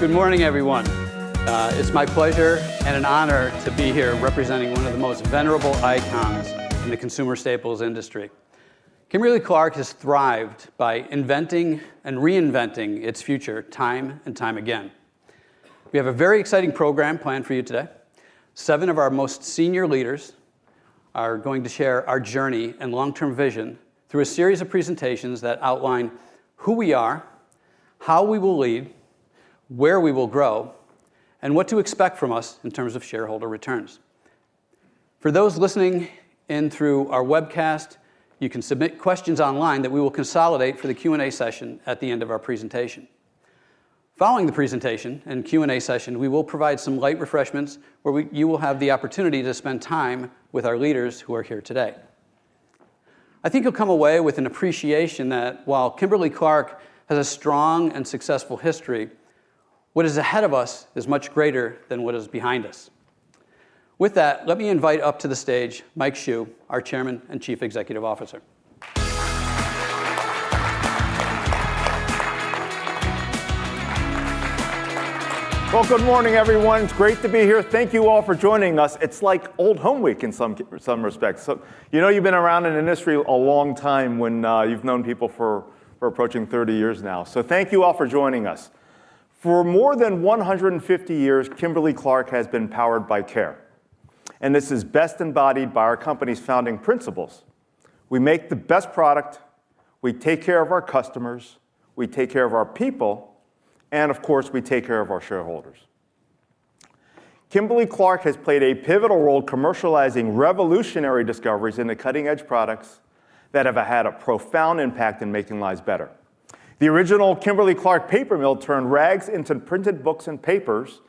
Good morning, everyone. It's my pleasure and an honor to be here representing one of the most venerable icons in the consumer staples industry. Kimberly-Clark has thrived by inventing and reinventing its future time and time again. We have a very exciting program planned for you today. Seven of our most senior leaders are going to share our journey and long-term vision through a series of presentations that outline who we are, how we will lead, where we will grow, and what to expect from us in terms of shareholder returns. For those listening in through our webcast, you can submit questions online that we will consolidate for the Q&A session at the end of our presentation. Following the presentation and Q&A session, we will provide some light refreshments where you will have the opportunity to spend time with our leaders who are here today. I think you'll come away with an appreciation that while Kimberly-Clark has a strong and successful history, what is ahead of us is much greater than what is behind us. With that, let me invite up to the stage Mike Hsu, our Chairman and Chief Executive Officer. Well, good morning, everyone. It's great to be here. Thank you all for joining us. It's like Old Home Week in some respects. You've been around in the industry a long time when you've known people for approaching 30 years now. So thank you all for joining us. For more than 150 years, Kimberly-Clark has been powered by care. And this is best embodied by our company's founding principles. We make the best product. We take care of our customers. We take care of our people. And, of course, we take care of our shareholders. Kimberly-Clark has played a pivotal role commercializing revolutionary discoveries into cutting-edge products that have had a profound impact in making lives better. The original Kimberly-Clark paper mill turned rags into printed books and papers.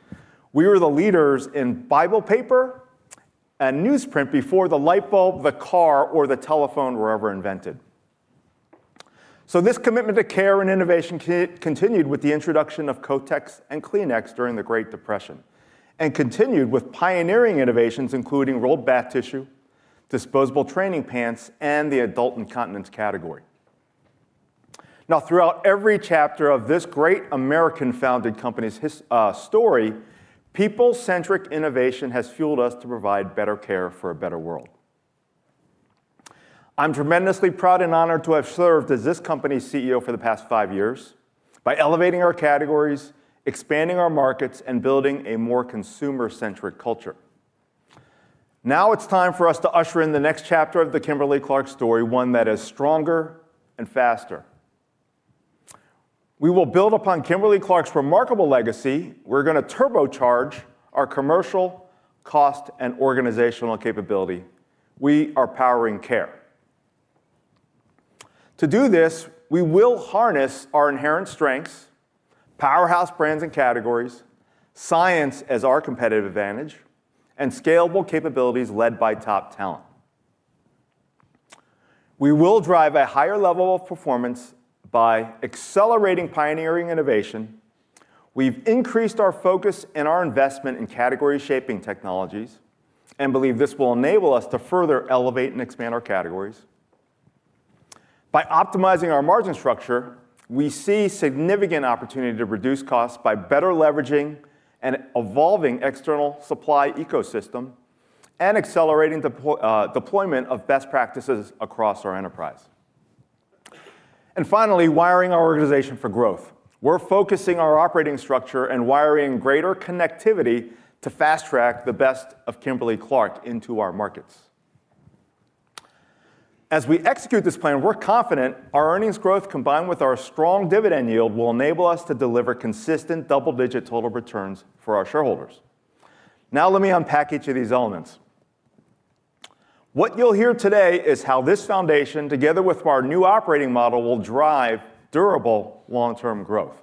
We were the leaders in Bible paper and newsprint before the light bulb, the car, or the telephone were ever invented. This commitment to care and innovation continued with the introduction of Kotex and Kleenex during the Great Depression, and continued with pioneering innovations including rolled bath tissue, disposable training pants, and the adult incontinence category. Now, throughout every chapter of this great American-founded company's story, people-centric innovation has fueled us to provide better care for a better world. I'm tremendously proud and honored to have served as this company's CEO for the past five years by elevating our categories, expanding our markets, and building a more consumer-centric culture. Now it's time for us to usher in the next chapter of the Kimberly-Clark story, one that is stronger and faster. We will build upon Kimberly-Clark's remarkable legacy. We're going to turbocharge our commercial, cost, and organizational capability. We are powering care. To do this, we will harness our inherent strengths, powerhouse brands and categories, science as our competitive advantage, and scalable capabilities led by top talent. We will drive a higher level of performance by accelerating pioneering innovation. We've increased our focus and our investment in category-shaping technologies, and believe this will enable us to further elevate and expand our categories. By optimizing our margin structure, we see significant opportunity to reduce costs by better leveraging an evolving external supply ecosystem and accelerating the deployment of best practices across our enterprise. And finally, wiring our organization for growth. We're focusing our operating structure and wiring greater connectivity to fast-track the best of Kimberly-Clark into our markets. As we execute this plan, we're confident our earnings growth, combined with our strong dividend yield, will enable us to deliver consistent double-digit total returns for our shareholders. Now let me unpack each of these elements. What you'll hear today is how this foundation, together with our new operating model, will drive durable long-term growth.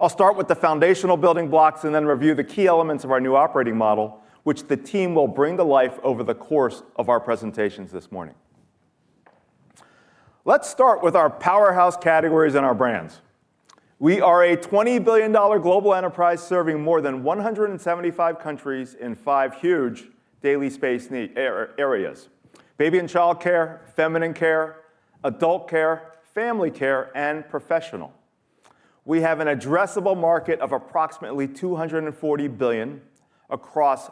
I'll start with the foundational building blocks and then review the key elements of our new operating model, which the team will bring to life over the course of our presentations this morning. Let's start with our powerhouse categories and our brands. We are a $20 billion global enterprise serving more than 175 countries in five huge daily space areas: baby and child care, feminine care, adult care, family care, and professional. We have an addressable market of approximately $240 billion across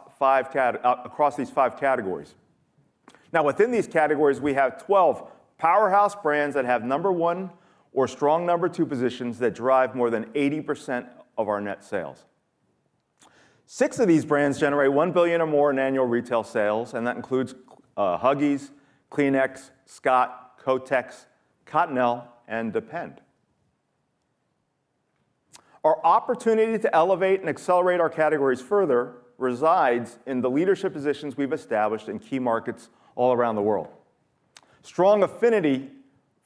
these five categories. Now, within these categories, we have 12 powerhouse brands that have number one or strong number two positions that drive more than 80% of our net sales. Six of these brands generate $1 billion or more in annual retail sales, and that includes Huggies, Kleenex, Scott, Kotex, Cottonelle, and Depend. Our opportunity to elevate and accelerate our categories further resides in the leadership positions we've established in key markets all around the world. Strong affinity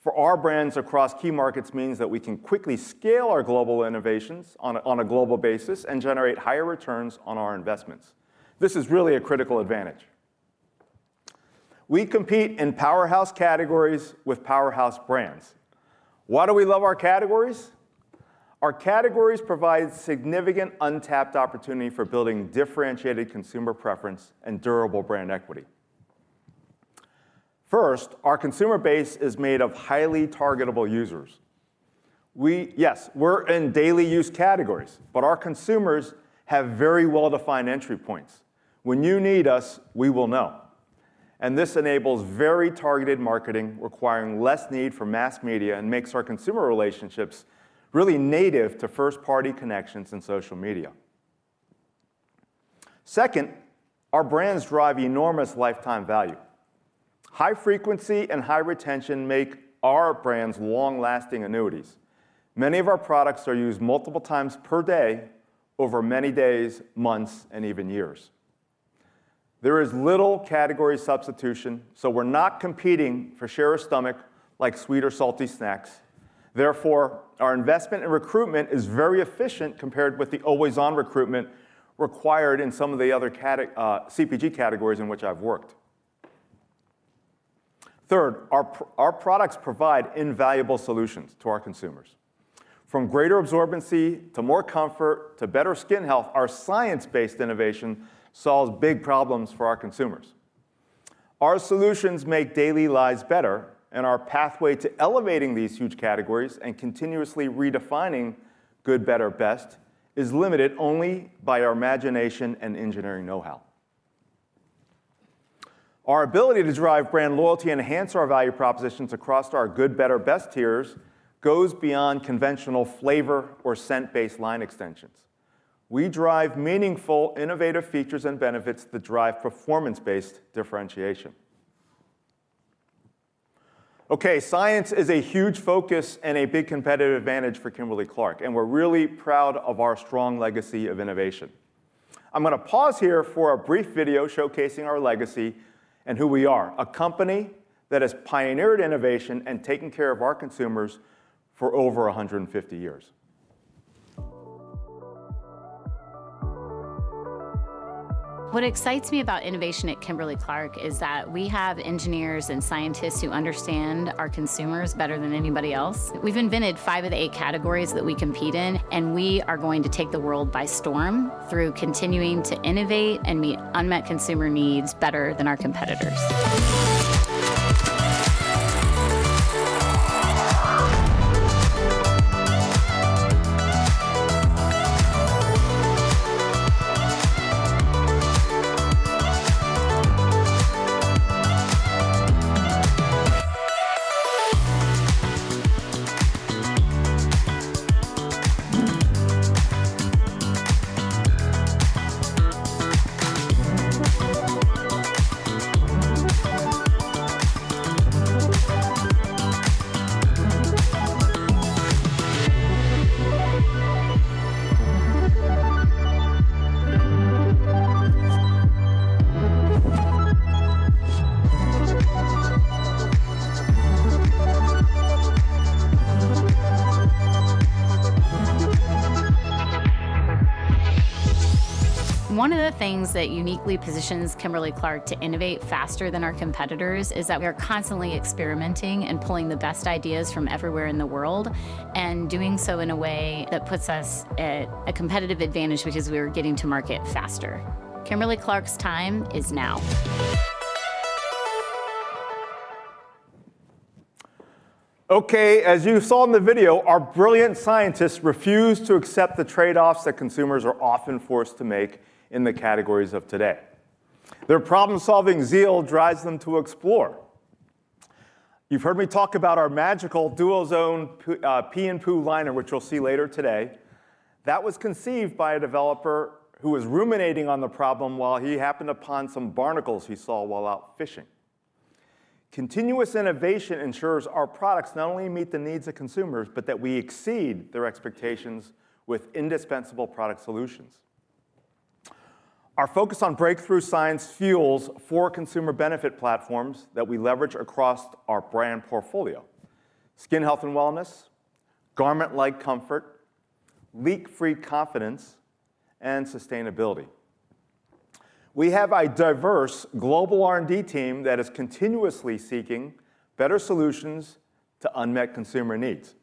for our brands across key markets means that we can quickly scale our global innovations on a global basis and generate higher returns on our investments. This is really a critical advantage. We compete in powerhouse categories with powerhouse brands. Why do we love our categories? Our categories provide significant untapped opportunity for building differentiated consumer preference and durable brand equity. First, our consumer base is made of highly targetable users. Yes, we're in daily-use categories, but our consumers have very well-defined entry points. When you need us, we will know. This enables very targeted marketing requiring less need for mass media and makes our consumer relationships really native to first-party connections and social media. Second, our brands drive enormous lifetime value. High frequency and high retention make our brands long-lasting annuities. Many of our products are used multiple times per day over many days, months, and even years. There is little category substitution, so we're not competing for share of stomach like sweet or salty snacks. Therefore, our investment in recruitment is very efficient compared with the always-on recruitment required in some of the other CPG categories in which I've worked. Third, our products provide invaluable solutions to our consumers. From greater absorbency to more comfort to better skin health, our science-based innovation solves big problems for our consumers. Our solutions make daily lives better, and our pathway to elevating these huge categories and continuously redefining good, better, best is limited only by our imagination and engineering know-how. Our ability to drive brand loyalty and enhance our value propositions across our good, better, best tiers goes beyond conventional flavor or scent-based line extensions. We drive meaningful, innovative features and benefits that drive performance-based differentiation. Okay, science is a huge focus and a big competitive advantage for Kimberly-Clark, and we're really proud of our strong legacy of innovation. I'm going to pause here for a brief video showcasing our legacy and who we are: a company that has pioneered innovation and taken care of our consumers for over 150 years. What excites me about innovation at Kimberly-Clark is that we have engineers and scientists who understand our consumers better than anybody else. We've invented five of the eight categories that we compete in, and we are going to take the world by storm through continuing to innovate and meet unmet consumer needs better than our competitors. One of the things that uniquely positions Kimberly-Clark to innovate faster than our competitors is that we are constantly experimenting and pulling the best ideas from everywhere in the world, and doing so in a way that puts us at a competitive advantage because we are getting to market faster. Kimberly-Clark's time is now. Okay, as you saw in the video, our brilliant scientists refuse to accept the trade-offs that consumers are often forced to make in the categories of today. Their problem-solving zeal drives them to explore. You've heard me talk about our magical dual-zone pee-and-poo liner, which you'll see later today. That was conceived by a developer who was ruminating on the problem while he happened upon some barnacles he saw while out fishing. Continuous innovation ensures our products not only meet the needs of consumers, but that we exceed their expectations with indispensable product solutions. Our focus on breakthrough science fuels four consumer benefit platforms that we leverage across our brand portfolio: skin health and wellness, garment-like comfort, leak-free confidence, and sustainability. We have a diverse global R&D team that is continuously seeking better solutions to unmet consumer needs.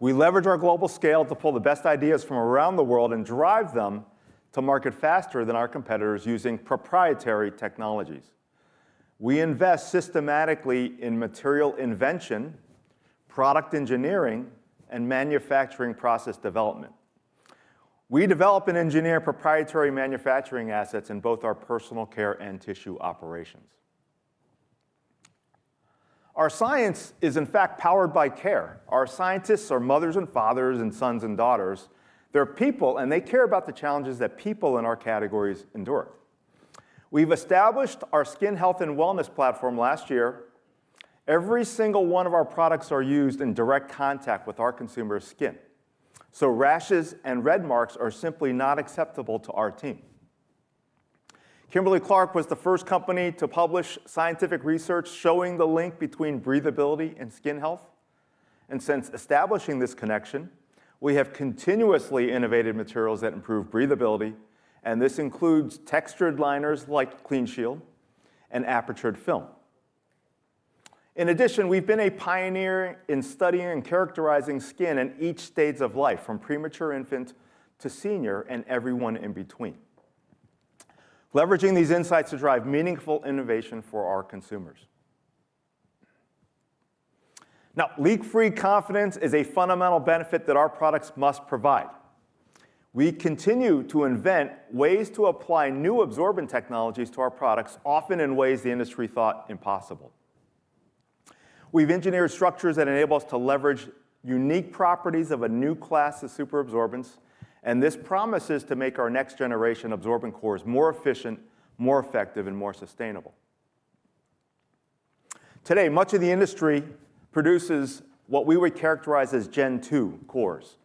We leverage our global scale to pull the best ideas from around the world and drive them to market faster than our competitors using proprietary technologies. We invest systematically in material invention, product engineering, and manufacturing process development. We develop and engineer proprietary manufacturing assets in both our personal care and tissue operations. Our science is, in fact, powered by care. Our scientists are mothers and fathers and sons and daughters. They're people, and they care about the challenges that people in our categories endure. We've established our skin health and wellness platform last year. Every single one of our products is used in direct contact with our consumers' skin, so rashes and red marks are simply not acceptable to our team. Kimberly-Clark was the first company to publish scientific research showing the link between breathability and skin health, and since establishing this connection, we have continuously innovated materials that improve breathability, and this includes textured liners like CleanShield and apertured film. In addition, we've been a pioneer in studying and characterizing skin in each stage of life, from premature infant to senior and everyone in between, leveraging these insights to drive meaningful innovation for our consumers. Now, leak-free confidence is a fundamental benefit that our products must provide. We continue to invent ways to apply new absorbent technologies to our products, often in ways the industry thought impossible. We've engineered structures that enable us to leverage unique properties of a new class of superabsorbents, and this promises to make our next generation absorbent cores more efficient, more effective, and more sustainable. Today, much of the industry produces what we would characterize as Gen II cores.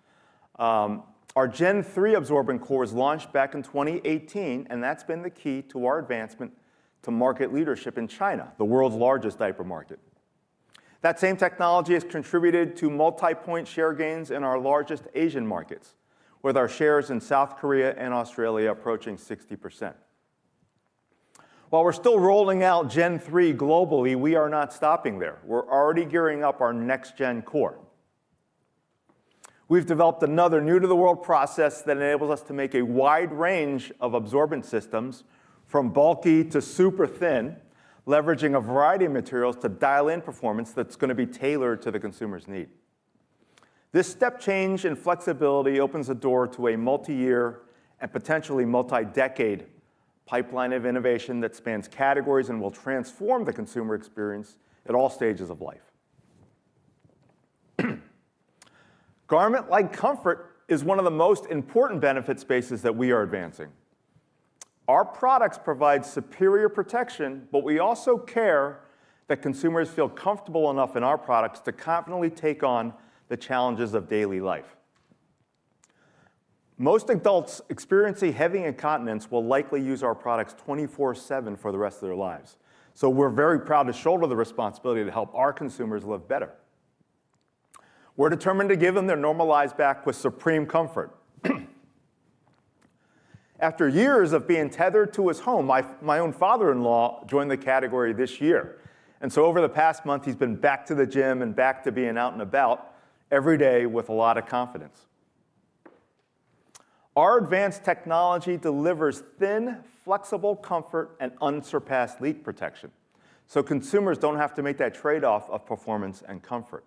Our Gen III absorbent cores launched back in 2018, and that's been the key to our advancement to market leadership in China, the world's largest diaper market. That same technology has contributed to multi-point share gains in our largest Asian markets, with our shares in South Korea and Australia approaching 60%. While we're still rolling out Gen III globally, we are not stopping there. We're already gearing up our next-gen core. We've developed another new-to-the-world process that enables us to make a wide range of absorbent systems, from bulky to super-thin, leveraging a variety of materials to dial in performance that's going to be tailored to the consumer's need. This step change in flexibility opens the door to a multi-year and potentially multi-decade pipeline of innovation that spans categories and will transform the consumer experience at all stages of life. Garment-like comfort is one of the most important benefit spaces that we are advancing. Our products provide superior protection, but we also care that consumers feel comfortable enough in our products to confidently take on the challenges of daily life. Most adults experiencing heavy incontinence will likely use our products 24/7 for the rest of their lives, so we're very proud to shoulder the responsibility to help our consumers live better. We're determined to give them their normal lives back with supreme comfort. After years of being tethered to his home, my own father-in-law joined the category this year, and so over the past month, he's been back to the gym and back to being out and about every day with a lot of confidence. Our advanced technology delivers thin, flexible comfort and unsurpassed leak protection, so consumers don't have to make that trade-off of performance and comfort.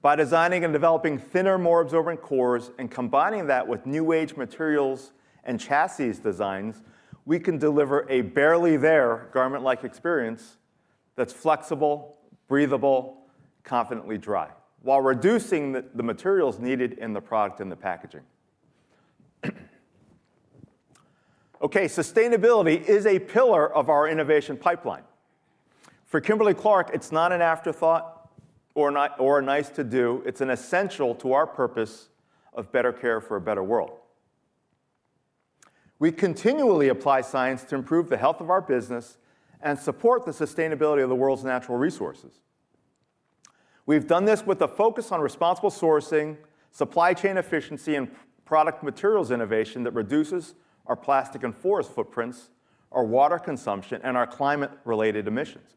By designing and developing thinner, more absorbent cores and combining that with new-age materials and chassis designs, we can deliver a barely-there garment-like experience that's flexible, breathable, confidently dry, while reducing the materials needed in the product and the packaging. Okay, sustainability is a pillar of our innovation pipeline. For Kimberly-Clark, it's not an afterthought or a nice-to-do. It's an essential to our purpose of better care for a better world. We continually apply science to improve the health of our business and support the sustainability of the world's natural resources. We've done this with a focus on responsible sourcing, supply chain efficiency, and product materials innovation that reduces our plastic and forest footprints, our water consumption, and our climate-related emissions.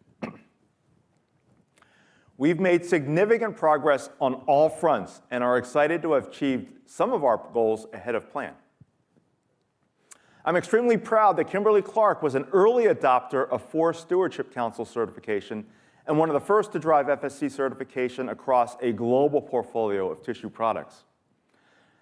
We've made significant progress on all fronts and are excited to have achieved some of our goals ahead of plan. I'm extremely proud that Kimberly-Clark was an early adopter of Forest Stewardship Council certification and one of the first to drive FSC certification across a global portfolio of tissue products.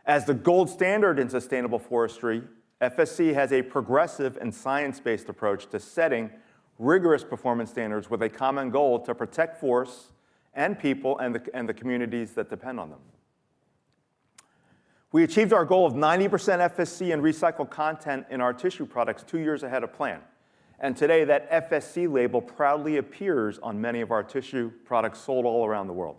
As the gold standard in sustainable forestry, FSC has a progressive and science-based approach to setting rigorous performance standards with a common goal to protect forests and people and the communities that depend on them. We achieved our goal of 90% FSC in recycled content in our tissue products two years ahead of plan, and today that FSC label proudly appears on many of our tissue products sold all around the world.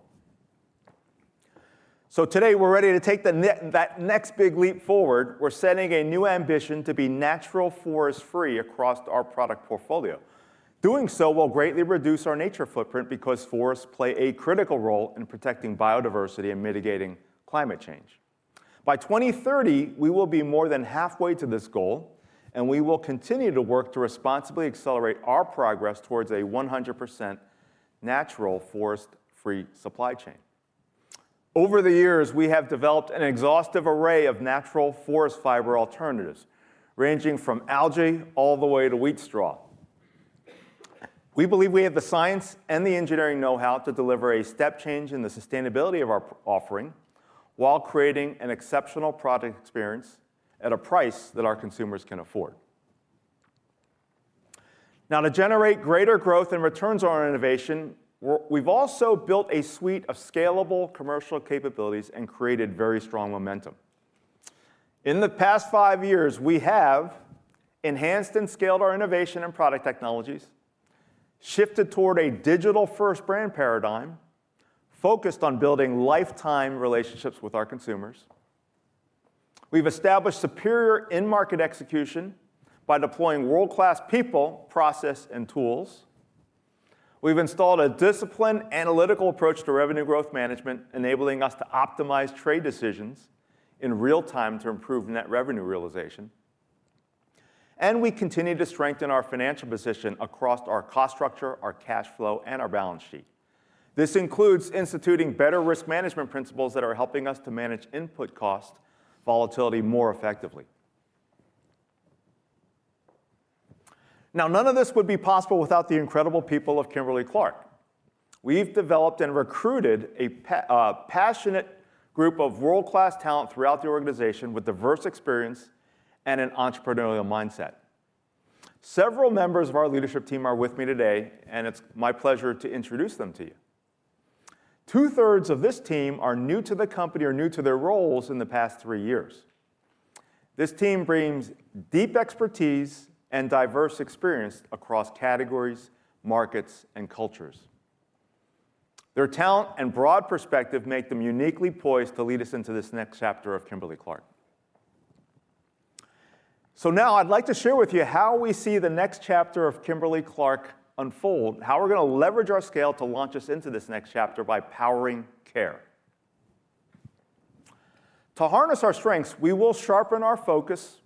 Today, we're ready to take that next big leap forward. We're setting a new ambition to be natural forest-free across our product portfolio. Doing so will greatly reduce our nature footprint because forests play a critical role in protecting biodiversity and mitigating climate change. By 2030, we will be more than halfway to this goal, and we will continue to work to responsibly accelerate our progress towards a 100% natural forest-free supply chain. Over the years, we have developed an exhaustive array of natural forest fiber alternatives, ranging from algae all the way to wheat straw. We believe we have the science and the engineering know-how to deliver a step change in the sustainability of our offering while creating an exceptional product experience at a price that our consumers can afford. Now, to generate greater growth and returns on our innovation, we've also built a suite of scalable commercial capabilities and created very strong momentum. In the past five years, we have enhanced and scaled our innovation and product technologies, shifted toward a digital-first brand paradigm, focused on building lifetime relationships with our consumers. We've established superior in-market execution by deploying world-class people, process, and tools. We've installed a disciplined, analytical approach to revenue growth management, enabling us to optimize trade decisions in real time to improve net revenue realization, and we continue to strengthen our financial position across our cost structure, our cash flow, and our balance sheet. This includes instituting better risk management principles that are helping us to manage input cost volatility more effectively. Now, none of this would be possible without the incredible people of Kimberly-Clark. We've developed and recruited a passionate group of world-class talent throughout the organization with diverse experience and an entrepreneurial mindset. Several members of our leadership team are with me today, and it's my pleasure to introduce them to you. Two-thirds of this team are new to the company or new to their roles in the past three years. This team brings deep expertise and diverse experience across categories, markets, and cultures. Their talent and broad perspective make them uniquely poised to lead us into this next chapter of Kimberly-Clark. So now, I'd like to share with you how we see the next chapter of Kimberly-Clark unfold, how we're going to leverage our scale to launch us into this next chapter by powering care. To harness our strengths, we will sharpen our focus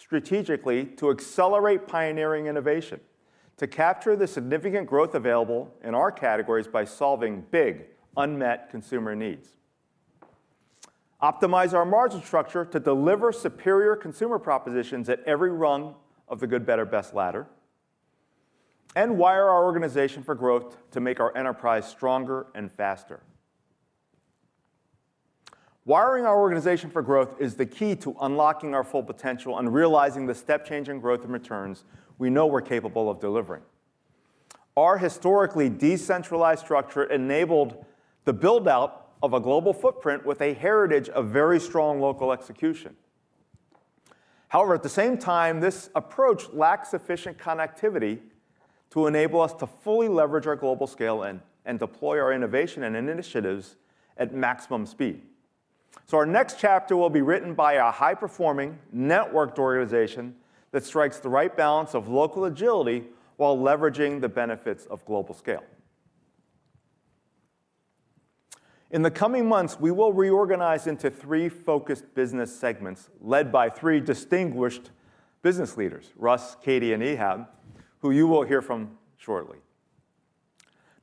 strategically to accelerate pioneering innovation, to capture the significant growth available in our categories by solving big, unmet consumer needs, optimize our margin structure to deliver superior consumer propositions at every rung of the good, better, best ladder, and wire our organization for growth to make our enterprise stronger and faster. Wiring our organization for growth is the key to unlocking our full potential and realizing the step change in growth and returns we know we're capable of delivering. Our historically decentralized structure enabled the build-out of a global footprint with a heritage of very strong local execution. However, at the same time, this approach lacks sufficient connectivity to enable us to fully leverage our global scale and deploy our innovation and initiatives at maximum speed. So our next chapter will be written by a high-performing, networked organization that strikes the right balance of local agility while leveraging the benefits of global scale. In the coming months, we will reorganize into three focused business segments led by three distinguished business leaders, Russ, Katy, and Ehab, who you will hear from shortly.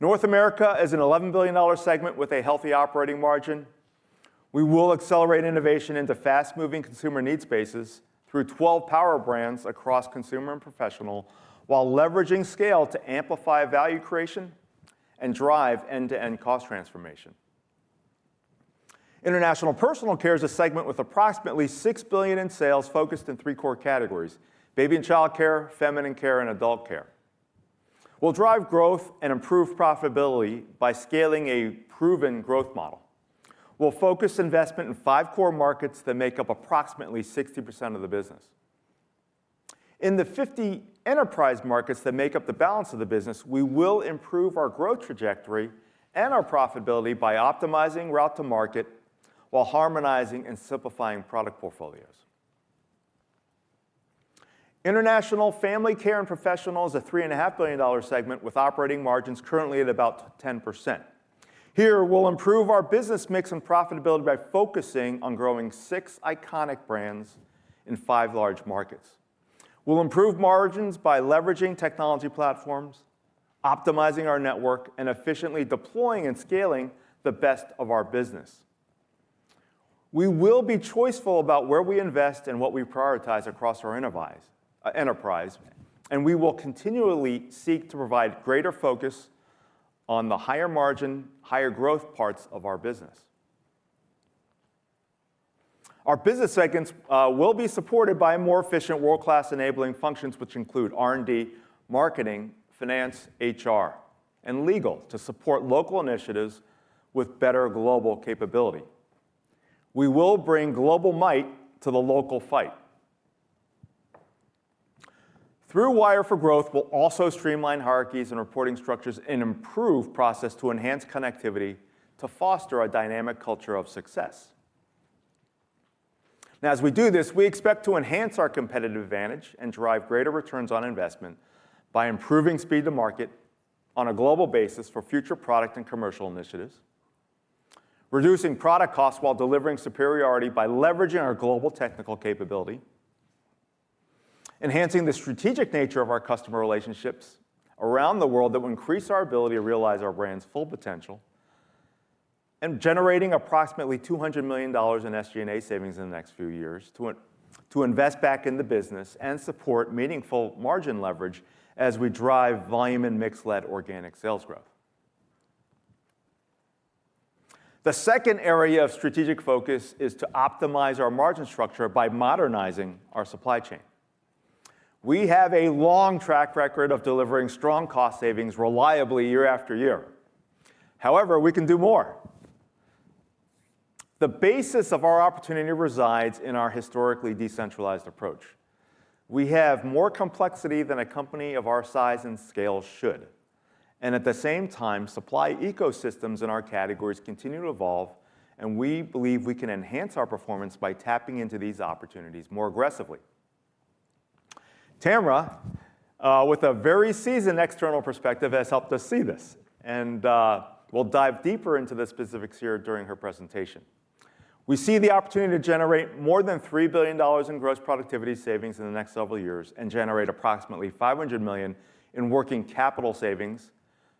North America is an $11 billion segment with a healthy operating margin. We will accelerate innovation into fast-moving consumer needs spaces through 12 power brands across consumer and professional while leveraging scale to amplify value creation and drive end-to-end cost transformation. International Personal Care is a segment with approximately $6 billion in sales focused in three core categories: baby and child care, feminine care, and adult care. We'll drive growth and improve profitability by scaling a proven growth model. We'll focus investment in 5 core markets that make up approximately 60% of the business. In the 50 Enterprise Markets that make up the balance of the business, we will improve our growth trajectory and our profitability by optimizing route to market while harmonizing and simplifying product portfolios. International Family Care and Professional is a $3.5 billion segment with operating margins currently at about 10%. Here, we'll improve our business mix and profitability by focusing on growing 6 iconic brands in 5 large markets. We'll improve margins by leveraging technology platforms, optimizing our network, and efficiently deploying and scaling the best of our business. We will be choiceful about where we invest and what we prioritize across our enterprise, and we will continually seek to provide greater focus on the higher margin, higher growth parts of our business. Our business segments will be supported by more efficient, world-class enabling functions which include R&D, marketing, finance, HR, and legal to support local initiatives with better global capability. We will bring global might to the local fight. Through our drive for growth, we'll also streamline hierarchies and reporting structures and improve processes to enhance connectivity to foster a dynamic culture of success. Now, as we do this, we expect to enhance our competitive advantage and drive greater returns on investment by improving speed to market on a global basis for future product and commercial initiatives, reducing product costs while delivering superiority by leveraging our global technical capability, enhancing the strategic nature of our customer relationships around the world that will increase our ability to realize our brand's full potential, and generating approximately $200 million in SG&A savings in the next few years to invest back in the business and support meaningful margin leverage as we drive volume and mix-led organic sales growth. The second area of strategic focus is to optimize our margin structure by modernizing our supply chain. We have a long track record of delivering strong cost savings reliably year after year. However, we can do more. The basis of our opportunity resides in our historically decentralized approach. We have more complexity than a company of our size and scale should, and at the same time, supply ecosystems in our categories continue to evolve, and we believe we can enhance our performance by tapping into these opportunities more aggressively. Tamera, with a very seasoned external perspective, has helped us see this, and we'll dive deeper into the specifics here during her presentation. We see the opportunity to generate more than $3 billion in gross productivity savings in the next several years and generate approximately $500 million in working capital savings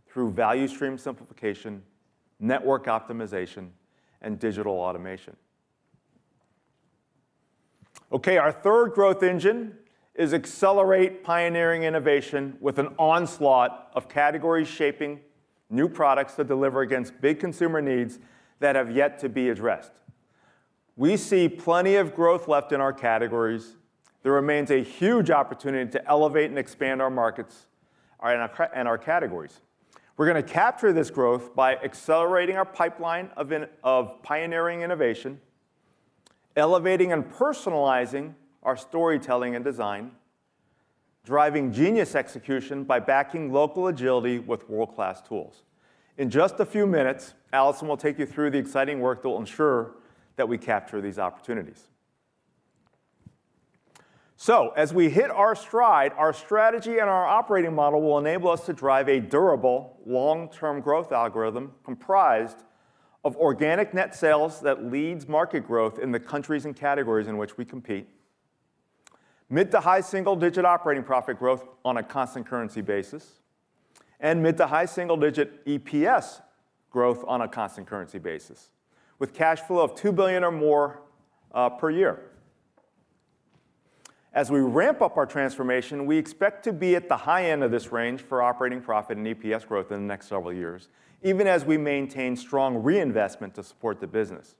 through value stream simplification, network optimization, and digital automation. Okay, our third growth engine is accelerate pioneering innovation with an onslaught of category-shaping new products that deliver against big consumer needs that have yet to be addressed. We see plenty of growth left in our categories. There remains a huge opportunity to elevate and expand our markets and our categories. We're going to capture this growth by accelerating our pipeline of pioneering innovation, elevating and personalizing our storytelling and design, driving genius execution by backing local agility with world-class tools. In just a few minutes, Alison will take you through the exciting work that will ensure that we capture these opportunities. So as we hit our stride, our strategy and our operating model will enable us to drive a durable, long-term growth algorithm comprised of organic net sales that leads market growth in the countries and categories in which we compete, mid- to high-single-digit operating profit growth on a constant currency basis, and mid- to high-single-digit EPS growth on a constant currency basis with cash flow of $2 billion or more per year. As we ramp up our transformation, we expect to be at the high end of this range for operating profit and EPS growth in the next several years, even as we maintain strong reinvestment to support the business.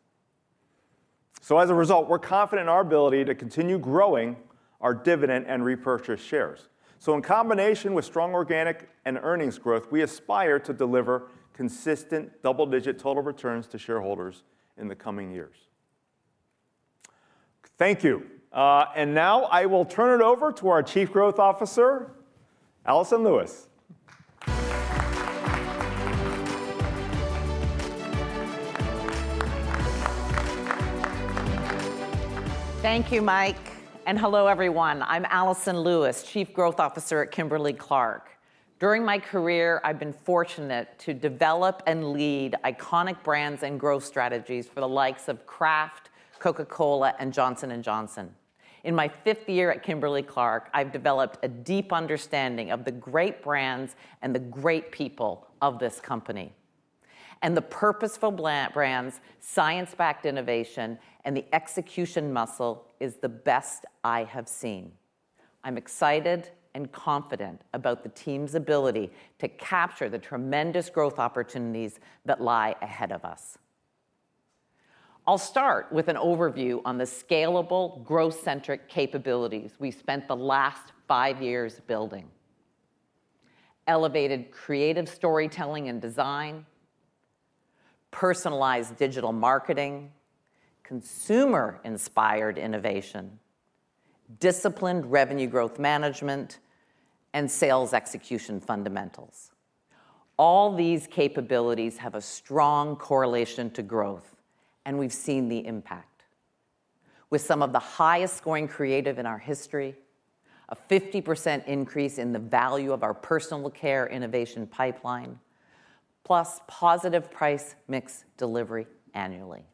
So as a result, we're confident in our ability to continue growing our dividend and repurchase shares. So in combination with strong organic and earnings growth, we aspire to deliver consistent double-digit total returns to shareholders in the coming years. Thank you. And now, I will turn it over to our Chief Growth Officer, Alison Lewis. Thank you, Mike, and hello, everyone. I'm Alison Lewis, Chief Growth Officer at Kimberly-Clark. During my career, I've been fortunate to develop and lead iconic brands and growth strategies for the likes of Kraft, Coca-Cola, and Johnson & Johnson. In my fifth year at Kimberly-Clark, I've developed a deep understanding of the great brands and the great people of this company. The purposeful brands, science-backed innovation, and the execution muscle is the best I have seen. I'm excited and confident about the team's ability to capture the tremendous growth opportunities that lie ahead of us. I'll start with an overview on the scalable, growth-centric capabilities we spent the last five years building: elevated creative storytelling and design, personalized digital marketing, consumer-inspired innovation, disciplined revenue growth management, and sales execution fundamentals. All these capabilities have a strong correlation to growth, and we've seen the impact, with some of the highest-scoring creative in our history, a 50% increase in the value of our personal care innovation pipeline, plus positive price mix delivery annually.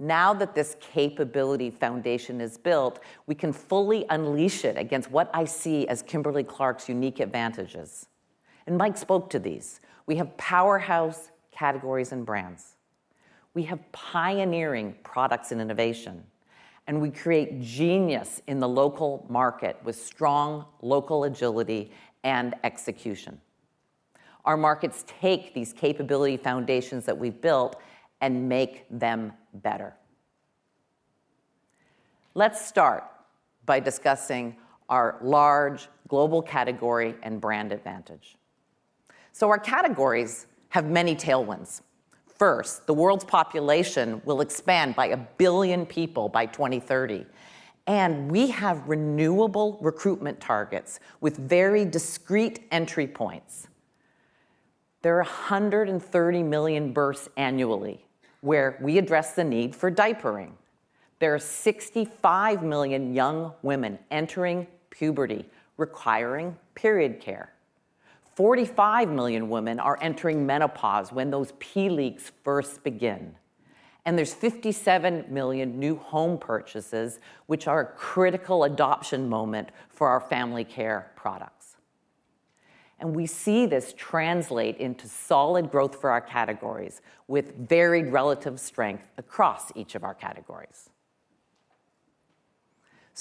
Now that this capability foundation is built, we can fully unleash it against what I see as Kimberly-Clark's unique advantages. Mike spoke to these. We have powerhouse categories and brands. We have pioneering products and innovation, and we create genius in the local market with strong local agility and execution. Our markets take these capability foundations that we've built and make them better. Let's start by discussing our large global category and brand advantage. Our categories have many tailwinds. First, the world's population will expand by 1 billion people by 2030, and we have renewable recruitment targets with very discrete entry points. There are 130 million births annually where we address the need for diapering. There are 65 million young women entering puberty requiring period care. 45 million women are entering menopause when those pee leaks first begin. There's 57 million new home purchases, which are a critical adoption moment for our family care products. We see this translate into solid growth for our categories with varied relative strength across each of our categories.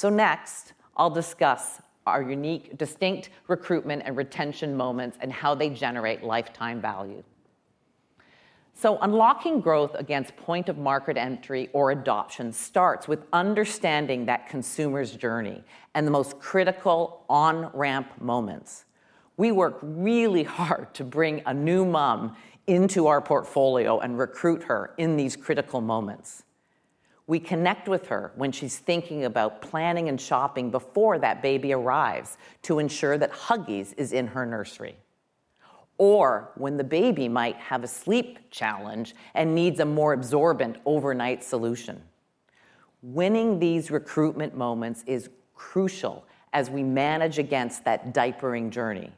Next, I'll discuss our unique, distinct recruitment and retention moments and how they generate lifetime value. Unlocking growth against point of market entry or adoption starts with understanding that consumer's journey and the most critical on-ramp moments. We work really hard to bring a new mom into our portfolio and recruit her in these critical moments. We connect with her when she's thinking about planning and shopping before that baby arrives to ensure that Huggies is in her nursery, or when the baby might have a sleep challenge and needs a more absorbent overnight solution. Winning these recruitment moments is crucial as we manage against that diapering journey.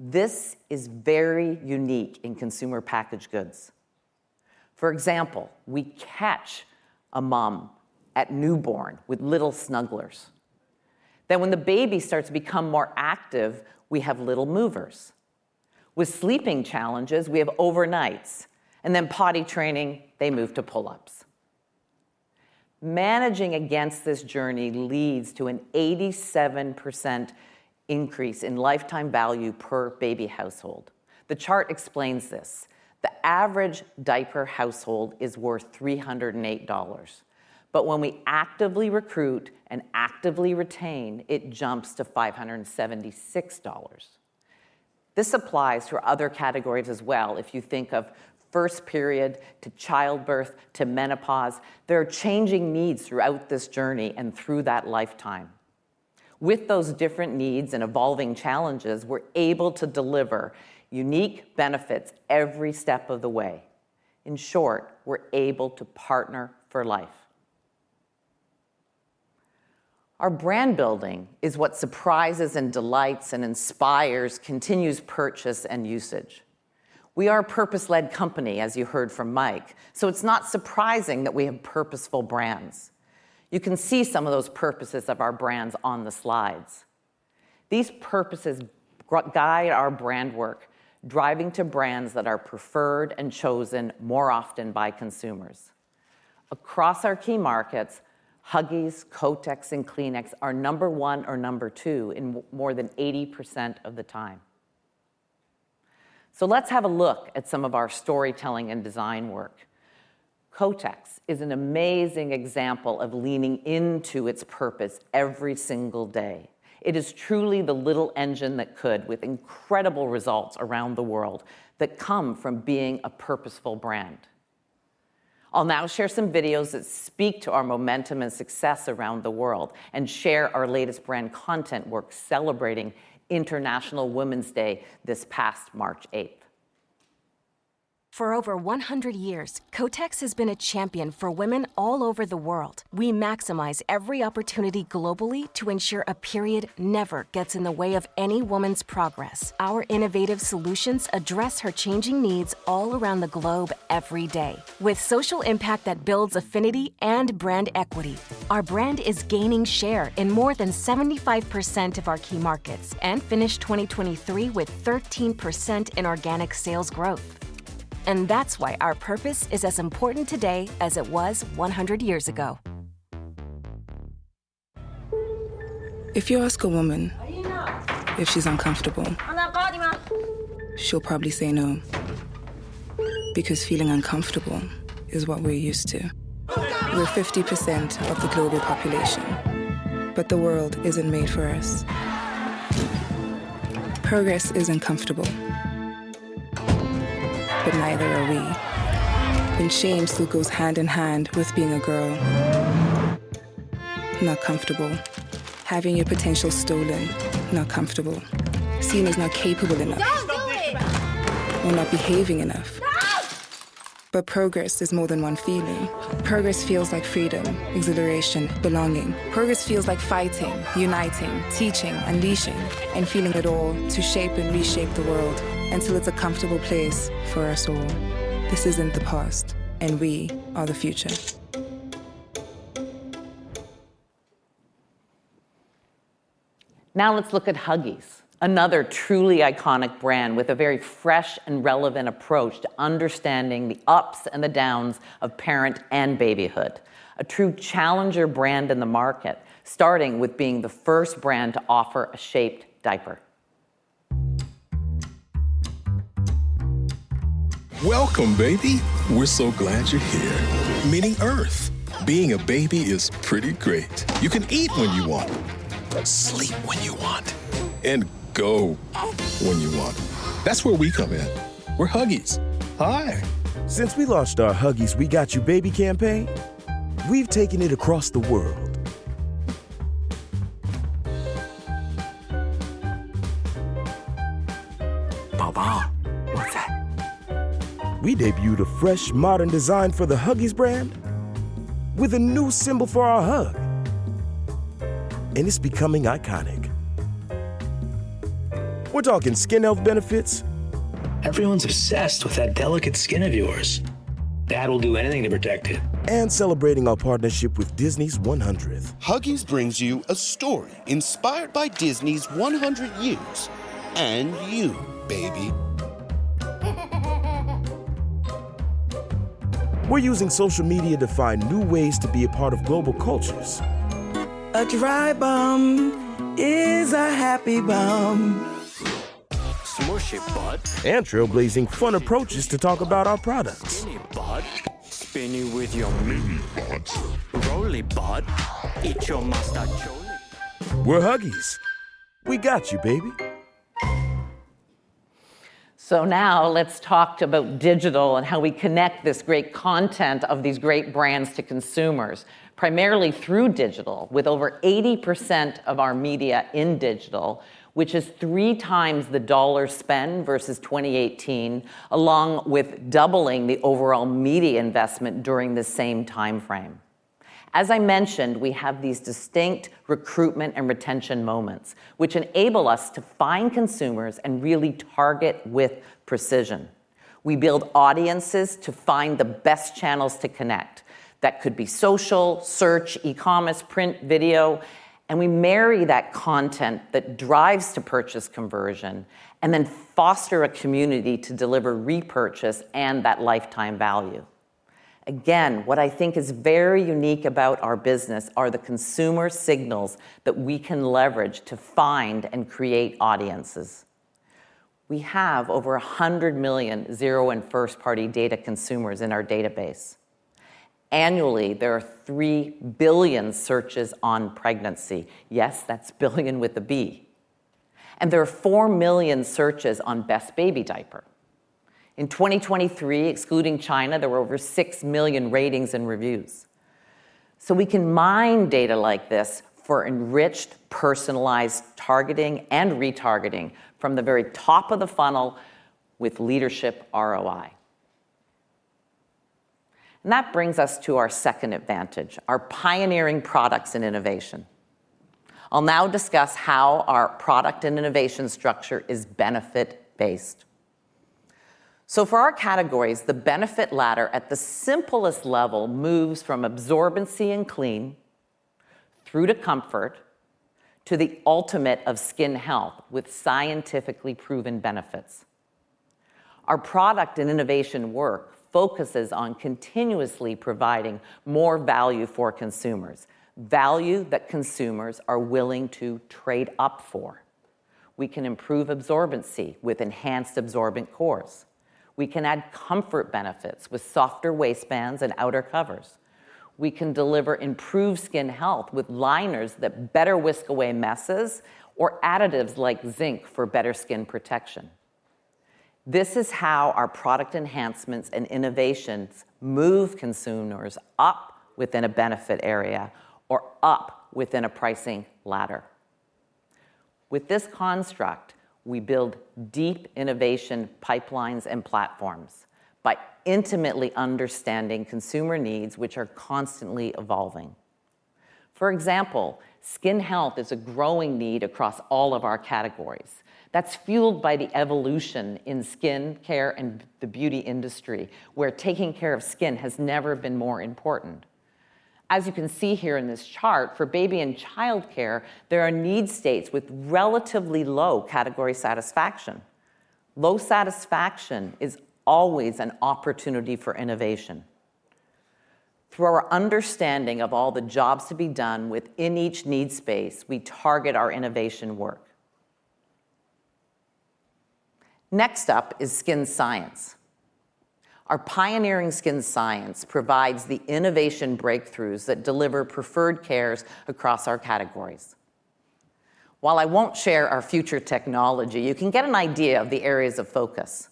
This is very unique in consumer packaged goods. For example, we catch a mom at newborn with Little Snugglers. Then when the baby starts to become more active, we have Little Movers. With sleeping challenges, we have Goodnites, and then potty training, they move to Pull-Ups. Managing against this journey leads to an 87% increase in lifetime value per baby household. The chart explains this. The average diaper household is worth $308, but when we actively recruit and actively retain, it jumps to $576. This applies to other categories as well. If you think of first period to childbirth to menopause, there are changing needs throughout this journey and through that lifetime. With those different needs and evolving challenges, we're able to deliver unique benefits every step of the way. In short, we're able to partner for life. Our brand building is what surprises and delights and inspires continuous purchase and usage. We are a purpose-led company, as you heard from Mike, so it's not surprising that we have purposeful brands. You can see some of those purposes of our brands on the slides. These purposes guide our brand work, driving to brands that are preferred and chosen more often by consumers. Across our key markets, Huggies, Kotex, and Kleenex are number one or number two in more than 80% of the time. So let's have a look at some of our storytelling and design work. Kotex is an amazing example of leaning into its purpose every single day. It is truly the little engine that could, with incredible results around the world that come from being a purposeful brand. I'll now share some videos that speak to our momentum and success around the world and share our latest brand content work celebrating International Women's Day this past March 8th. For over 100 years, Kotex has been a champion for women all over the world. We maximize every opportunity globally to ensure a period never gets in the way of any woman's progress. Our innovative solutions address her changing needs all around the globe every day. With social impact that builds affinity and brand equity, our brand is gaining share in more than 75% of our key markets and finished 2023 with 13% in organic sales growth. That's why our purpose is as important today as it was 100 years ago. If you ask a woman if she's uncomfortable, she'll probably say no, because feeling uncomfortable is what we're used to. We're 50% of the global population, but the world isn't made for us. Progress isn't comfortable, but neither are we. And shame still goes hand in hand with being a girl. Not comfortable. Having your potential stolen. Not comfortable. Seen as not capable enough. Don't do it! Or not behaving enough. No! But progress is more than one feeling. Progress feels like freedom, exhilaration, belonging. Progress feels like fighting, uniting, teaching, unleashing, and feeling it all to shape and reshape the world until it's a comfortable place for us all. This isn't the past, and we are the future. Now let's look at Huggies, another truly iconic brand with a very fresh and relevant approach to understanding the ups and the downs of parent and babyhood, a true challenger brand in the market, starting with being the first brand to offer a shaped diaper. Welcome, baby. We're so glad you're here. Meaning Earth. Being a baby is pretty great. You can eat when you want, sleep when you want, and go when you want. That's where we come in. We're Huggies. Hi. Since we launched our Huggies We Got You Baby campaign, we've taken it across the world. We debuted a fresh, modern design for the Huggies brand with a new symbol for our hug, and it's becoming iconic. We're talking skin health benefits. Everyone's obsessed with that delicate skin of yours. Dad will do anything to protect it. Celebrating our partnership with Disney's 100th. Huggies brings you a story inspired by Disney's 100 years and you, baby. We're using social media to find new ways to be a part of global cultures. A dry bum is a happy bum. Smush it, bud. Trailblazing fun approaches to talk about our products. Spin it, bud. Spin it with your mini butt. Roll it, bud. Eat your mostaccioli. We're Huggies. We got you, baby. Now let's talk about digital and how we connect this great content of these great brands to consumers, primarily through digital, with over 80% of our media in digital, which is 3 times the dollar spend versus 2018, along with doubling the overall media investment during the same time frame. As I mentioned, we have these distinct recruitment and retention moments which enable us to find consumers and really target with precision. We build audiences to find the best channels to connect. That could be social, search, e-commerce, print, video, and we marry that content that drives to purchase conversion and then foster a community to deliver repurchase and that lifetime value. Again, what I think is very unique about our business are the consumer signals that we can leverage to find and create audiences. We have over 100 million zero and first-party data consumers in our database. Annually, there are 3 billion searches on pregnancy. Yes, that's billion with a B. There are 4 million searches on best baby diaper. In 2023, excluding China, there were over 6 million ratings and reviews. We can mine data like this for enriched, personalized targeting and retargeting from the very top of the funnel with leadership ROI. That brings us to our second advantage, our pioneering products and innovation. I'll now discuss how our product and innovation structure is benefit-based. For our categories, the benefit ladder at the simplest level moves from absorbency and clean through to comfort to the ultimate of skin health with scientifically proven benefits. Our product and innovation work focuses on continuously providing more value for consumers, value that consumers are willing to trade up for. We can improve absorbency with enhanced absorbent cores. We can add comfort benefits with softer waistbands and outer covers. We can deliver improved skin health with liners that better whisk away messes or additives like zinc for better skin protection. This is how our product enhancements and innovations move consumers up within a benefit area or up within a pricing ladder. With this construct, we build deep innovation pipelines and platforms by intimately understanding consumer needs, which are constantly evolving. For example, skin health is a growing need across all of our categories. That's fueled by the evolution in skin care and the beauty industry, where taking care of skin has never been more important. As you can see here in this chart, for baby and childcare, there are need states with relatively low category satisfaction. Low satisfaction is always an opportunity for innovation. Through our understanding of all the jobs to be done within each need space, we target our innovation work. Next up is skin science. Our pioneering skin science provides the innovation breakthroughs that deliver preferred cares across our categories. While I won't share our future technology, you can get an idea of the areas of focus,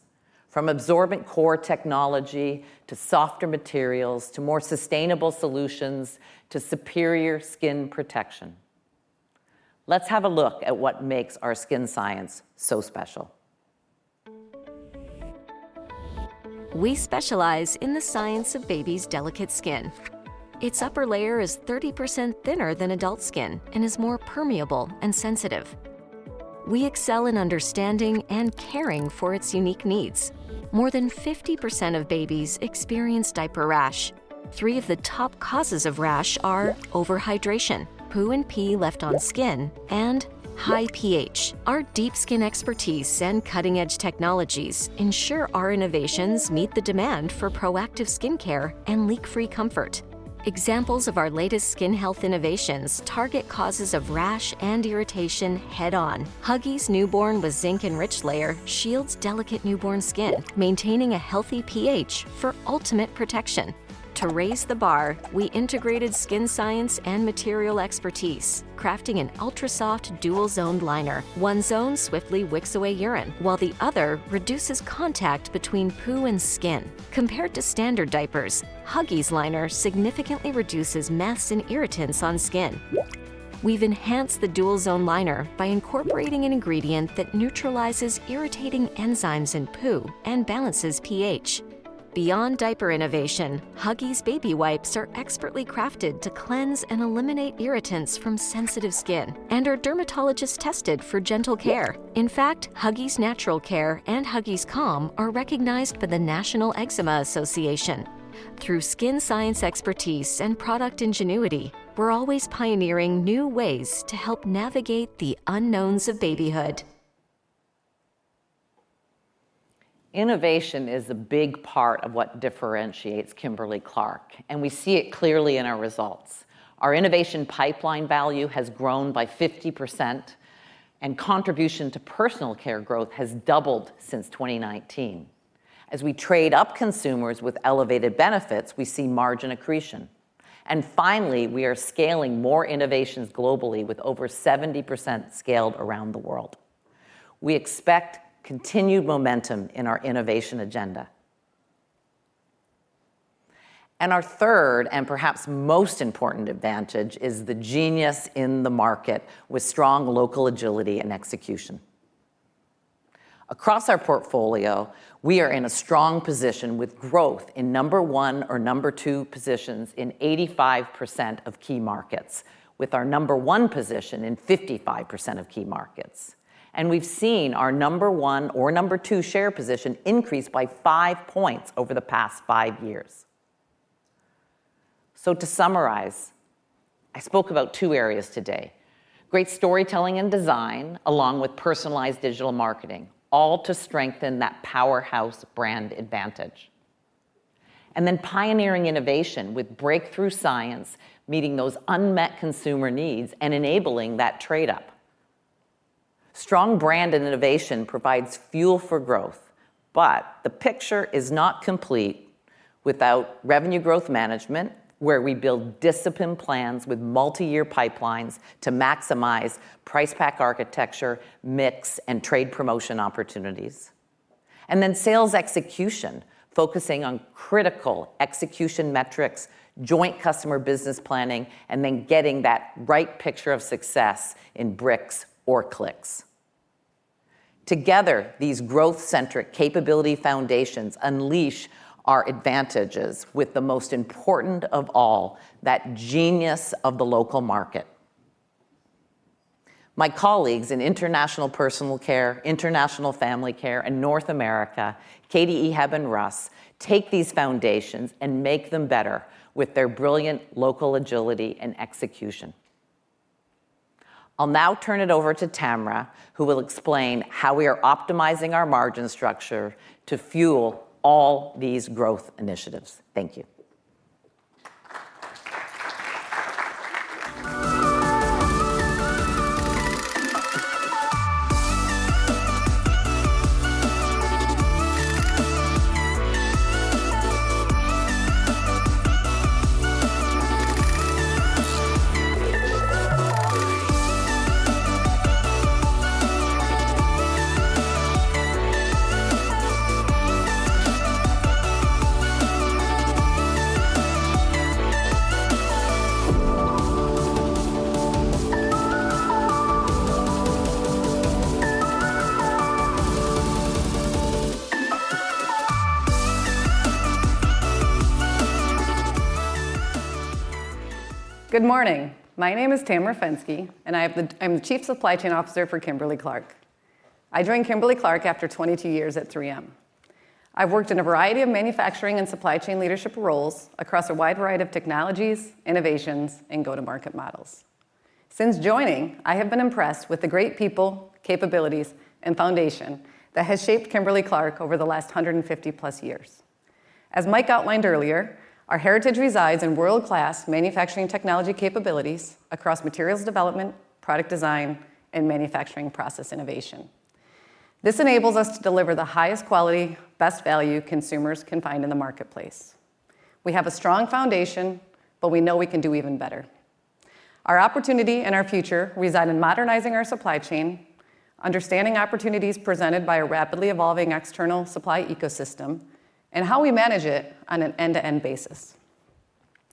from absorbent core technology to softer materials to more sustainable solutions to superior skin protection. Let's have a look at what makes our skin science so special. We specialize in the science of babies' delicate skin. Its upper layer is 30% thinner than adult skin and is more permeable and sensitive. We excel in understanding and caring for its unique needs. More than 50% of babies experience diaper rash. Three of the top causes of rash are overhydration, poo and pee left on skin, and high pH. Our deep skin expertise and cutting-edge technologies ensure our innovations meet the demand for proactive skincare and leak-free comfort. Examples of our latest skin health innovations target causes of rash and irritation head-on. Huggies' newborn with zinc-enriched layer shields delicate newborn skin, maintaining a healthy pH for ultimate protection. To raise the bar, we integrated skin science and material expertise, crafting an ultra-soft dual-zoned liner. One zone swiftly wicks away urine, while the other reduces contact between poo and skin. Compared to standard diapers, Huggies' liner significantly reduces mess and irritants on skin. We've enhanced the Dual-Zone Liner by incorporating an ingredient that neutralizes irritating enzymes in poo and balances pH. Beyond diaper innovation, Huggies' baby wipes are expertly crafted to cleanse and eliminate irritants from sensitive skin and are dermatologist-tested for gentle care. In fact, Huggies Natural Care and Huggies Calm are recognized by the National Eczema Association. Through skin science expertise and product ingenuity, we're always pioneering new ways to help navigate the unknowns of babyhood. Innovation is a big part of what differentiates Kimberly-Clark, and we see it clearly in our results. Our innovation pipeline value has grown by 50%, and contribution to personal care growth has doubled since 2019. As we trade up consumers with elevated benefits, we see margin accretion. Finally, we are scaling more innovations globally, with over 70% scaled around the world. We expect continued momentum in our innovation agenda. Our third and perhaps most important advantage is the genius in the market with strong local agility and execution. Across our portfolio, we are in a strong position with growth in number one or number two positions in 85% of key markets, with our number one position in 55% of key markets. We've seen our number one or number two share position increase by five points over the past five years. To summarize, I spoke about two areas today: great storytelling and design, along with personalized digital marketing, all to strengthen that powerhouse brand advantage. Pioneering innovation with breakthrough science meeting those unmet consumer needs and enabling that trade-up. Strong brand and innovation provides fuel for growth, but the picture is not complete without revenue growth management, where we build discipline plans with multi-year pipelines to maximize price pack architecture, mix, and trade promotion opportunities. Sales execution, focusing on critical execution metrics, joint customer business planning, and then getting that right picture of success in bricks or clicks. Together, these growth-centric capability foundations unleash our advantages, with the most important of all, that genius of the local market. My colleagues in international personal care, international family care, and North America, Katy Chen. Russ, take these foundations and make them better with their brilliant local agility and execution. I'll now turn it over to Tamera, who will explain how we are optimizing our margin structure to fuel all these growth initiatives. Thank you. Good morning. My name is Tamera Fenske, and I'm the Chief Supply Chain Officer for Kimberly-Clark. I joined Kimberly-Clark after 22 years at 3M. I've worked in a variety of manufacturing and supply chain leadership roles across a wide variety of technologies, innovations, and go-to-market models. Since joining, I have been impressed with the great people, capabilities, and foundation that has shaped Kimberly-Clark over the last 150+ years. As Mike outlined earlier, our heritage resides in world-class manufacturing technology capabilities across materials development, product design, and manufacturing process innovation. This enables us to deliver the highest quality, best value consumers can find in the marketplace. We have a strong foundation, but we know we can do even better. Our opportunity and our future reside in modernizing our supply chain, understanding opportunities presented by a rapidly evolving external supply ecosystem, and how we manage it on an end-to-end basis.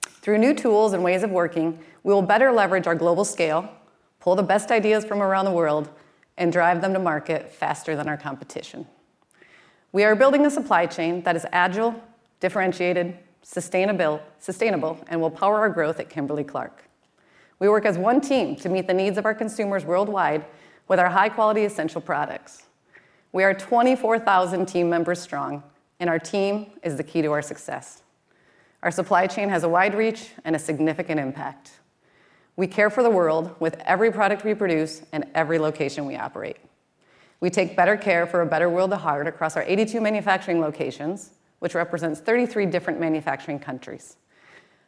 Through new tools and ways of working, we will better leverage our global scale, pull the best ideas from around the world, and drive them to market faster than our competition. We are building a supply chain that is agile, differentiated, sustainable, and will power our growth at Kimberly-Clark. We work as one team to meet the needs of our consumers worldwide with our high-quality essential products. We are 24,000 team members strong, and our team is the key to our success. Our supply chain has a wide reach and a significant impact. We care for the world with every product we produce and every location we operate. We take better care for a better world to heart across our 82 manufacturing locations, which represents 33 different manufacturing countries.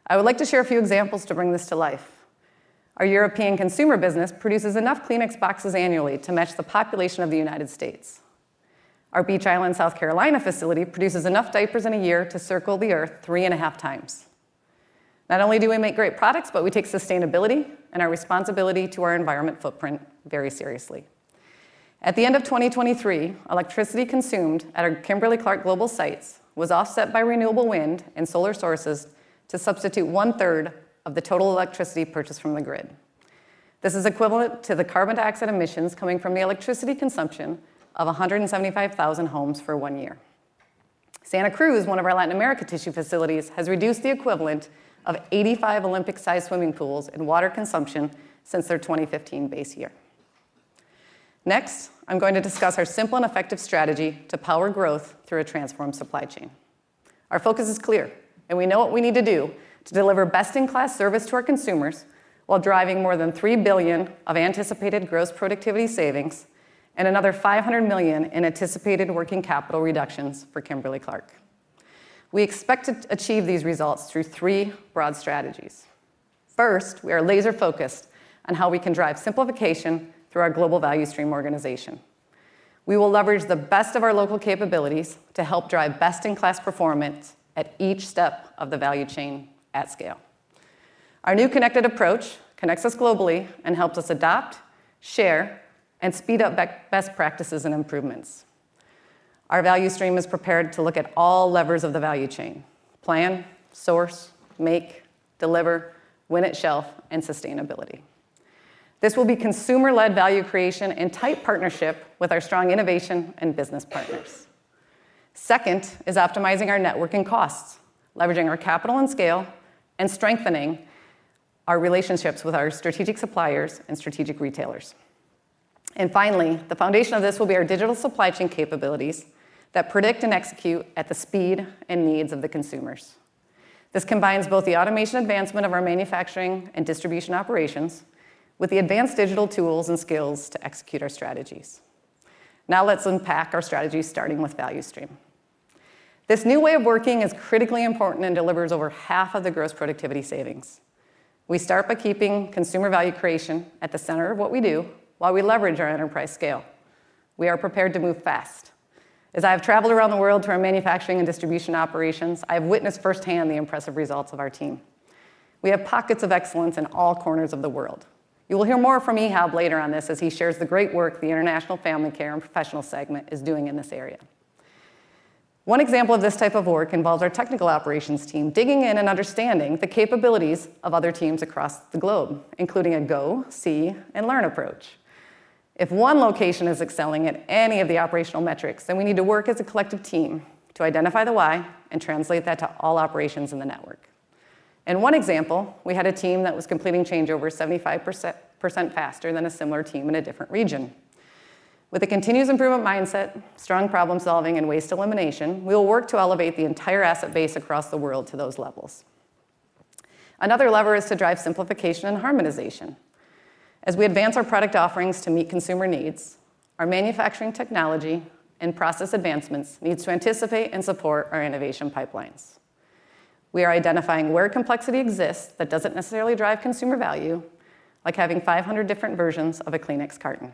I would like to share a few examples to bring this to life. Our European consumer business produces enough Kleenex boxes annually to match the population of the United States. Our Beech Island, South Carolina facility produces enough diapers in a year to circle the Earth 3.5 times. Not only do we make great products, but we take sustainability and our responsibility to our environmental footprint very seriously. At the end of 2023, electricity consumed at our Kimberly-Clark global sites was offset by renewable wind and solar sources to substitute one-third of the total electricity purchased from the grid. This is equivalent to the carbon dioxide emissions coming from the electricity consumption of 175,000 homes for one year. Santa Cruz, one of our Latin America tissue facilities, has reduced the equivalent of 85 Olympic-sized swimming pools in water consumption since their 2015 base year. Next, I'm going to discuss our simple and effective strategy to power growth through a transformed supply chain. Our focus is clear, and we know what we need to do to deliver best-in-class service to our consumers while driving more than $3 billion of anticipated gross productivity savings and another $500 million in anticipated working capital reductions for Kimberly-Clark. We expect to achieve these results through three broad strategies. First, we are laser-focused on how we can drive simplification through our global value stream organization. We will leverage the best of our local capabilities to help drive best-in-class performance at each step of the value chain at scale. Our new connected approach connects us globally and helps us adopt, share, and speed up best practices and improvements. Our value stream is prepared to look at all levers of the value chain: plan, source, make, deliver, win-at-shelf, and sustainability. This will be consumer-led value creation in tight partnership with our strong innovation and business partners. Second is optimizing our network and costs, leveraging our capital and scale, and strengthening our relationships with our strategic suppliers and strategic retailers. And finally, the foundation of this will be our digital supply chain capabilities that predict and execute at the speed and needs of the consumers. This combines both the automation advancement of our manufacturing and distribution operations with the advanced digital tools and skills to execute our strategies. Now let's unpack our strategies, starting with value stream. This new way of working is critically important and delivers over half of the gross productivity savings. We start by keeping consumer value creation at the center of what we do while we leverage our enterprise scale. We are prepared to move fast. As I have traveled around the world through our manufacturing and distribution operations, I have witnessed firsthand the impressive results of our team. We have pockets of excellence in all corners of the world. You will hear more from Ehab later on this as he shares the great work the International Family Care and Professional segment is doing in this area. One example of this type of work involves our technical operations team digging in and understanding the capabilities of other teams across the globe, including a go, see, and learn approach. If one location is excelling at any of the operational metrics, then we need to work as a collective team to identify the why and translate that to all operations in the network. In one example, we had a team that was completing changeovers 75% faster than a similar team in a different region. With a continuous improvement mindset, strong problem-solving, and waste elimination, we will work to elevate the entire asset base across the world to those levels. Another lever is to drive simplification and harmonization. As we advance our product offerings to meet consumer needs, our manufacturing technology and process advancements need to anticipate and support our innovation pipelines. We are identifying where complexity exists that doesn't necessarily drive consumer value, like having 500 different versions of a Kleenex carton.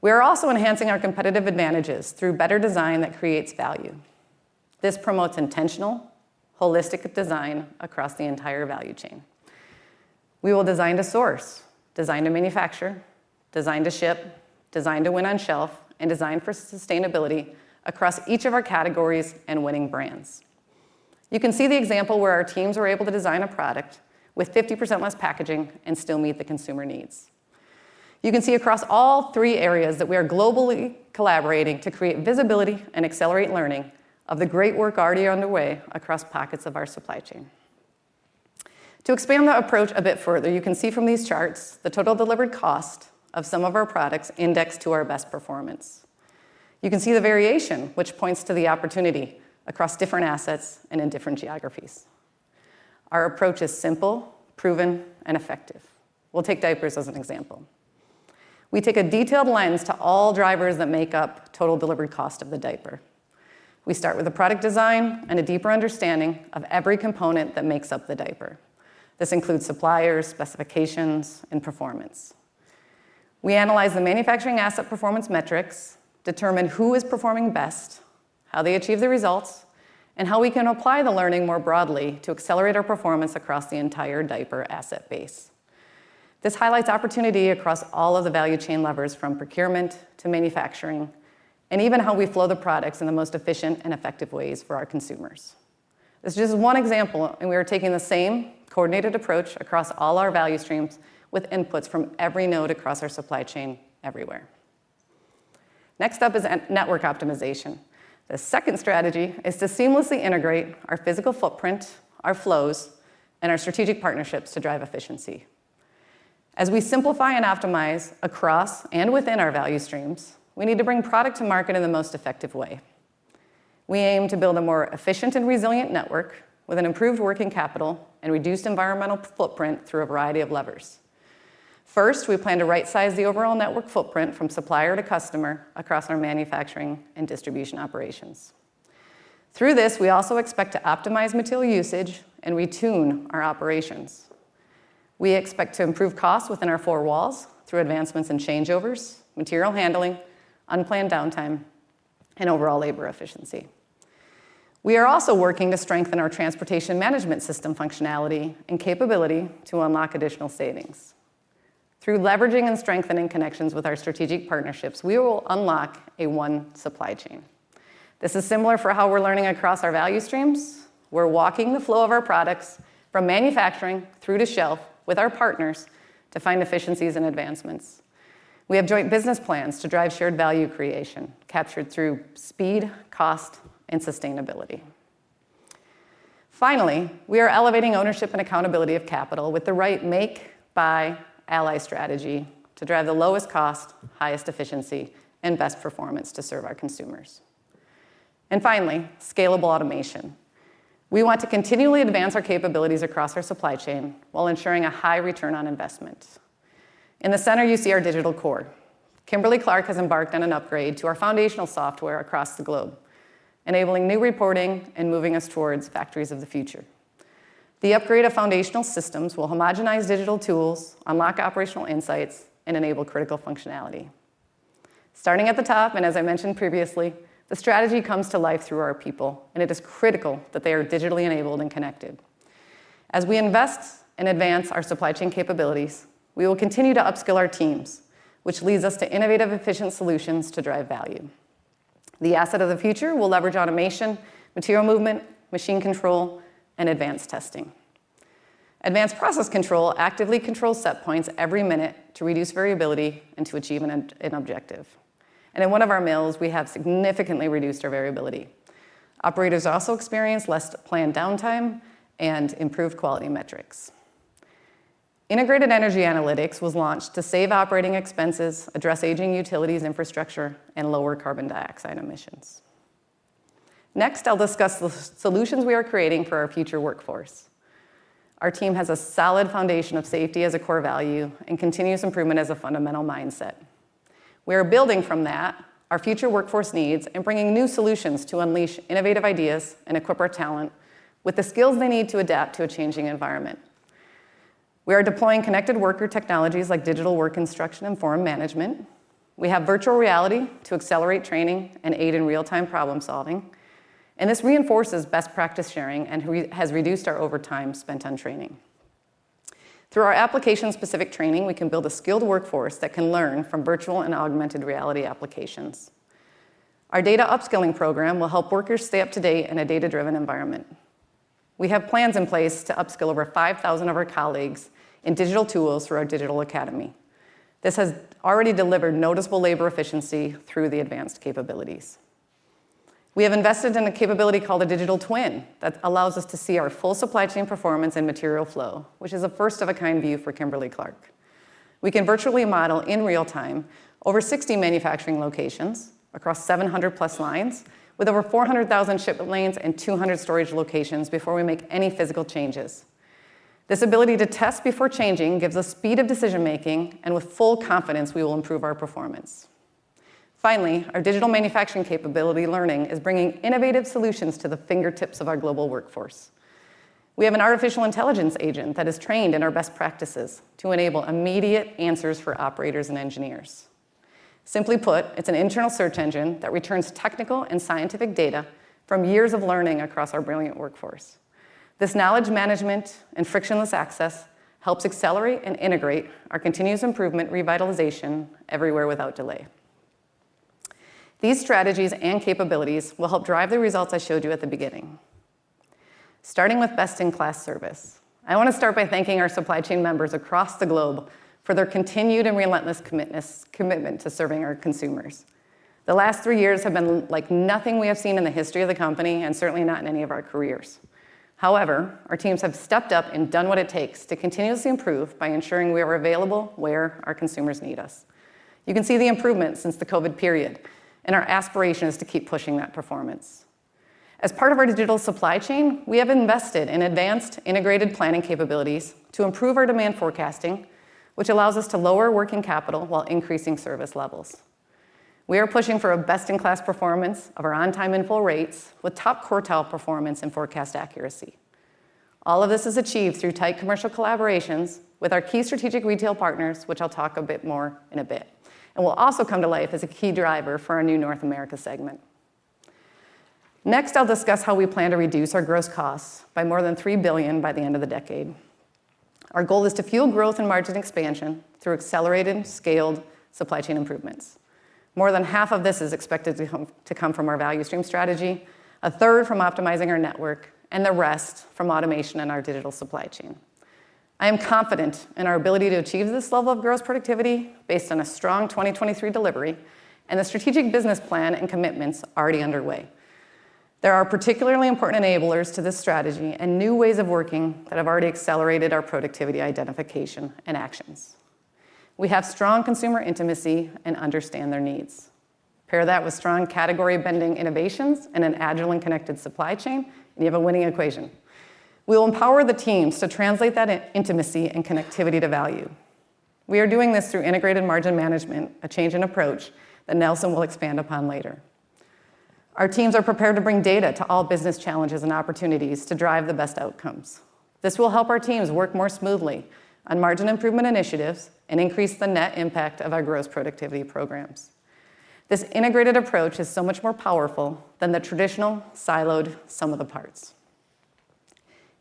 We are also enhancing our competitive advantages through better design that creates value. This promotes intentional, holistic design across the entire value chain. We will design to source, design to manufacture, design to ship, design to win on shelf, and design for sustainability across each of our categories and winning brands. You can see the example where our teams were able to design a product with 50% less packaging and still meet the consumer needs. You can see across all three areas that we are globally collaborating to create visibility and accelerate learning of the great work already underway across pockets of our supply chain. To expand the approach a bit further, you can see from these charts the total delivered cost of some of our products indexed to our best performance. You can see the variation, which points to the opportunity across different assets and in different geographies. Our approach is simple, proven, and effective. We'll take diapers as an example. We take a detailed lens to all drivers that make up total delivery cost of the diaper. We start with a product design and a deeper understanding of every component that makes up the diaper. This includes suppliers, specifications, and performance. We analyze the manufacturing asset performance metrics, determine who is performing best, how they achieve the results, and how we can apply the learning more broadly to accelerate our performance across the entire diaper asset base. This highlights opportunity across all of the value chain levers, from procurement to manufacturing, and even how we flow the products in the most efficient and effective ways for our consumers. This is just one example, and we are taking the same coordinated approach across all our value streams with inputs from every node across our supply chain everywhere. Next up is network optimization. The second strategy is to seamlessly integrate our physical footprint, our flows, and our strategic partnerships to drive efficiency. As we simplify and optimize across and within our value streams, we need to bring product to market in the most effective way. We aim to build a more efficient and resilient network with an improved working capital and reduced environmental footprint through a variety of levers. First, we plan to right-size the overall network footprint from supplier to customer across our manufacturing and distribution operations. Through this, we also expect to optimize material usage, and we tune our operations. We expect to improve costs within our four walls through advancements in changeovers, material handling, unplanned downtime, and overall labor efficiency. We are also working to strengthen our transportation management system functionality and capability to unlock additional savings. Through leveraging and strengthening connections with our strategic partnerships, we will unlock a one supply chain. This is similar for how we're learning across our value streams. We're walking the flow of our products from manufacturing through to shelf with our partners to find efficiencies and advancements. We have joint business plans to drive shared value creation captured through speed, cost, and sustainability. Finally, we are elevating ownership and accountability of capital with the right make, buy, ally strategy to drive the lowest cost, highest efficiency, and best performance to serve our consumers. And finally, scalable automation. We want to continually advance our capabilities across our supply chain while ensuring a high return on investment. In the center, you see our digital core. Kimberly-Clark has embarked on an upgrade to our foundational software across the globe, enabling new reporting and moving us towards factories of the future. The upgrade of foundational systems will homogenize digital tools, unlock operational insights, and enable critical functionality. Starting at the top, and as I mentioned previously, the strategy comes to life through our people, and it is critical that they are digitally enabled and connected. As we invest and advance our supply chain capabilities, we will continue to upskill our teams, which leads us to innovative, efficient solutions to drive value. The asset of the future will leverage automation, material movement, machine control, and advanced testing. Advanced process control actively controls set points every minute to reduce variability and to achieve an objective. In one of our mills, we have significantly reduced our variability. Operators also experience less planned downtime and improved quality metrics. Integrated energy analytics was launched to save operating expenses, address aging utilities infrastructure, and lower carbon dioxide emissions. Next, I'll discuss the solutions we are creating for our future workforce. Our team has a solid foundation of safety as a core value and continuous improvement as a fundamental mindset. We are building from that our future workforce needs and bringing new solutions to unleash innovative ideas and equip our talent with the skills they need to adapt to a changing environment. We are deploying connected worker technologies like digital work instruction and form management. We have virtual reality to accelerate training and aid in real-time problem-solving. This reinforces best practice sharing and has reduced our overtime spent on training. Through our application-specific training, we can build a skilled workforce that can learn from virtual and augmented reality applications. Our data upskilling program will help workers stay up to date in a data-driven environment. We have plans in place to upskill over 5,000 of our colleagues in digital tools through our Digital Academy. This has already delivered noticeable labor efficiency through the advanced capabilities. We have invested in a capability called a digital twin that allows us to see our full supply chain performance and material flow, which is a first-of-its-kind view for Kimberly-Clark. We can virtually model in real-time over 60 manufacturing locations across 700+ lines with over 400,000 ship lanes and 200 storage locations before we make any physical changes. This ability to test before changing gives us speed of decision-making, and with full confidence, we will improve our performance. Finally, our digital manufacturing capability learning is bringing innovative solutions to the fingertips of our global workforce. We have an artificial intelligence agent that is trained in our best practices to enable immediate answers for operators and engineers. Simply put, it's an internal search engine that returns technical and scientific data from years of learning across our brilliant workforce. This knowledge management and frictionless access helps accelerate and integrate our continuous improvement revitalization everywhere without delay. These strategies and capabilities will help drive the results I showed you at the beginning. Starting with best-in-class service, I want to start by thanking our supply chain members across the globe for their continued and relentless commitment to serving our consumers. The last three years have been like nothing we have seen in the history of the company and certainly not in any of our careers. However, our teams have stepped up and done what it takes to continuously improve by ensuring we are available where our consumers need us. You can see the improvements since the COVID period, and our aspiration is to keep pushing that performance. As part of our digital supply chain, we have invested in advanced integrated planning capabilities to improve our demand forecasting, which allows us to lower working capital while increasing service levels. We are pushing for a best-in-class performance of our on-time and full rates with top quartile performance and forecast accuracy. All of this is achieved through tight commercial collaborations with our key strategic retail partners, which I'll talk a bit more in a bit and will also come to life as a key driver for our new North America segment. Next, I'll discuss how we plan to reduce our gross costs by more than $3 billion by the end of the decade. Our goal is to fuel growth and margin expansion through accelerated, scaled supply chain improvements. More than half of this is expected to come from our value stream strategy, a third from optimizing our network, and the rest from automation and our digital supply chain. I am confident in our ability to achieve this level of gross productivity based on a strong 2023 delivery and the strategic business plan and commitments already underway. There are particularly important enablers to this strategy and new ways of working that have already accelerated our productivity identification and actions. We have strong consumer intimacy and understand their needs. Pair that with strong category-bending innovations and an agile and connected supply chain, and you have a winning equation. We will empower the teams to translate that intimacy and connectivity to value. We are doing this through Integrated Margin Management, a change in approach that Nelson will expand upon later. Our teams are prepared to bring data to all business challenges and opportunities to drive the best outcomes. This will help our teams work more smoothly on margin improvement initiatives and increase the net impact of our gross productivity programs. This integrated approach is so much more powerful than the traditional siloed sum of the parts.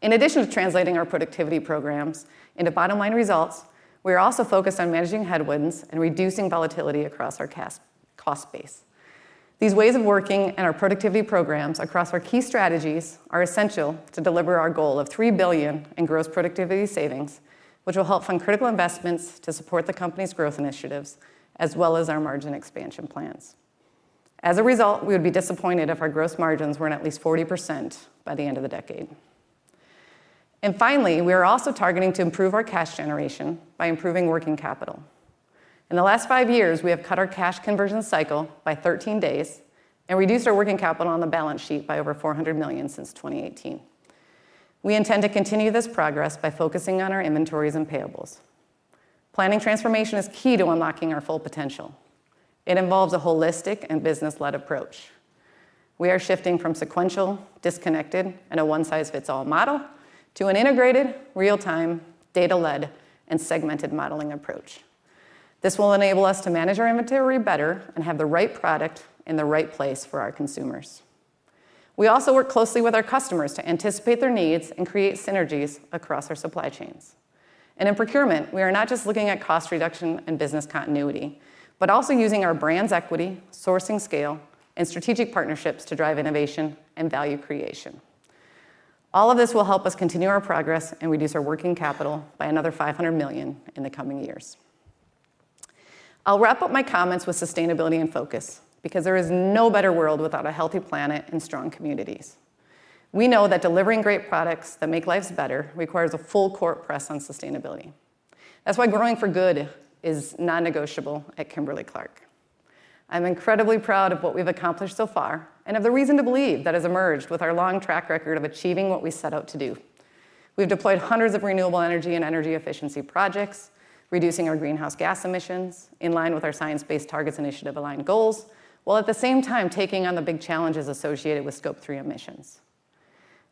In addition to translating our productivity programs into bottom-line results, we are also focused on managing headwinds and reducing volatility across our cost base. These ways of working and our productivity programs across our key strategies are essential to deliver our goal of $3 billion in gross productivity savings, which will help fund critical investments to support the company's growth initiatives as well as our margin expansion plans. As a result, we would be disappointed if our gross margins weren't at least 40% by the end of the decade. And finally, we are also targeting to improve our cash generation by improving working capital. In the last 5 years, we have cut our cash conversion cycle by 13 days and reduced our working capital on the balance sheet by over $400 million since 2018. We intend to continue this progress by focusing on our inventories and payables. Planning transformation is key to unlocking our full potential. It involves a holistic and business-led approach. We are shifting from sequential, disconnected, and a one-size-fits-all model to an integrated, real-time, data-led, and segmented modeling approach. This will enable us to manage our inventory better and have the right product in the right place for our consumers. We also work closely with our customers to anticipate their needs and create synergies across our supply chains. In procurement, we are not just looking at cost reduction and business continuity but also using our brand's equity, sourcing scale, and strategic partnerships to drive innovation and value creation. All of this will help us continue our progress and reduce our working capital by another $500 million in the coming years. I'll wrap up my comments with sustainability and focus because there is no better world without a healthy planet and strong communities. We know that delivering great products that make lives better requires a full-court press on sustainability. That's why Growing for Good is non-negotiable at Kimberly-Clark. I'm incredibly proud of what we've accomplished so far and of the reason to believe that has emerged with our long track record of achieving what we set out to do. We've deployed hundreds of renewable energy and energy efficiency projects, reducing our greenhouse gas emissions in line with our Science Based Targets initiative-aligned goals, while at the same time taking on the big challenges associated with Scope 3 emissions.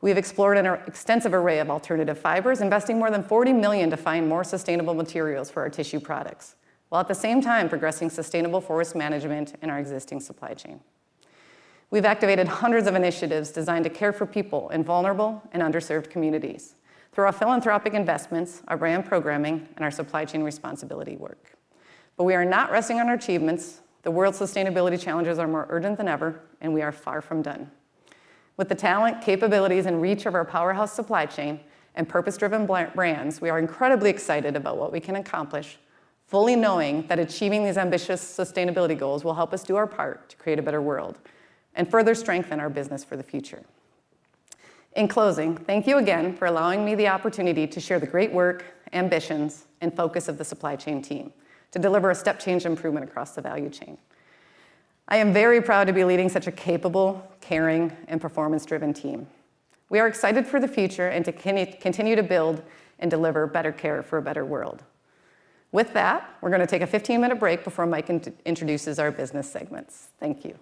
We have explored an extensive array of alternative fibers, investing more than $40 million to find more sustainable materials for our tissue products, while at the same time progressing sustainable forest management in our existing supply chain. We've activated hundreds of initiatives designed to care for people in vulnerable and underserved communities through our philanthropic investments, our brand programming, and our supply chain responsibility work. But we are not resting on achievements. The world's sustainability challenges are more urgent than ever, and we are far from done. With the talent, capabilities, and reach of our powerhouse supply chain and purpose-driven brands, we are incredibly excited about what we can accomplish, fully knowing that achieving these ambitious sustainability goals will help us do our part to create a better world and further strengthen our business for the future. In closing, thank you again for allowing me the opportunity to share the great work, ambitions, and focus of the supply chain team to deliver a step-change improvement across the value chain. I am very proud to be leading such a capable, caring, and performance-driven team. We are excited for the future and to continue to build and deliver better care for a better world. With that, we're going to take a 15-minute break before Mike introduces our business segments. Thank you.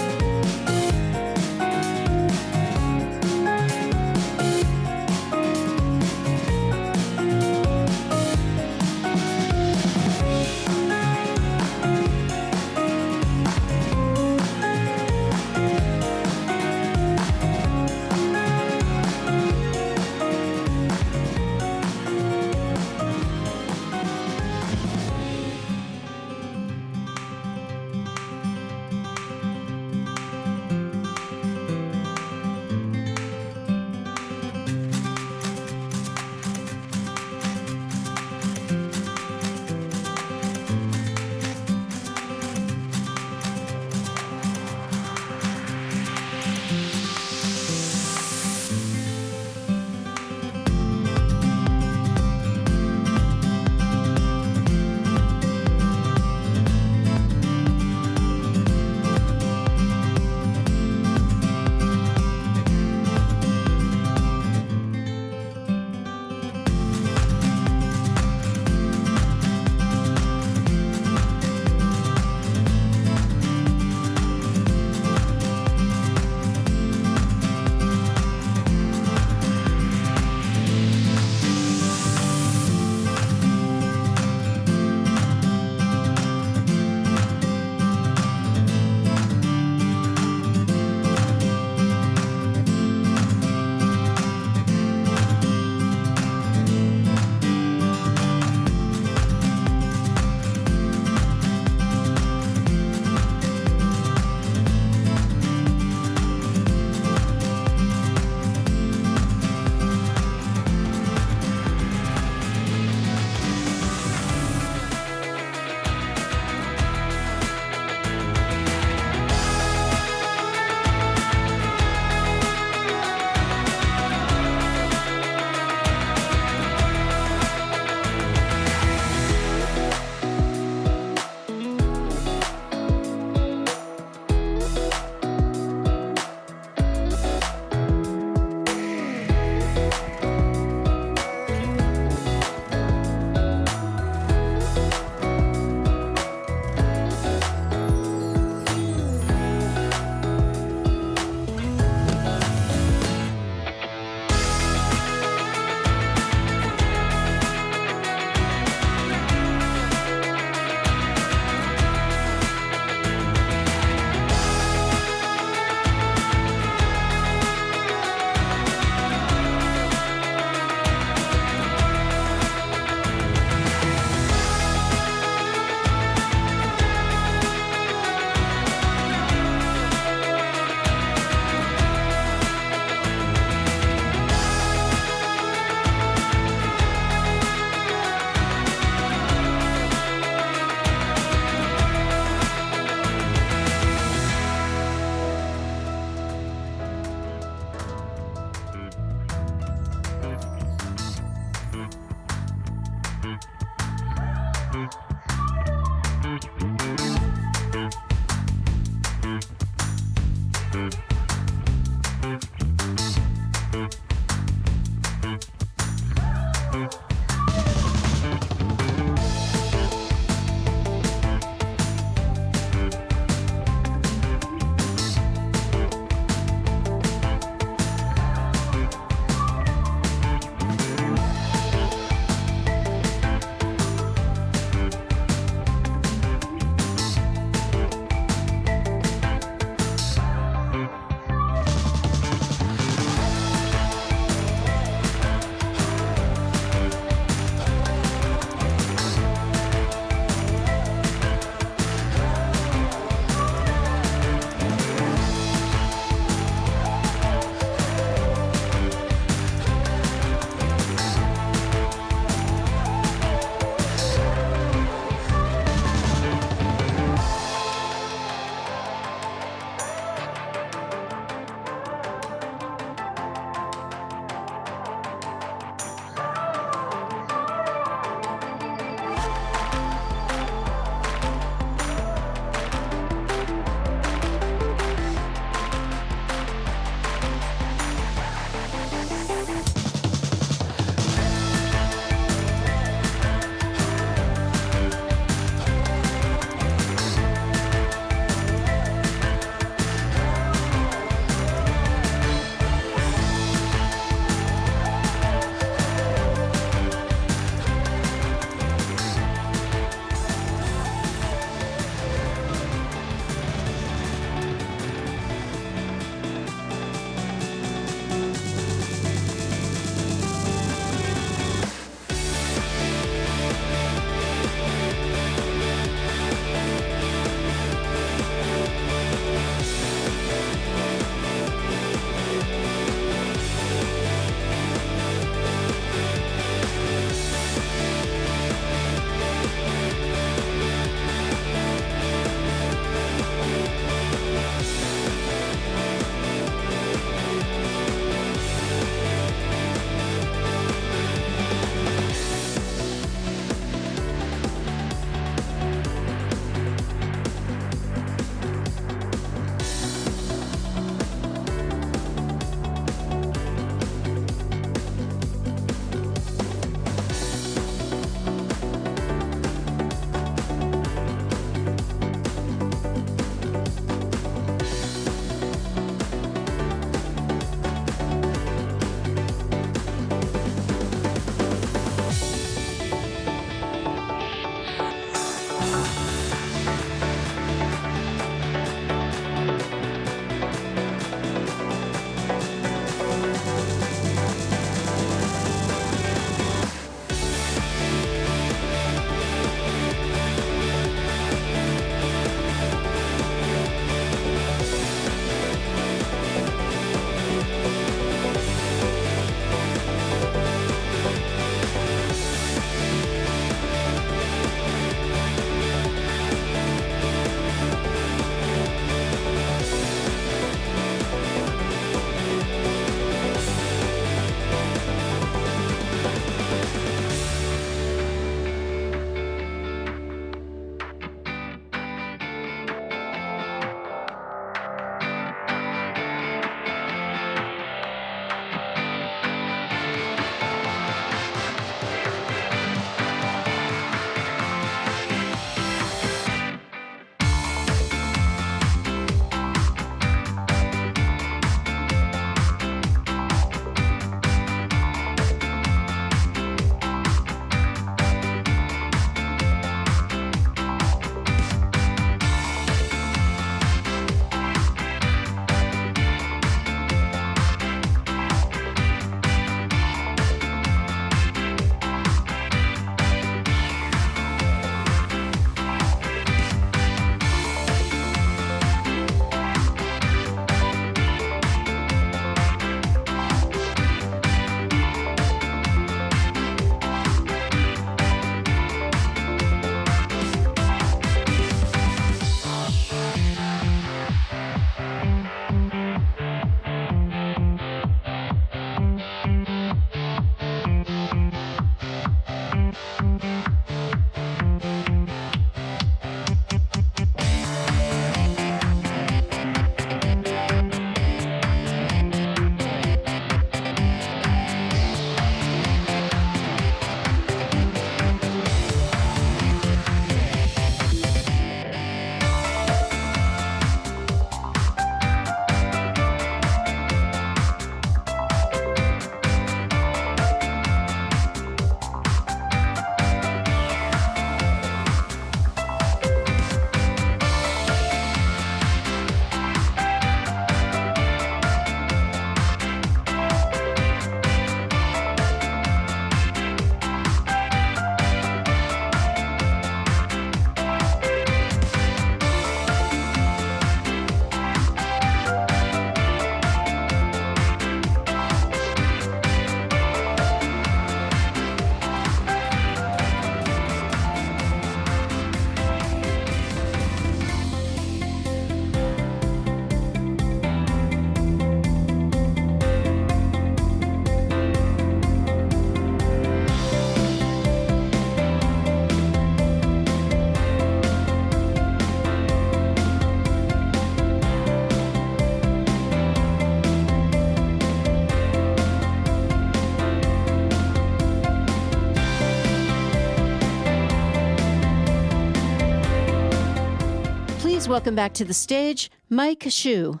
Please welcome back to the stage, Mike Hsu.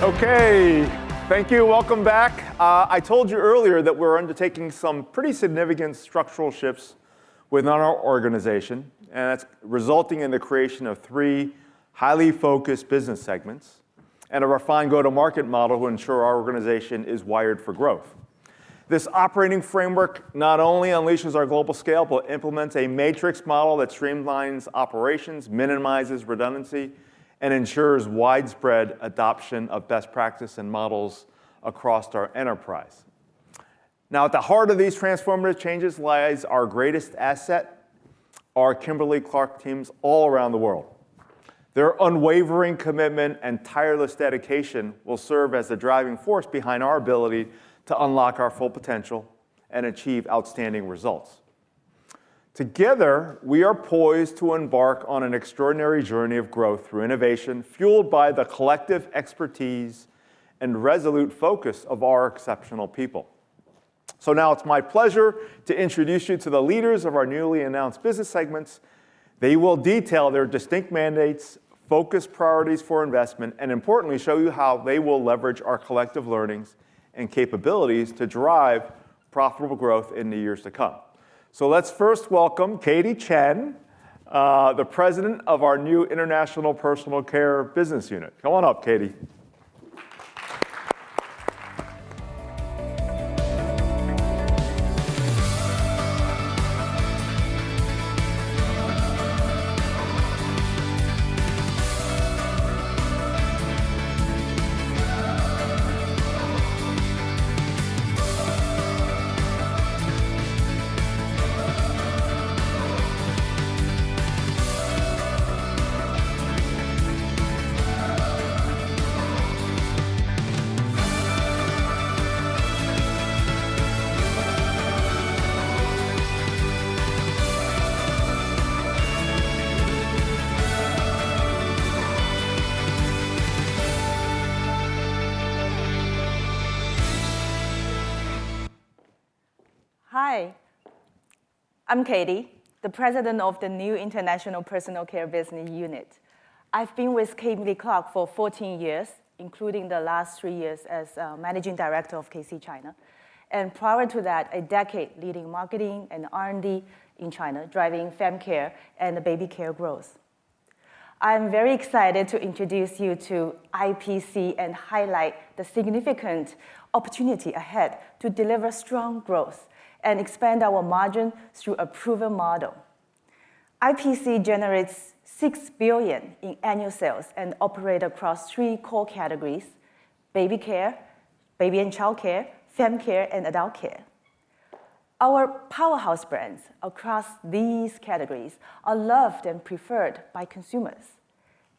Okay. Thank you. Welcome back. I told you earlier that we're undertaking some pretty significant structural shifts within our organization, and that's resulting in the creation of three highly focused business segments and a refined go-to-market model to ensure our organization is wired for growth. This operating framework not only unleashes our global scale but implements a matrix model that streamlines operations, minimizes redundancy, and ensures widespread adoption of best practice and models across our enterprise. Now, at the heart of these transformative changes lies our greatest asset, our Kimberly-Clark teams all around the world. Their unwavering commitment and tireless dedication will serve as the driving force behind our ability to unlock our full potential and achieve outstanding results. Together, we are poised to embark on an extraordinary journey of growth through innovation fueled by the collective expertise and resolute focus of our exceptional people. So now, it's my pleasure to introduce you to the leaders of our newly announced business segments. They will detail their distinct mandates, focus priorities for investment, and importantly, show you how they will leverage our collective learnings and capabilities to drive profitable growth in the years to come. So let's first welcome Katy Chen, the president of our new International Personal Care Business Unit. Come on up, Katy. Hi. I'm Katy, the president of the new International Personal Care Business Unit. I've been with Kimberly-Clark for 14 years, including the last 3 years as Managing Director of KC China, and prior to that, 10 years leading marketing and R&D in China, driving family care and baby care growth. I'm very excited to introduce you to IPC and highlight the significant opportunity ahead to deliver strong growth and expand our margin through a proven model. IPC generates $6 billion in annual sales and operates across three core categories: baby care, baby and child care, family care, and adult care. Our powerhouse brands across these categories are loved and preferred by consumers,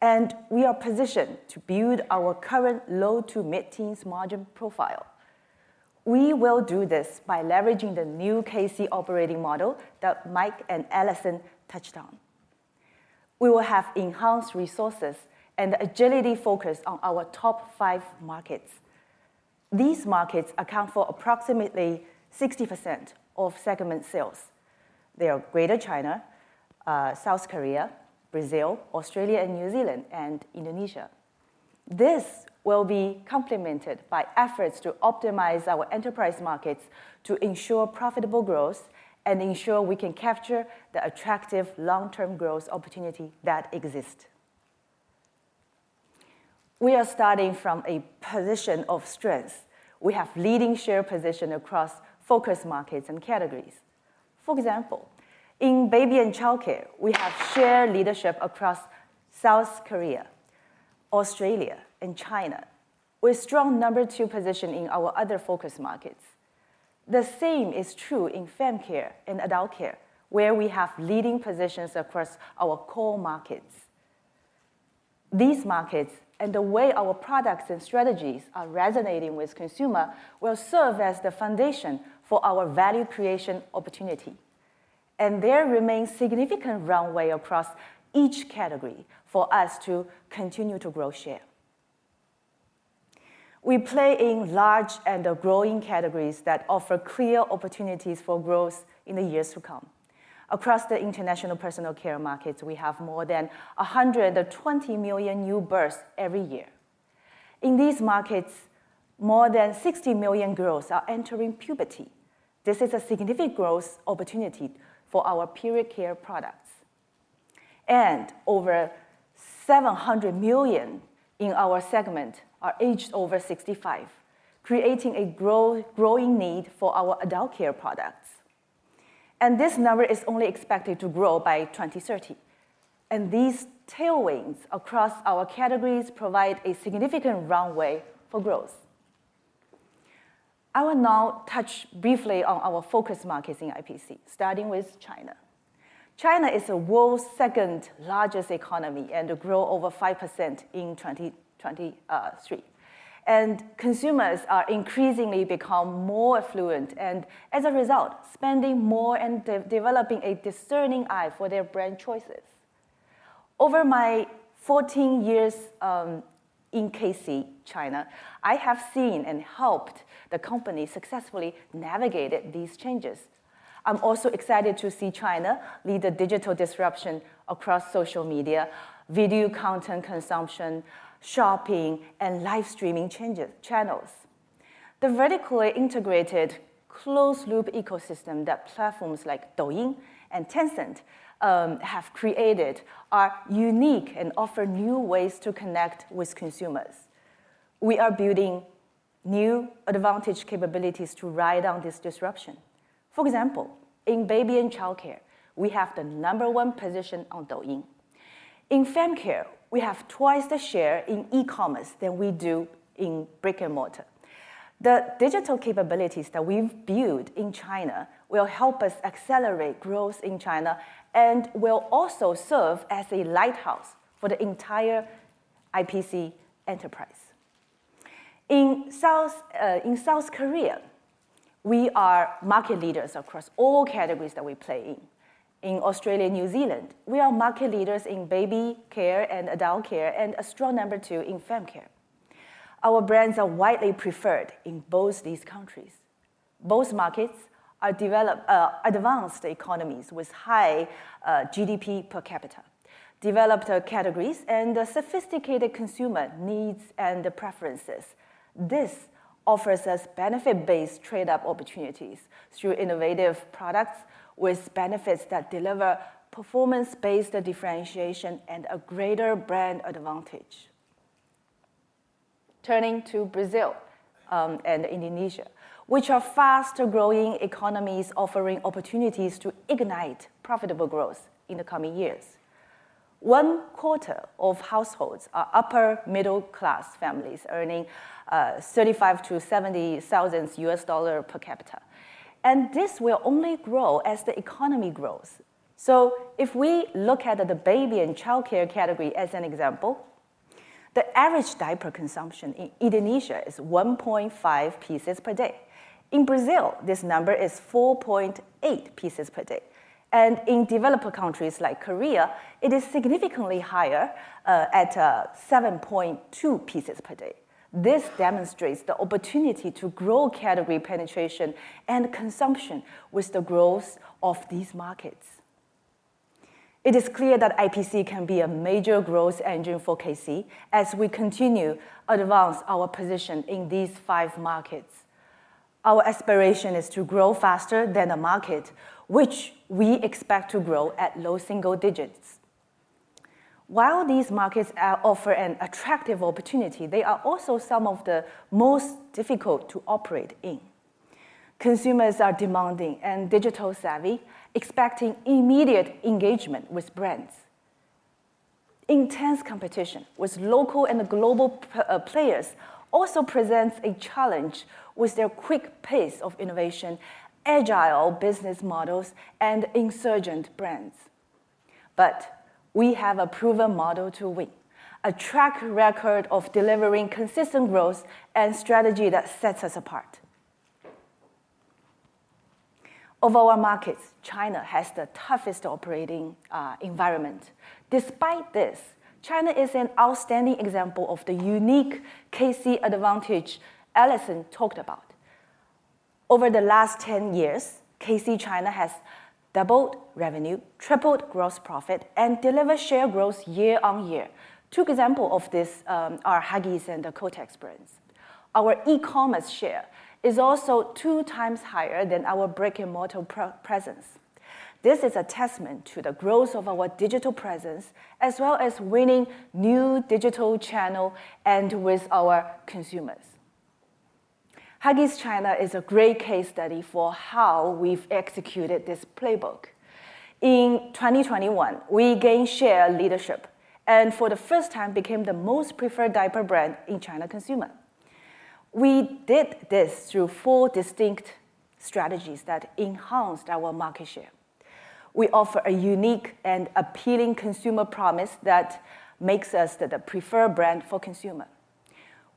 and we are positioned to build our current low-to-mid-teens margin profile. We will do this by leveraging the new KC operating model that Mike and Alison touched on. We will have enhanced resources and agility focused on our top five markets. These markets account for approximately 60% of segment sales. They are Greater China, South Korea, Brazil, Australia, New Zealand, and Indonesia. This will be complemented by efforts to optimize our enterprise markets to ensure profitable growth and ensure we can capture the attractive long-term growth opportunity that exists. We are starting from a position of strength. We have a leading share position across focused markets and categories. For example, in baby and child care, we have shared leadership across South Korea, Australia, and China, with a strong number two position in our other focused markets. The same is true in family care and adult care, where we have leading positions across our core markets. These markets and the way our products and strategies are resonating with consumers will serve as the foundation for our value creation opportunity. And there remains significant runway across each category for us to continue to grow share. We play in large and growing categories that offer clear opportunities for growth in the years to come. Across the international personal care markets, we have more than 120 million new births every year. In these markets, more than 60 million girls are entering puberty. This is a significant growth opportunity for our period care products. Over 700 million in our segment are aged over 65, creating a growing need for our adult care products. This number is only expected to grow by 2030. These tailwinds across our categories provide a significant runway for growth. I will now touch briefly on our focused markets in IPC, starting with China. China is the world's second-largest economy and will grow over 5% in 2023. Consumers are increasingly becoming more affluent and, as a result, spending more and developing a discerning eye for their brand choices. Over my 14 years in KC China, I have seen and helped the company successfully navigate these changes. I'm also excited to see China lead the digital disruption across social media, video content consumption, shopping, and live streaming channels. The vertically integrated closed-loop ecosystem that platforms like Douyin and Tencent have created is unique and offers new ways to connect with consumers. We are building new advantage capabilities to ride on this disruption. For example, in baby and child care, we have the number one position on Douyin. In family care, we have twice the share in e-commerce than we do in brick and mortar. The digital capabilities that we've built in China will help us accelerate growth in China and will also serve as a lighthouse for the entire IPC enterprise. In South Korea, we are market leaders across all categories that we play in. In Australia and New Zealand, we are market leaders in baby care and adult care and a strong number two in family care. Our brands are widely preferred in both these countries. Both markets are developed advanced economies with high GDP per capita, developed categories, and sophisticated consumer needs and preferences. This offers us benefit-based trade-off opportunities through innovative products with benefits that deliver performance-based differentiation and a greater brand advantage. Turning to Brazil and Indonesia, which are fast-growing economies offering opportunities to ignite profitable growth in the coming years. One quarter of households are upper-middle-class families earning $35,000-$70,000 per capita. This will only grow as the economy grows. If we look at the baby and child care category as an example, the average diaper consumption in Indonesia is 1.5 pieces per day. In Brazil, this number is 4.8 pieces per day. In developed countries like Korea, it is significantly higher at 7.2 pieces per day. This demonstrates the opportunity to grow category penetration and consumption with the growth of these markets. It is clear that IPC can be a major growth engine for KC as we continue to advance our position in these five markets. Our aspiration is to grow faster than the market, which we expect to grow at low single digits. While these markets offer an attractive opportunity, they are also some of the most difficult to operate in. Consumers are demanding and digital-savvy, expecting immediate engagement with brands. Intense competition with local and global players also presents a challenge with their quick pace of innovation, agile business models, and insurgent brands. But we have a proven model to win: a track record of delivering consistent growth and a strategy that sets us apart. Of our markets, China has the toughest operating environment. Despite this, China is an outstanding example of the unique KC advantage Alison talked about. Over the last 10 years, KC China has doubled revenue, tripled gross profit, and delivered share growth year on year. Two examples of this are Huggies and the Kotex brands. Our e-commerce share is also two times higher than our brick-and-mortar presence. This is a testament to the growth of our digital presence as well as winning new digital channels with our consumers. Huggies China is a great case study for how we've executed this playbook. In 2021, we gained share leadership and, for the first time, became the most preferred diaper brand in China consumers. We did this through four distinct strategies that enhanced our market share. We offer a unique and appealing consumer promise that makes us the preferred brand for consumers.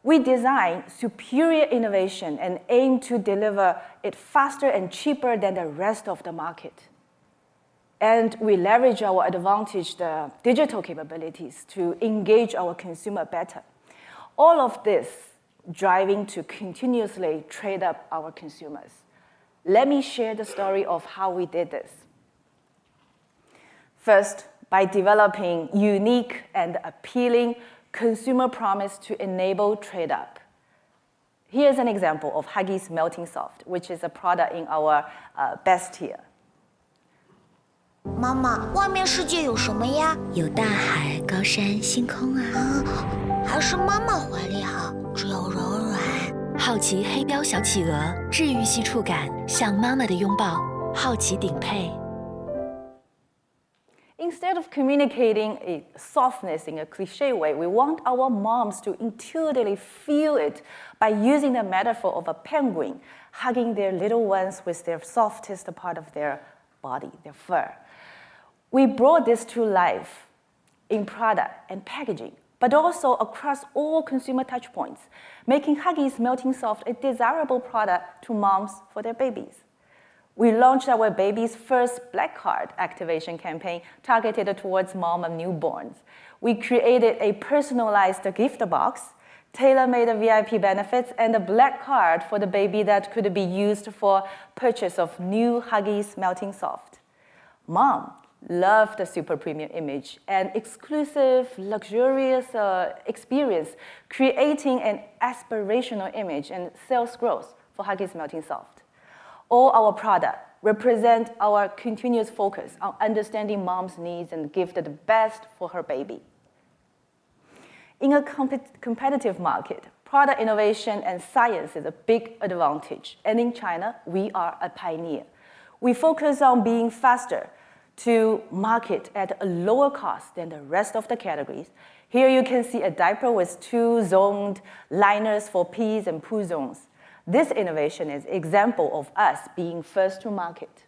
We design superior innovation and aim to deliver it faster and cheaper than the rest of the market. We leverage our advantaged digital capabilities to engage our consumers better, all of this driving to continuously trade up our consumers. Let me share the story of how we did this. First, by developing a unique and appealing consumer promise to enable trade up. Here's an example of Huggies Melting Soft, which is a product in our best tier. 妈妈，外面世界有什么呀？ 有大海、高山、星空啊。还是妈妈怀里好，只有柔软。好奇黑标小企鹅，治愈系触感，像妈妈的拥抱。好奇顶配。Instead of communicating softness in a cliché way, we want our moms to intuitively feel it by using the metaphor of a penguin hugging their little ones with the softest part of their body, their fur. We brought this to life in product and packaging, but also across all consumer touchpoints, making Huggies Melting Soft a desirable product for moms for their babies. We launched our baby's first Black Card activation campaign targeted towards mom and newborns. We created a personalized gift box, tailor-made VIP benefits, and a Black Card for the baby that could be used for the purchase of new Huggies Melting Soft. Mom loved the super premium image and exclusive, luxurious experience, creating an aspirational image and sales growth for Huggies Melting Soft. All our products represent our continuous focus on understanding mom's needs and giving the best for her baby. In a competitive market, product innovation and science are a big advantage. In China, we are a pioneer. We focus on being faster to market at a lower cost than the rest of the categories. Here you can see a diaper with two zoned liners for pee and poo zones. This innovation is an example of us being first to market.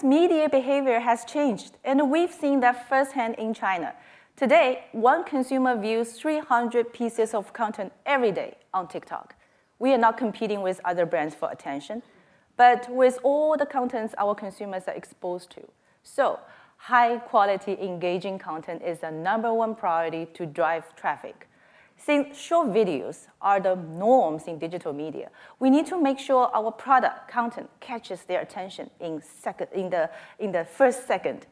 In recent years, consumers' media behavior has changed, and we've seen that firsthand in China. Today, one consumer views 300 pieces of content every day on TikTok. We are not competing with other brands for attention, but with all the contents our consumers are exposed to. High-quality, engaging content is the number one priority to drive traffic. Since short videos are the norms in digital media, we need to make sure our product content catches their attention in the first second.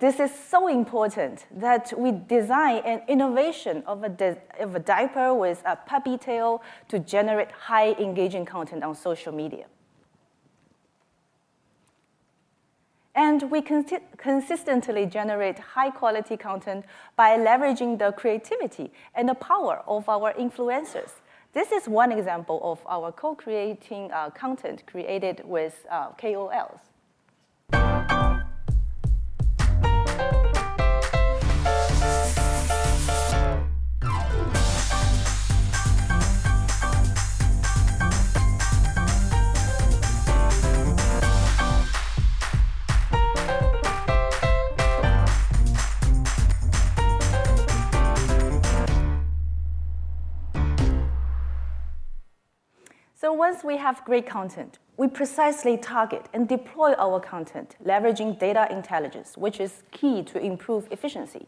This is so important that we design an innovation of a diaper with a puppy tail to generate high-engaging content on social media. We consistently generate high-quality content by leveraging the creativity and the power of our influencers. This is one example of our co-creating content created with KOLs. Once we have great content, we precisely target and deploy our content, leveraging data intelligence, which is key to improve efficiency.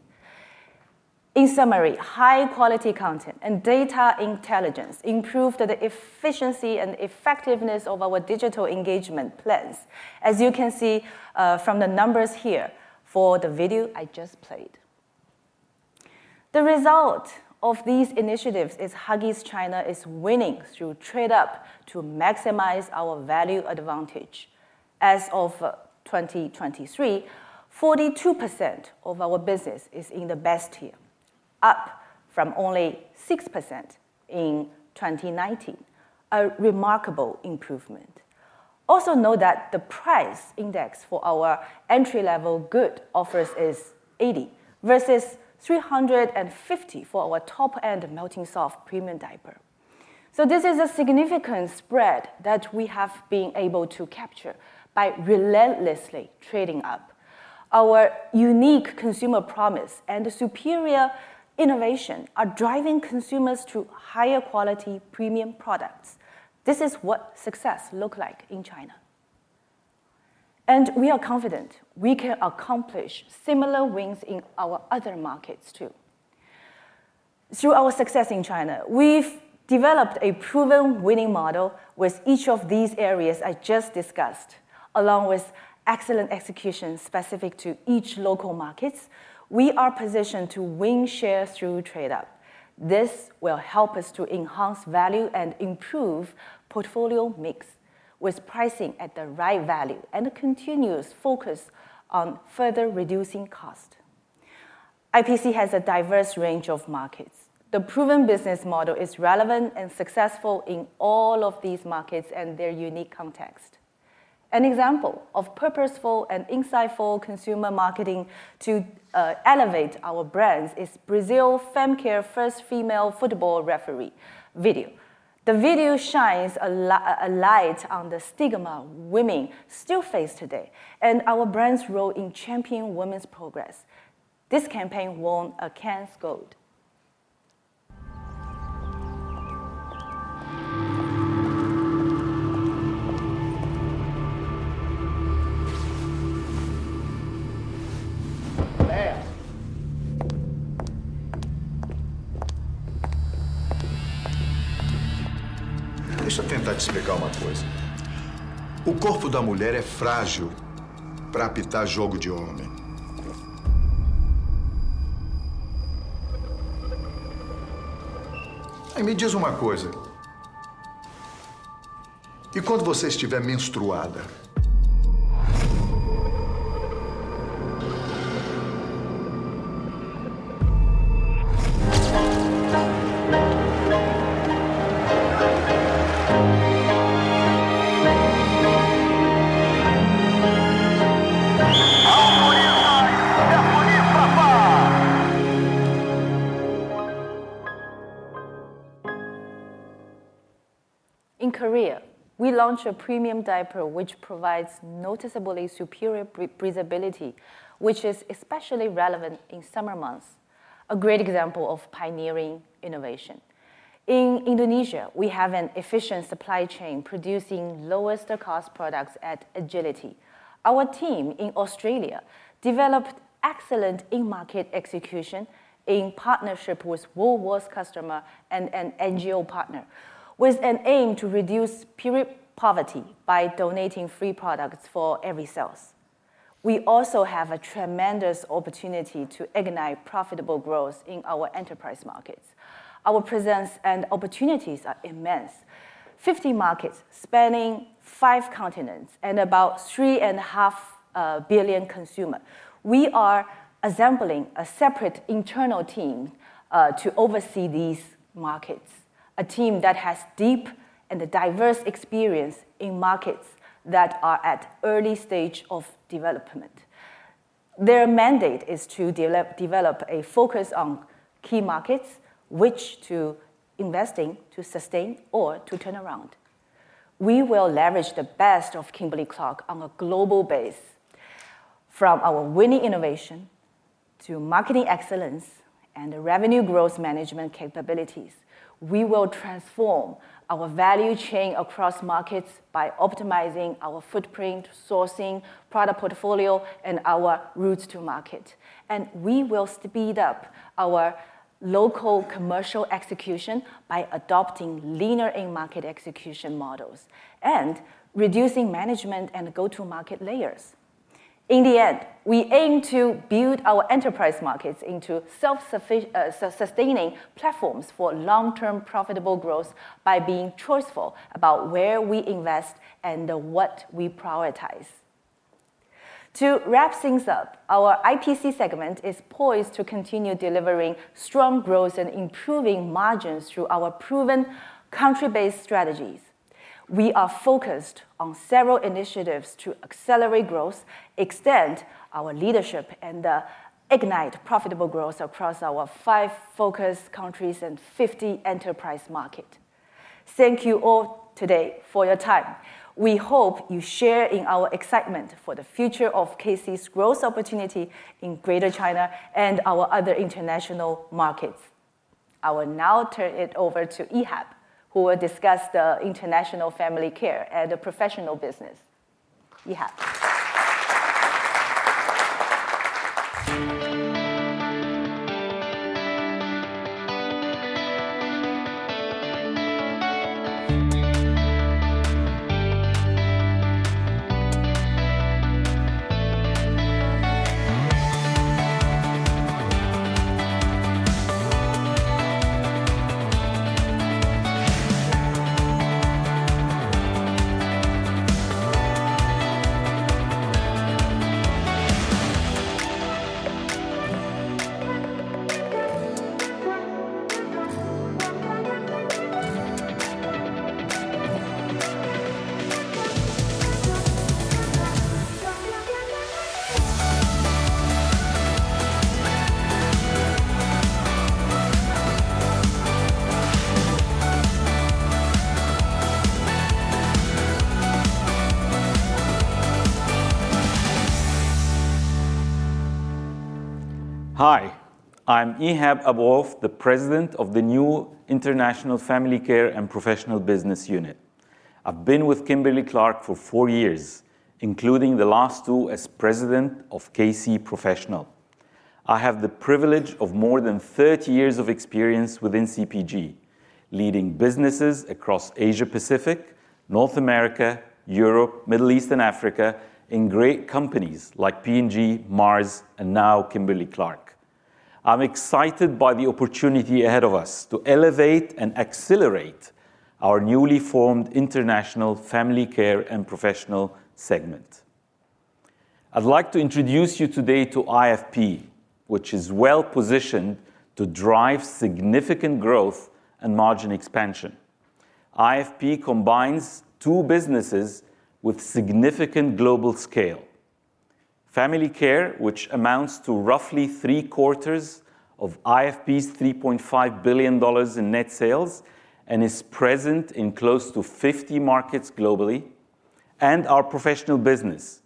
In summary, high-quality content and data intelligence improved the efficiency and effectiveness of our digital engagement plans, as you can see from the numbers here for the video I just played. The result of these initiatives is Huggies China is winning through trade up to maximize our value advantage. As of 2023, 42% of our business is in the best tier, up from only 6% in 2019, a remarkable improvement. Also note that the price index for our entry-level Goodnites is 80 versus 350 for our top-end Melting Soft premium diaper. So this is a significant spread that we have been able to capture by relentlessly trading up. Our unique consumer promise and superior innovation are driving consumers to higher-quality premium products. This is what success looks like in China. We are confident we can accomplish similar wins in our other markets too. Through our success in China, we've developed a proven winning model with each of these areas I just discussed. Along with excellent execution specific to each local market, we are positioned to win share through trade up. This will help us to enhance value and improve portfolio mix, with pricing at the right value and a continuous focus on further reducing cost. IPC has a diverse range of markets. The proven business model is relevant and successful in all of these markets and their unique contexts. An example of purposeful and insightful consumer marketing to elevate our brands is Brazil Fem Care First Female Football Referee video. The video shines a light on the stigma women still face today and our brand's role in championing women's progress. This campaign won a Cannes Gold. Deixa eu tentar te explicar uma coisa. O corpo da mulher é frágil para apitar jogo de homem. Aí, me diz uma coisa: e quando você estiver menstruada? In Korea, we launched a premium diaper which provides noticeably superior breathability, which is especially relevant in summer months, a great example of pioneering innovation. In Indonesia, we have an efficient supply chain producing lowest-cost products at agility. Our team in Australia developed excellent in-market execution in partnership with worldwide customers and an NGO partner, with an aim to reduce period poverty by donating free products for every sale. We also have a tremendous opportunity to ignite profitable growth in our enterprise markets. Our presence and opportunities are immense. 50 markets spanning five continents and about 3.5 billion consumers. We are assembling a separate internal team to oversee these markets, a team that has deep and diverse experience in markets that are at the early stage of development. Their mandate is to develop a focus on key markets, which to invest in, to sustain, or to turn around. We will leverage the best of Kimberly-Clark on a global basis. From our winning innovation to marketing excellence and revenue growth management capabilities, we will transform our value chain across markets by optimizing our footprint, sourcing, product portfolio, and our routes to market. We will speed up our local commercial execution by adopting leaner in-market execution models and reducing management and go-to-market layers. In the end, we aim to build our enterprise markets into self-sustaining platforms for long-term profitable growth by being choiceful about where we invest and what we prioritize. To wrap things up, our IPC segment is poised to continue delivering strong growth and improving margins through our proven country-based strategies. We are focused on several initiatives to accelerate growth, extend our leadership, and ignite profitable growth across our 5 focused countries and 50 enterprise markets. Thank you all today for your time. We hope you share in our excitement for the future of KC's growth opportunity in Greater China and our other international markets. I will now turn it over to Ehab, who will discuss the international family care and the professional business. Ehab. Hi. I'm Ehab Abou-Oaf, the President of the new International Family Care and Professional Business Unit. I've been with Kimberly-Clark for four years, including the last two as President of KC Professional. I have the privilege of more than 30 years of experience within CPG, leading businesses across Asia-Pacific, North America, Europe, Middle East, and Africa in great companies like P&G, Mars, and now Kimberly-Clark. I'm excited by the opportunity ahead of us to elevate and accelerate our newly formed International Family Care and Professional segment. I'd like to introduce you today to IFP, which is well-positioned to drive significant growth and margin expansion. IFP combines two businesses with significant global scale: family care, which amounts to roughly three-quarters of IFP's $3.5 billion in net sales and is present in close to 50 markets globally, and our professional business,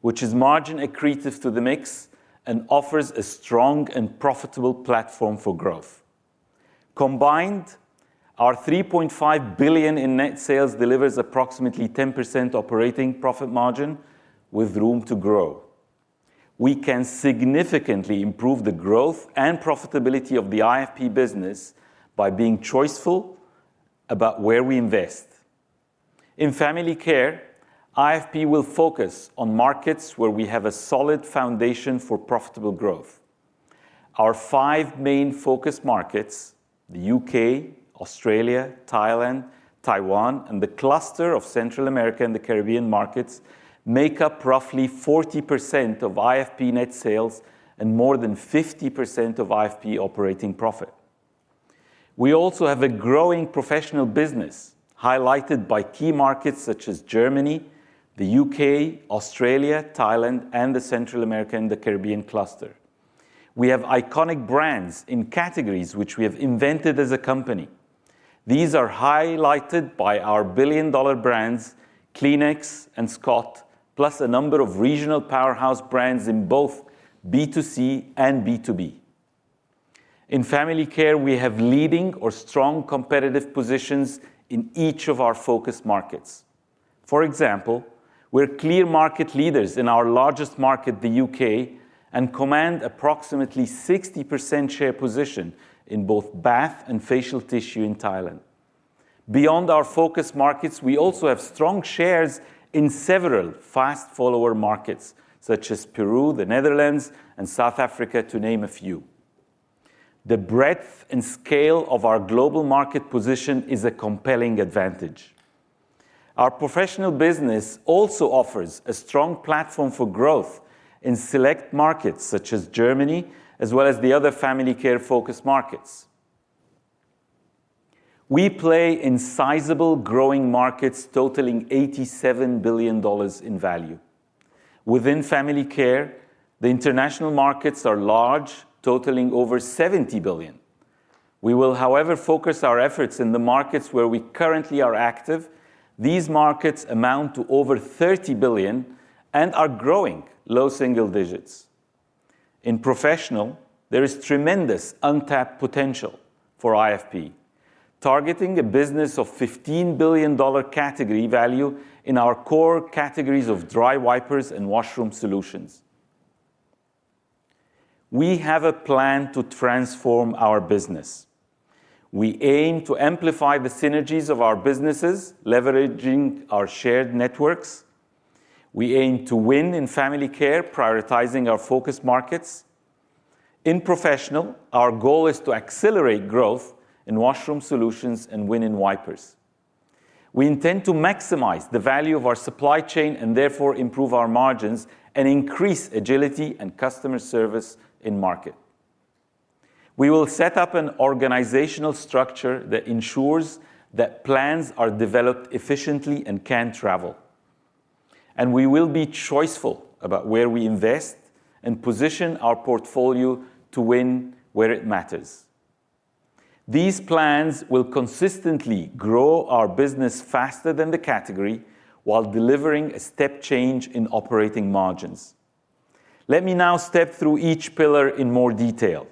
which is margin-accretive to the mix and offers a strong and profitable platform for growth. Combined, our $3.5 billion in net sales delivers approximately 10% operating profit margin, with room to grow. We can significantly improve the growth and profitability of the IFP business by being choiceful about where we invest. In family care, IFP will focus on markets where we have a solid foundation for profitable growth. Our five main focus markets (the UK, Australia, Thailand, Taiwan, and the cluster of Central America and the Caribbean markets) make up roughly 40% of IFP net sales and more than 50% of IFP operating profit. We also have a growing professional business, highlighted by key markets such as Germany, the UK, Australia, Thailand, and the Central America and the Caribbean cluster. We have iconic brands in categories which we have invented as a company. These are highlighted by our billion-dollar brands, Kleenex and Scott, plus a number of regional powerhouse brands in both B2C and B2B. In family care, we have leading or strong competitive positions in each of our focus markets. For example, we're clear market leaders in our largest market, the UK, and command approximately 60% share position in both bath and facial tissue in Thailand. Beyond our focus markets, we also have strong shares in several fast-follower markets such as Peru, the Netherlands, and South Africa, to name a few. The breadth and scale of our global market position is a compelling advantage. Our professional business also offers a strong platform for growth in select markets such as Germany, as well as the other family care-focused markets. We play in sizable, growing markets totaling $87 billion in value. Within family care, the international markets are large, totaling over $70 billion. We will, however, focus our efforts in the markets where we currently are active. These markets amount to over $30 billion and are growing, low single digits. In professional, there is tremendous untapped potential for IFP, targeting a business of $15 billion category value in our core categories of dry wipers and washroom solutions. We have a plan to transform our business. We aim to amplify the synergies of our businesses, leveraging our shared networks. We aim to win in family care, prioritizing our focus markets. In professional, our goal is to accelerate growth in washroom solutions and win in wipers. We intend to maximize the value of our supply chain and therefore improve our margins and increase agility and customer service in market. We will set up an organizational structure that ensures that plans are developed efficiently and can travel. We will be choiceful about where we invest and position our portfolio to win where it matters. These plans will consistently grow our business faster than the category while delivering a step change in operating margins. Let me now step through each pillar in more detail.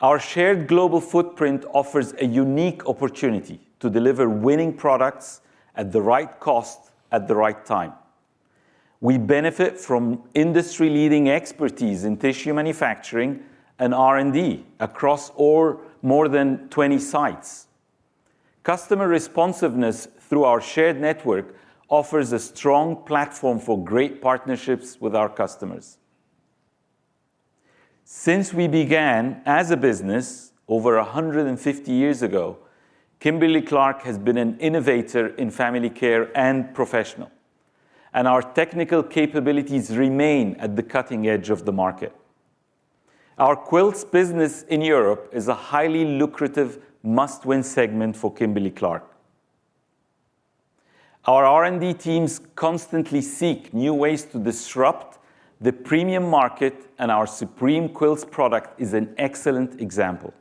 Our shared global footprint offers a unique opportunity to deliver winning products at the right cost at the right time. We benefit from industry-leading expertise in tissue manufacturing and R&D across more than 20 sites. Customer responsiveness through our shared network offers a strong platform for great partnerships with our customers. Since we began as a business over 150 years ago, Kimberly-Clark has been an innovator in family care and professional. Our technical capabilities remain at the cutting edge of the market. Our quilts business in Europe is a highly lucrative, must-win segment for Kimberly-Clark. Our R&D teams constantly seek new ways to disrupt the premium market, and our Supreme Quilts product is an excellent example.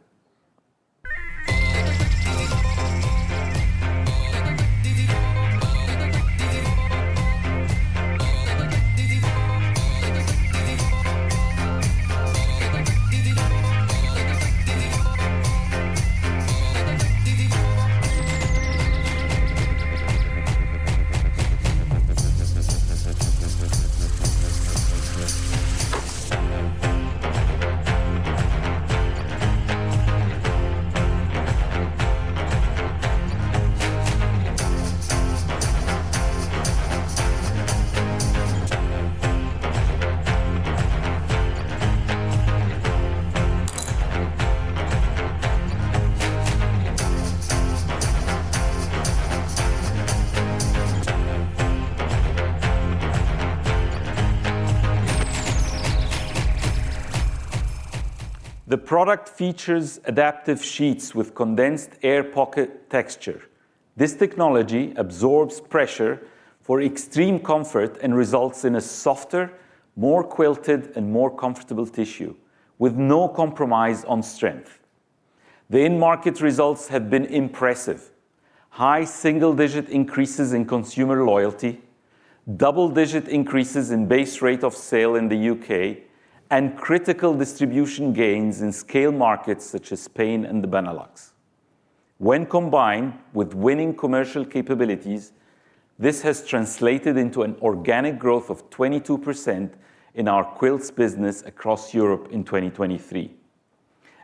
The product features adaptive sheets with condensed air pocket texture. This technology absorbs pressure for extreme comfort and results in a softer, more quilted, and more comfortable tissue, with no compromise on strength. The in-market results have been impressive: high single-digit increases in consumer loyalty, double-digit increases in base rate of sale in the UK, and critical distribution gains in scale markets such as Spain and the Benelux. When combined with winning commercial capabilities, this has translated into an organic growth of 22% in our quilts business across Europe in 2023.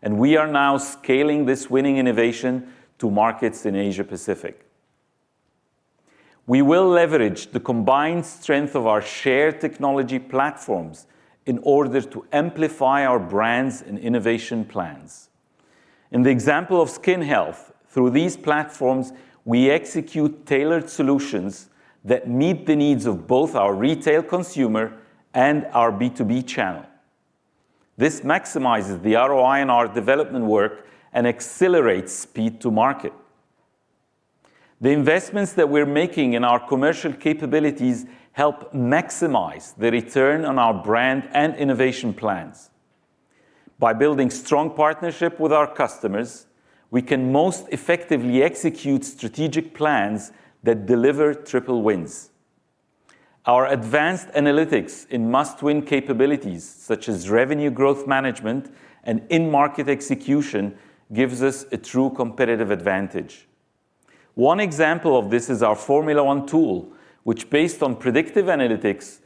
We are now scaling this winning innovation to markets in Asia-Pacific. We will leverage the combined strength of our shared technology platforms in order to amplify our brands and innovation plans. In the example of Skin Health, through these platforms, we execute tailored solutions that meet the needs of both our retail consumer and our B2B channel. This maximizes the ROI in our development work and accelerates speed to market. The investments that we're making in our commercial capabilities help maximize the return on our brand and innovation plans. By building strong partnerships with our customers, we can most effectively execute strategic plans that deliver triple wins. Our advanced analytics in must-win capabilities, such as revenue growth management and in-market execution, give us a true competitive advantage. One example of this is our Formula One tool, which, based on predictive analytics,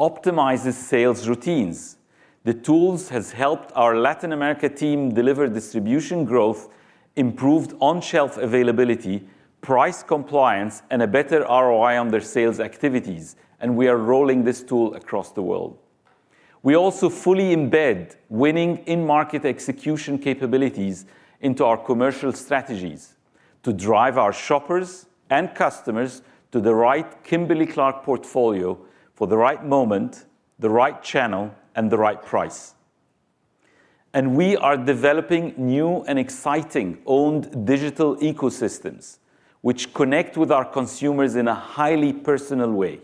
optimizes sales routines. The tool has helped our Latin America team deliver distribution growth, improved on-shelf availability, price compliance, and a better ROI on their sales activities, and we are rolling this tool across the world. We also fully embed winning in-market execution capabilities into our commercial strategies to drive our shoppers and customers to the right Kimberly-Clark portfolio for the right moment, the right channel, and the right price. We are developing new and exciting owned digital ecosystems, which connect with our consumers in a highly personal way.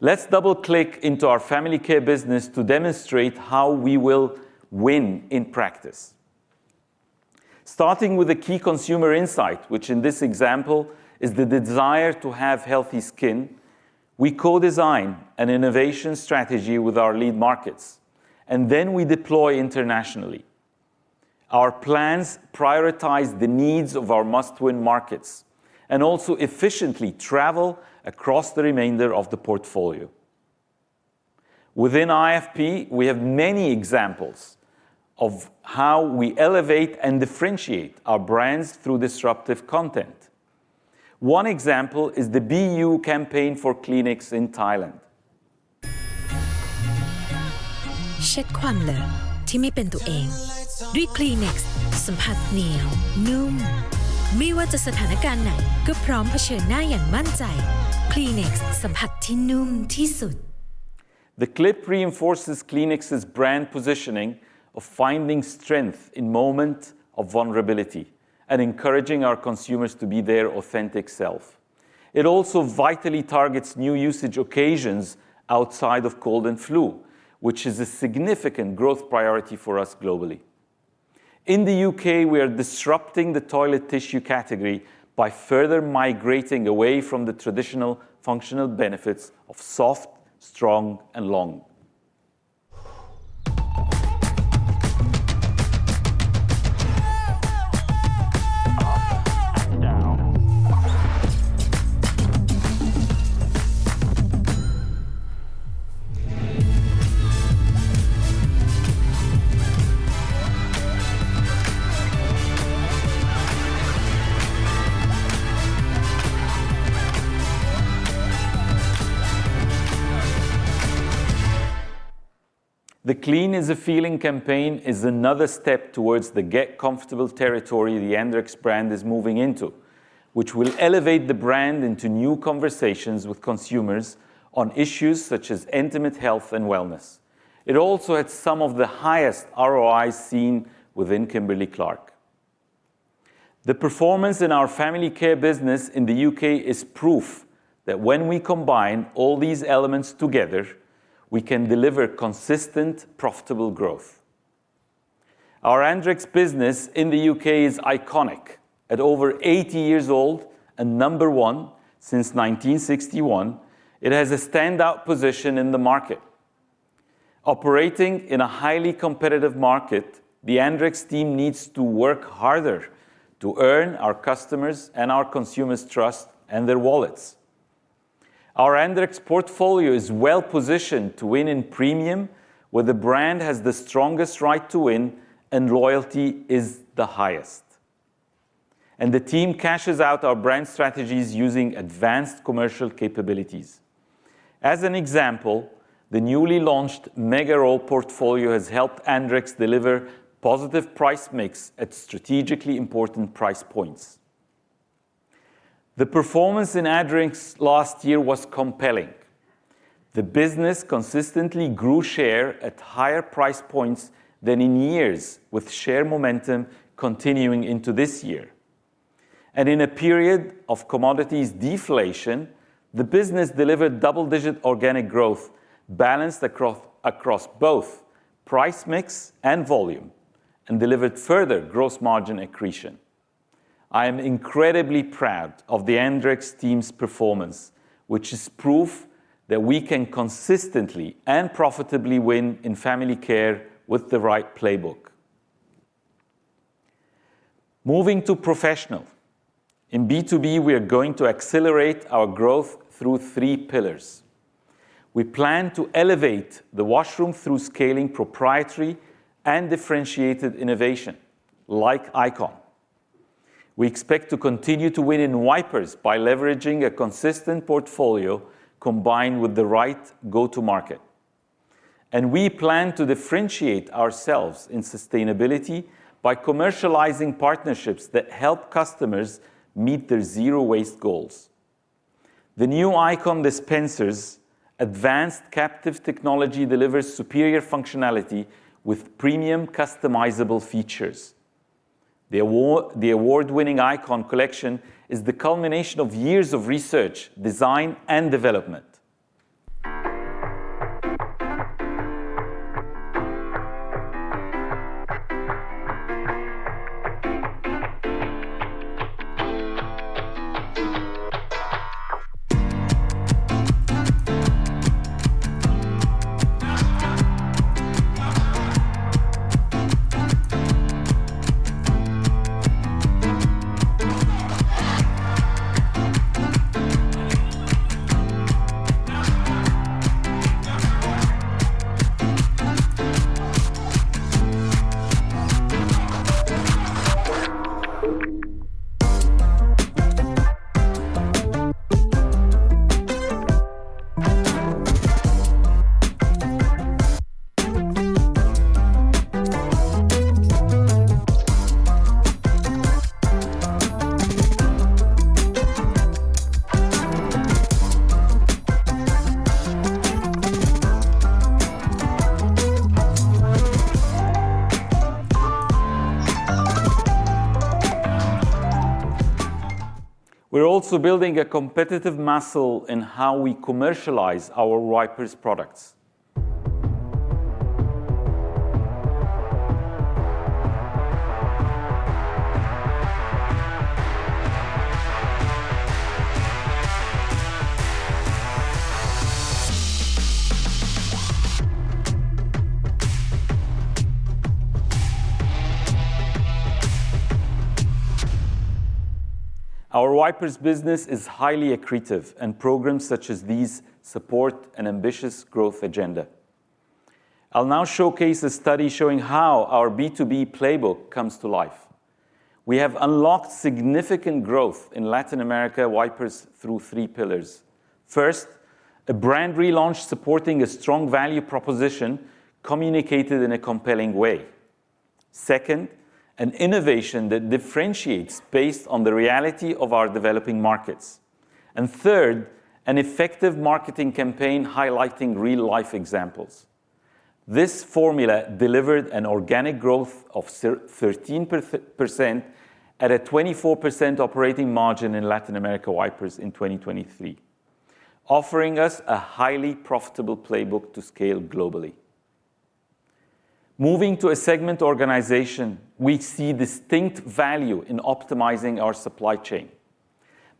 Let's double-click into our family care business to demonstrate how we will win in practice. Starting with a key consumer insight, which in this example is the desire to have healthy skin, we co-design an innovation strategy with our lead markets, and then we deploy internationally. Our plans prioritize the needs of our must-win markets and also efficiently travel across the remainder of the portfolio. Within IFP, we have many examples of how we elevate and differentiate our brands through disruptive content. One example is the BU campaign for Kleenex in Thailand. เช็ดควันเลยที่ไม่เป็นตัวเองด้วย Kleenex สัมผัสเหนียวนุ่มไม่ว่าจะสถานการณ์ไหนก็พร้อมเผชิญหน้าอย่างมั่นใจ Kleenex สัมผัสที่นุ่มที่สุด. The clip reinforces Kleenex's brand positioning of finding strength in moments of vulnerability and encouraging our consumers to be their authentic self. It also vitally targets new usage occasions outside of cold and flu, which is a significant growth priority for us globally. In the UK, we are disrupting the toilet tissue category by further migrating away from the traditional functional benefits of Soft, Strong and Long. The Clean Is a Feeling campaign is another step towards the get-comfortable territory the Andrex brand is moving into, which will elevate the brand into new conversations with consumers on issues such as intimate health and wellness. It also had some of the highest ROIs seen within Kimberly-Clark. The performance in our family care business in the UK is proof that when we combine all these elements together, we can deliver consistent, profitable growth. Our Andrex business in the UK is iconic. At over 80 years old and number one since 1961, it has a standout position in the market. Operating in a highly competitive market, the Andrex team needs to work harder to earn our customers' and our consumers' trust and their wallets. Our Andrex portfolio is well-positioned to win in premium, where the brand has the strongest right to win and loyalty is the highest. And the team cashes out our brand strategies using advanced commercial capabilities. As an example, the newly launched Mega Roll portfolio has helped Andrex deliver positive price mix at strategically important price points. The performance in Andrex last year was compelling. The business consistently grew share at higher price points than in years, with share momentum continuing into this year. And in a period of commodities deflation, the business delivered double-digit organic growth balanced across both price mix and volume and delivered further gross margin accretion. I am incredibly proud of the Andrex team's performance, which is proof that we can consistently and profitably win in Family Care with the right playbook. Moving to Professional, in B2B, we are going to accelerate our growth through three pillars. We plan to elevate the washroom through scaling proprietary and differentiated innovation, like ICON. We expect to continue to win in wipers by leveraging a consistent portfolio combined with the right go-to-market. We plan to differentiate ourselves in sustainability by commercializing partnerships that help customers meet their zero-waste goals. The new ICON dispensers, advanced captive technology, deliver superior functionality with premium customizable features. The award-winning ICON collection is the culmination of years of research, design, and development. We're also building a competitive muscle in how we commercialize our wipers products. Our wipers business is highly accretive, and programs such as these support an ambitious growth agenda. I'll now showcase a study showing how our B2B playbook comes to life. We have unlocked significant growth in Latin America wipers through three pillars. First, a brand relaunch supporting a strong value proposition communicated in a compelling way. Second, an innovation that differentiates based on the reality of our developing markets. And third, an effective marketing campaign highlighting real-life examples. This formula delivered an organic growth of 13% at a 24% operating margin in Latin America wipers in 2023, offering us a highly profitable playbook to scale globally. Moving to a segment organization, we see distinct value in optimizing our supply chain.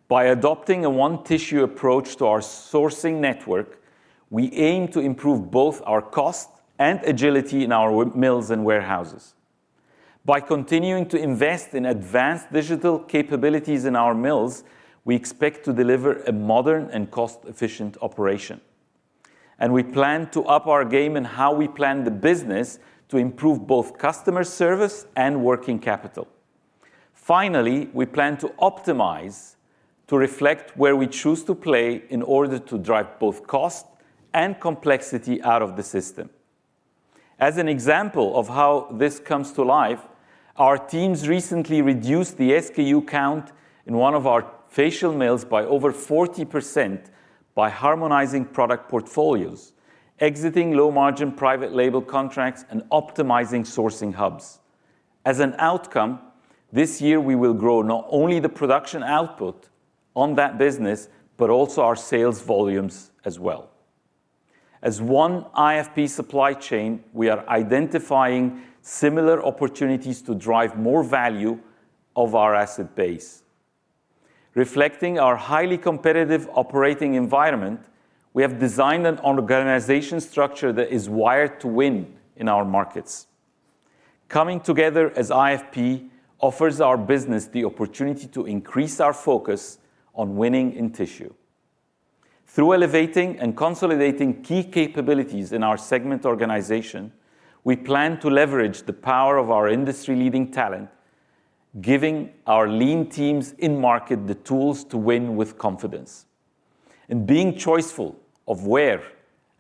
By adopting a one-tissue approach to our sourcing network, we aim to improve both our cost and agility in our mills and warehouses. By continuing to invest in advanced digital capabilities in our mills, we expect to deliver a modern and cost-efficient operation. We plan to up our game in how we plan the business to improve both customer service and working capital. Finally, we plan to optimize to reflect where we choose to play in order to drive both cost and complexity out of the system. As an example of how this comes to life, our teams recently reduced the SKU count in one of our facial mills by over 40% by harmonizing product portfolios, exiting low-margin private label contracts, and optimizing sourcing hubs. As an outcome, this year we will grow not only the production output on that business but also our sales volumes as well. As one IFP supply chain, we are identifying similar opportunities to drive more value of our asset base. Reflecting our highly competitive operating environment, we have designed an organization structure that is wired to win in our markets. Coming together as IFP offers our business the opportunity to increase our focus on winning in tissue. Through elevating and consolidating key capabilities in our segment organization, we plan to leverage the power of our industry-leading talent, giving our lean teams in market the tools to win with confidence. In being choiceful of where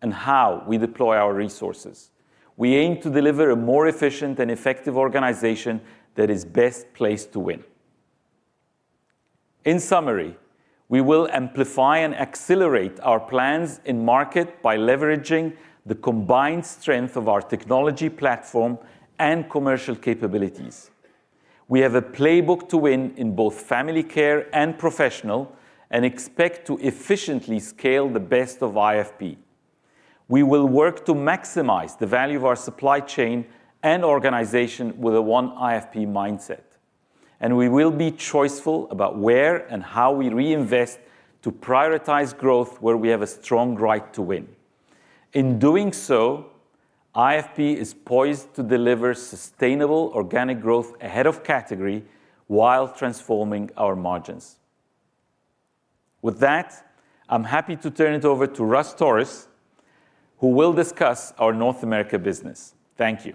and how we deploy our resources, we aim to deliver a more efficient and effective organization that is best placed to win. In summary, we will amplify and accelerate our plans in market by leveraging the combined strength of our technology platform and commercial capabilities. We have a playbook to win in both family care and professional and expect to efficiently scale the best of IFP. We will work to maximize the value of our supply chain and organization with a one-IFP mindset. We will be choiceful about where and how we reinvest to prioritize growth where we have a strong right to win. In doing so, IFP is poised to deliver sustainable organic growth ahead of category while transforming our margins. With that, I'm happy to turn it over to Russ Torres, who will discuss our North America business. Thank you.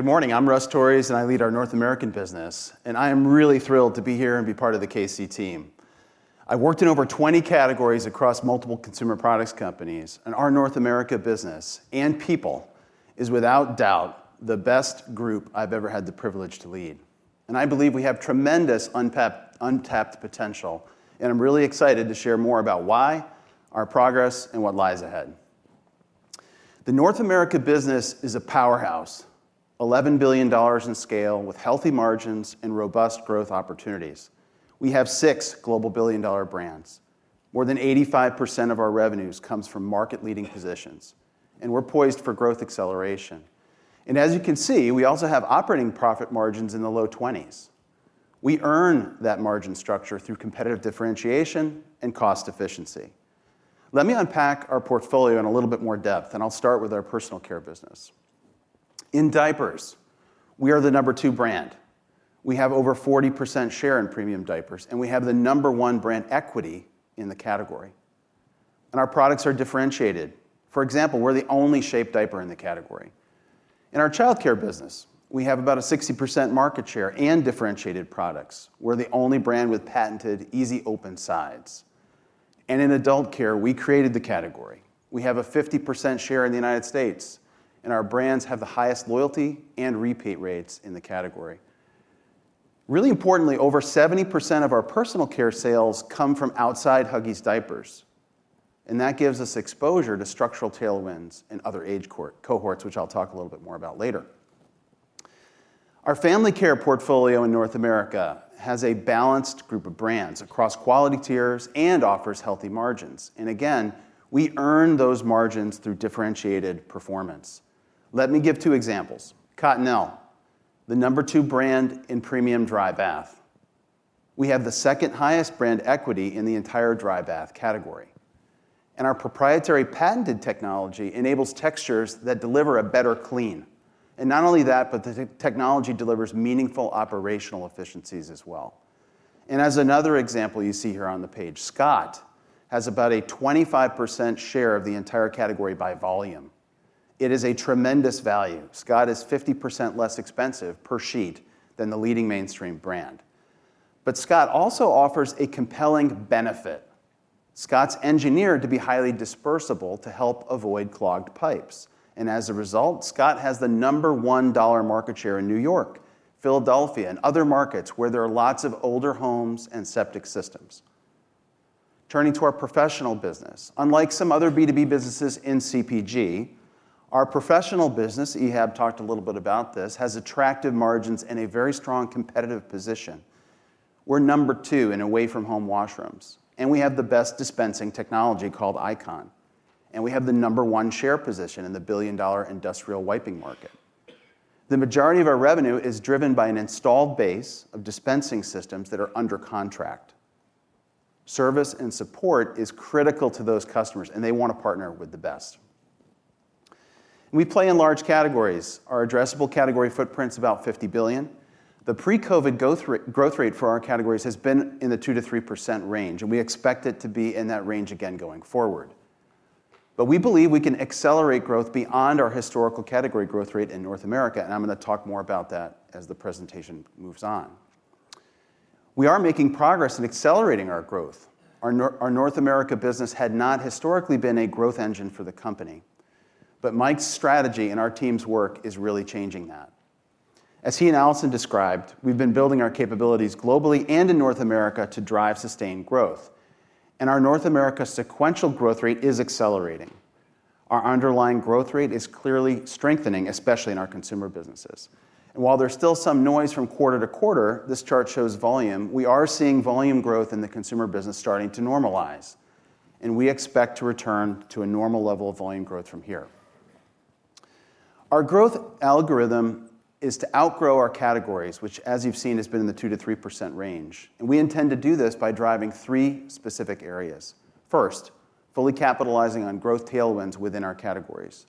Hello. Good morning. I'm Russ Torres, and I lead our North American business. And I am really thrilled to be here and be part of the KC team. I worked in over 20 categories across multiple consumer products companies, and our North America business and people is, without doubt, the best group I've ever had the privilege to lead. And I believe we have tremendous untapped potential. And I'm really excited to share more about why, our progress, and what lies ahead. The North America business is a powerhouse, $11 billion in scale with healthy margins and robust growth opportunities. We have six global billion-dollar brands. More than 85% of our revenues comes from market-leading positions. We're poised for growth acceleration. As you can see, we also have operating profit margins in the low 20s. We earn that margin structure through competitive differentiation and cost efficiency. Let me unpack our portfolio in a little bit more depth, and I'll start with our personal care business. In diapers, we are the number two brand. We have over 40% share in premium diapers, and we have the number one brand equity in the category. Our products are differentiated. For example, we're the only shaped diaper in the category. In our childcare business, we have about a 60% market share and differentiated products. We're the only brand with patented easy-open sides. In adult care, we created the category. We have a 50% share in the United States, and our brands have the highest loyalty and repeat rates in the category. Really importantly, over 70% of our personal care sales come from outside Huggies diapers. And that gives us exposure to structural tailwinds and other age cohorts, which I'll talk a little bit more about later. Our family care portfolio in North America has a balanced group of brands across quality tiers and offers healthy margins. And again, we earn those margins through differentiated performance. Let me give two examples. Cottonelle, the number two brand in premium dry bath. We have the second highest brand equity in the entire dry bath category. And our proprietary patented technology enables textures that deliver a better clean. And not only that, but the technology delivers meaningful operational efficiencies as well. As another example you see here on the page, Scott has about a 25% share of the entire category by volume. It is a tremendous value. Scott is 50% less expensive per sheet than the leading mainstream brand. But Scott also offers a compelling benefit. Scott's engineered to be highly dispersible to help avoid clogged pipes. And as a result, Scott has the number one dollar market share in New York, Philadelphia, and other markets where there are lots of older homes and septic systems. Turning to our professional business, unlike some other B2B businesses in CPG, our professional business, Ehab talked a little bit about this, has attractive margins and a very strong competitive position. We're number two in away-from-home washrooms. And we have the best dispensing technology called ICON. And we have the number one share position in the billion-dollar industrial wiping market. The majority of our revenue is driven by an installed base of dispensing systems that are under contract. Service and support is critical to those customers, and they want to partner with the best. We play in large categories. Our addressable category footprint is about $50 billion. The pre-COVID growth rate for our categories has been in the 2%-3% range, and we expect it to be in that range again going forward. We believe we can accelerate growth beyond our historical category growth rate in North America. I'm going to talk more about that as the presentation moves on. We are making progress in accelerating our growth. Our North America business had not historically been a growth engine for the company. Mike's strategy and our team's work is really changing that. As he and Alison described, we've been building our capabilities globally and in North America to drive sustained growth. Our North America sequential growth rate is accelerating. Our underlying growth rate is clearly strengthening, especially in our consumer businesses. While there's still some noise from quarter to quarter, this chart shows volume. We are seeing volume growth in the consumer business starting to normalize. We expect to return to a normal level of volume growth from here. Our growth algorithm is to outgrow our categories, which, as you've seen, has been in the 2%-3% range. We intend to do this by driving three specific areas. First, fully capitalizing on growth tailwinds within our categories.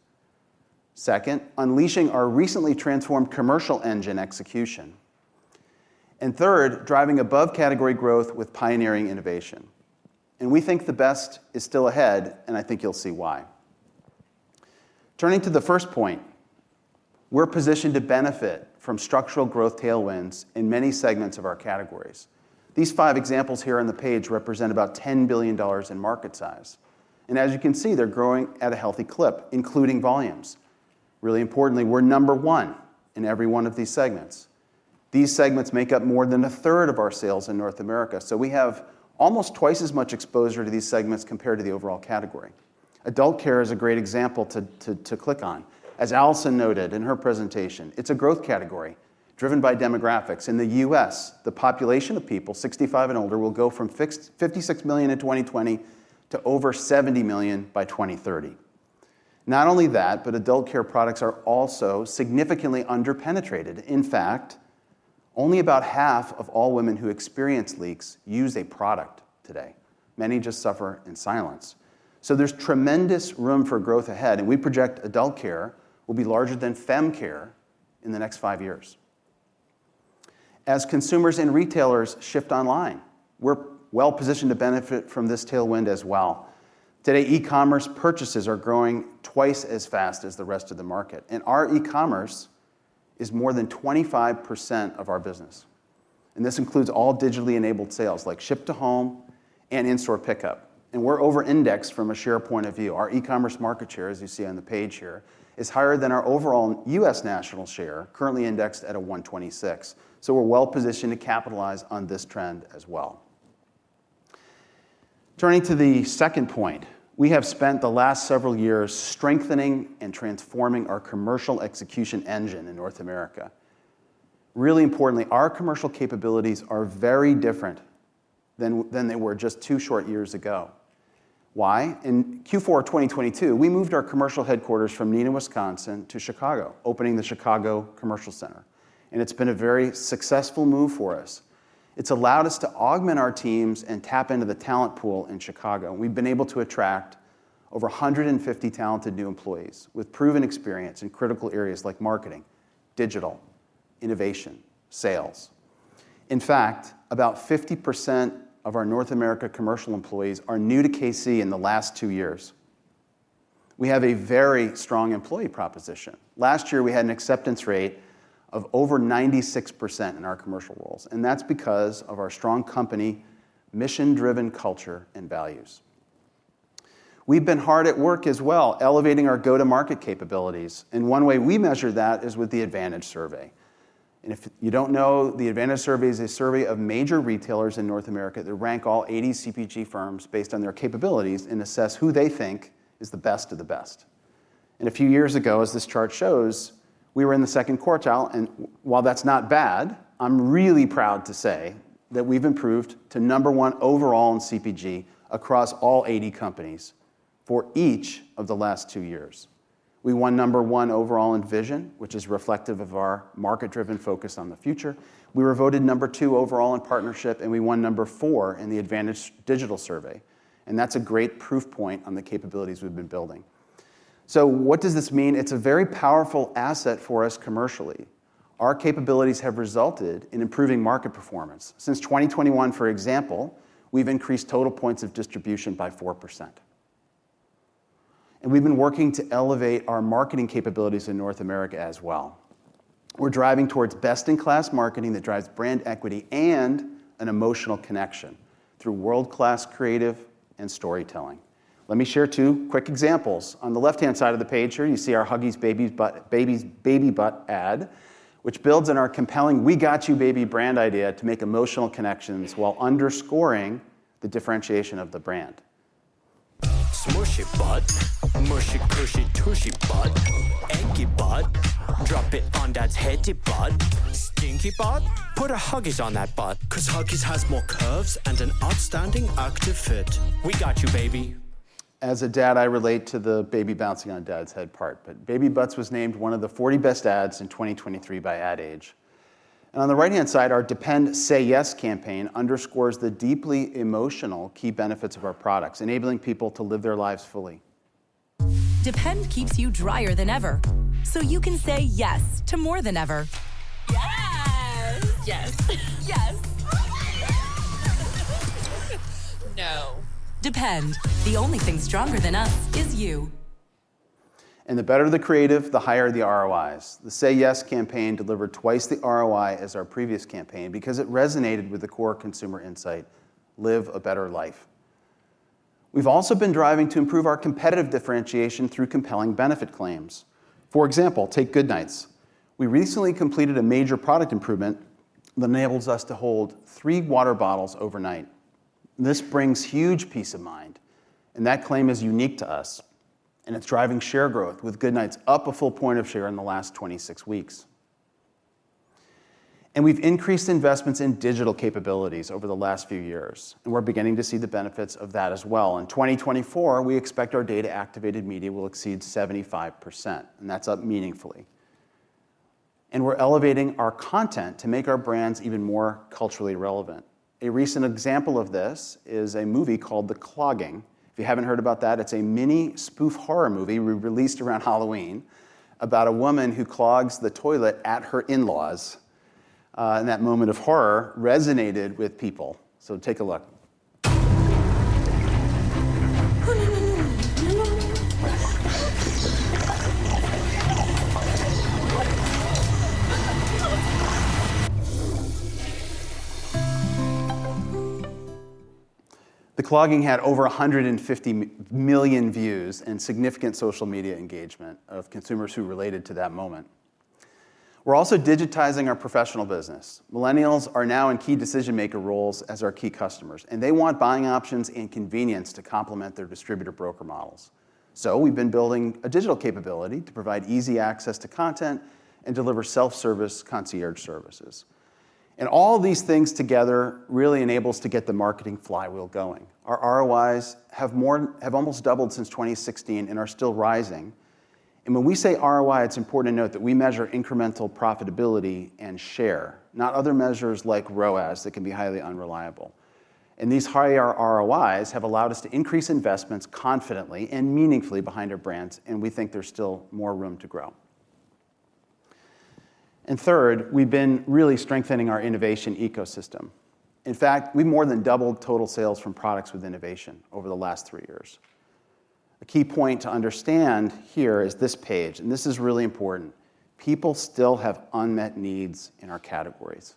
Second, unleashing our recently transformed commercial engine execution. Third, driving above-category growth with pioneering innovation. We think the best is still ahead, and I think you'll see why. Turning to the first point, we're positioned to benefit from structural growth tailwinds in many segments of our categories. These five examples here on the page represent about $10 billion in market size. And as you can see, they're growing at a healthy clip, including volumes. Really importantly, we're number one in every one of these segments. These segments make up more than a third of our sales in North America. So we have almost twice as much exposure to these segments compared to the overall category. Adult care is a great example to click on. As Alison noted in her presentation, it's a growth category driven by demographics. In the U.S., the population of people 65 and older will go from 56 million in 2020 to over 70 million by 2030. Not only that, but adult care products are also significantly underpenetrated. In fact, only about half of all women who experience leaks use a product today. Many just suffer in silence. So there's tremendous room for growth ahead. And we project adult care will be larger than fem care in the next five years. As consumers and retailers shift online, we're well positioned to benefit from this tailwind as well. Today, e-commerce purchases are growing twice as fast as the rest of the market. And our e-commerce is more than 25% of our business. And this includes all digitally enabled sales like ship to home and in-store pickup. And we're over-indexed from a share point of view. Our e-commerce market share, as you see on the page here, is higher than our overall U.S. national share, currently indexed at a 126. So we're well positioned to capitalize on this trend as well. Turning to the second point, we have spent the last several years strengthening and transforming our commercial execution engine in North America. Really importantly, our commercial capabilities are very different than they were just two short years ago. Why? In Q4 of 2022, we moved our commercial headquarters from Neenah, Wisconsin, to Chicago, opening the Chicago Commercial Center. It's been a very successful move for us. It's allowed us to augment our teams and tap into the talent pool in Chicago. We've been able to attract over 150 talented new employees with proven experience in critical areas like marketing, digital, innovation, sales. In fact, about 50% of our North America commercial employees are new to KC in the last two years. We have a very strong employee proposition. Last year, we had an acceptance rate of over 96% in our commercial roles. That's because of our strong company, mission-driven culture, and values. We've been hard at work as well, elevating our go-to-market capabilities. One way we measure that is with the Advantage Survey. If you don't know, the Advantage Survey is a survey of major retailers in North America that rank all 80 CPG firms based on their capabilities and assess who they think is the best of the best. A few years ago, as this chart shows, we were in the second quartile. While that's not bad, I'm really proud to say that we've improved to number 1 overall in CPG across all 80 companies for each of the last 2 years. We won number 1 overall in vision, which is reflective of our market-driven focus on the future. We were voted number 2 overall in partnership, and we won number 4 in the Advantage Digital Survey. And that's a great proof point on the capabilities we've been building. So what does this mean? It's a very powerful asset for us commercially. Our capabilities have resulted in improving market performance. Since 2021, for example, we've increased total points of distribution by 4%. And we've been working to elevate our marketing capabilities in North America as well. We're driving towards best-in-class marketing that drives brand equity and an emotional connection through world-class creative and storytelling. Let me share 2 quick examples. On the left-hand side of the page here, you see our Huggies Baby Butt ad, which builds on our compelling We Got You Baby brand idea to make emotional connections while underscorin g the differentiation of the brand. Smush it, butt. Mush it, push it, tush it, butt. Anchor butt. Drop it on Dad's head. He butt. Stinky butt? Put a Huggies on that butt. Because Huggies has more curves and an outstanding active fit. We got you, baby. As a dad, I relate to the baby bouncing on Dad's head part. But Baby Butt was named one of the 40 best ads in 2023 by Ad Age. And on the right-hand side, our Depend Say Yes campaign underscores the deeply emotional key benefits of our products, enabling people to live their lives fully. Depend keeps you drier than ever. So you can say yes to more than ever. Yes. Yes. Yes. No. Depend. The only thing str onger than us is you. And the better the creative, the higher the ROIs. The Say Yes campaign delivered twice the ROI as our previous campaign because it resonated with the core consumer insight: live a better life. We've also been driving to improve our competitive differentiation through compelling benefit claims. For example, take Goodnites. We recently completed a major product improvement that enables us to hold three water bottles overnight. This brings huge peace of mind. That claim is unique to us. It's driving share growth, with Goodnites up a full point of share in the last 26 weeks. We've increased investments in digital capabilities over the last few years. We're beginning to see the benefits of that as well. In 2024, we expect our data-activated media will exceed 75%. That's up meaningfully. We're elevating our content to make our brands even more culturally relevant. A recent example of this is a movie called The Clogging. If you haven't heard about that, it's a mini spoof horror movie released around Halloween about a woman who clogs the toilet at her in-laws. That moment of horror resonated with people. Take a look. The Clogging had over 150 million views and significant social media engagement of consumers who related to that moment. We're also digitizing our professional business. Millennials are now in key decision-maker roles as our key customers. They want buying options and convenience to complement their distributor broker models. We've been building a digital capability to provide easy access to content and deliver self-service concierge services. All these things together really enable us to get the marketing flywheel going. Our ROIs have almost doubled since 2016 and are still rising. When we say ROI, it's important to note that we measure incremental profitability and share, not other measures like ROAS that can be highly unreliable. These higher ROIs have allowed us to increase investments confidently and meaningfully behind our brands. We think there's still more room to grow. Third, we've been really strengthening our innovation ecosystem. In fact, we've more than doubled total sales from products with innovation over the last 3 years. A key point to understand here is this page. This is really important. People still have unmet needs in our categories.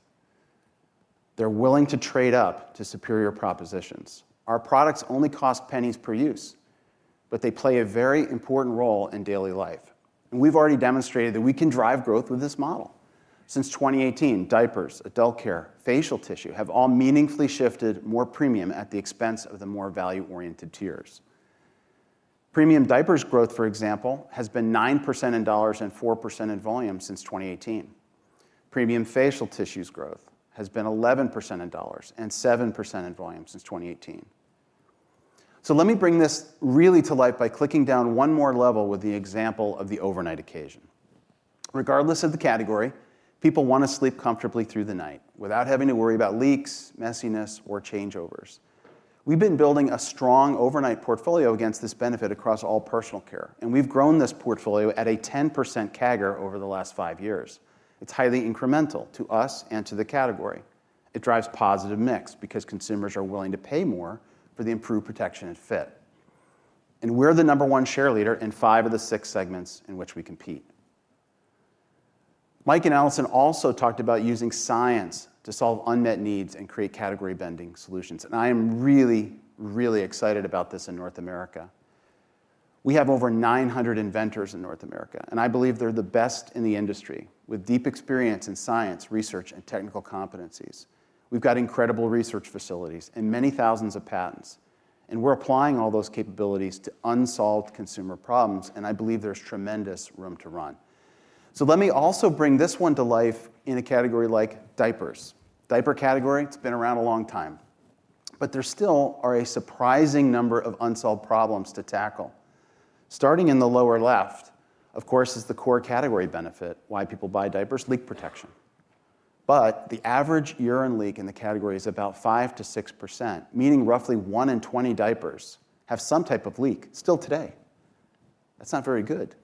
They're willing to trade up to superior propositions. Our products only cost pennies per use, but they play a very important role in daily life. We've already demonstrated that we can drive growth with this model. Since 2018, diapers, adult care, facial tissue have all meaningfully shifted more premium at the expense of the more value-oriented tiers. Premium diapers growth, for example, has been 9% in dollars and 4% in volume since 2018. Premium facial tissues growth has been 11% in dollars and 7% in volume since 2018. So let me bring this really to light by clicking down one more level with the example of the overnight occasion. Regardless of the category, people want to sleep comfortably through the night without having to worry about leaks, messiness, or changeovers. We've been building a strong overnight portfolio against this benefit across all personal care. We've grown this portfolio at a 10% CAGR over the last five years. It's highly incremental to us and to the category. It drives positive mix because consumers are willing to pay more for the improved protection and fit. We're the number one share leader in five of the six segments in which we compete. Mike and Alison also talked about using science to solve unmet needs and create category-bending solutions. I am really, really excited about this in North America. We have over 900 inventors in North America. I believe they're the best in the industry with deep experience in science, research, and technical competencies. We've got incredible research facilities and many thousands of patents. We're applying all those capabilities to unsolved consumer problems. I believe there's tremendous room to run. Let me also bring this one to life in a category like diapers. Diaper category, it's been around a long time. There still are a surprising number of unsolved problems to tackle. Starting in the lower left, of course, is the core category benefit, why people buy diapers: leak protection. The average urine leak in the category is about 5%-6%, meaning roughly 1 in 20 diapers have some type of leak still today. That's not very good.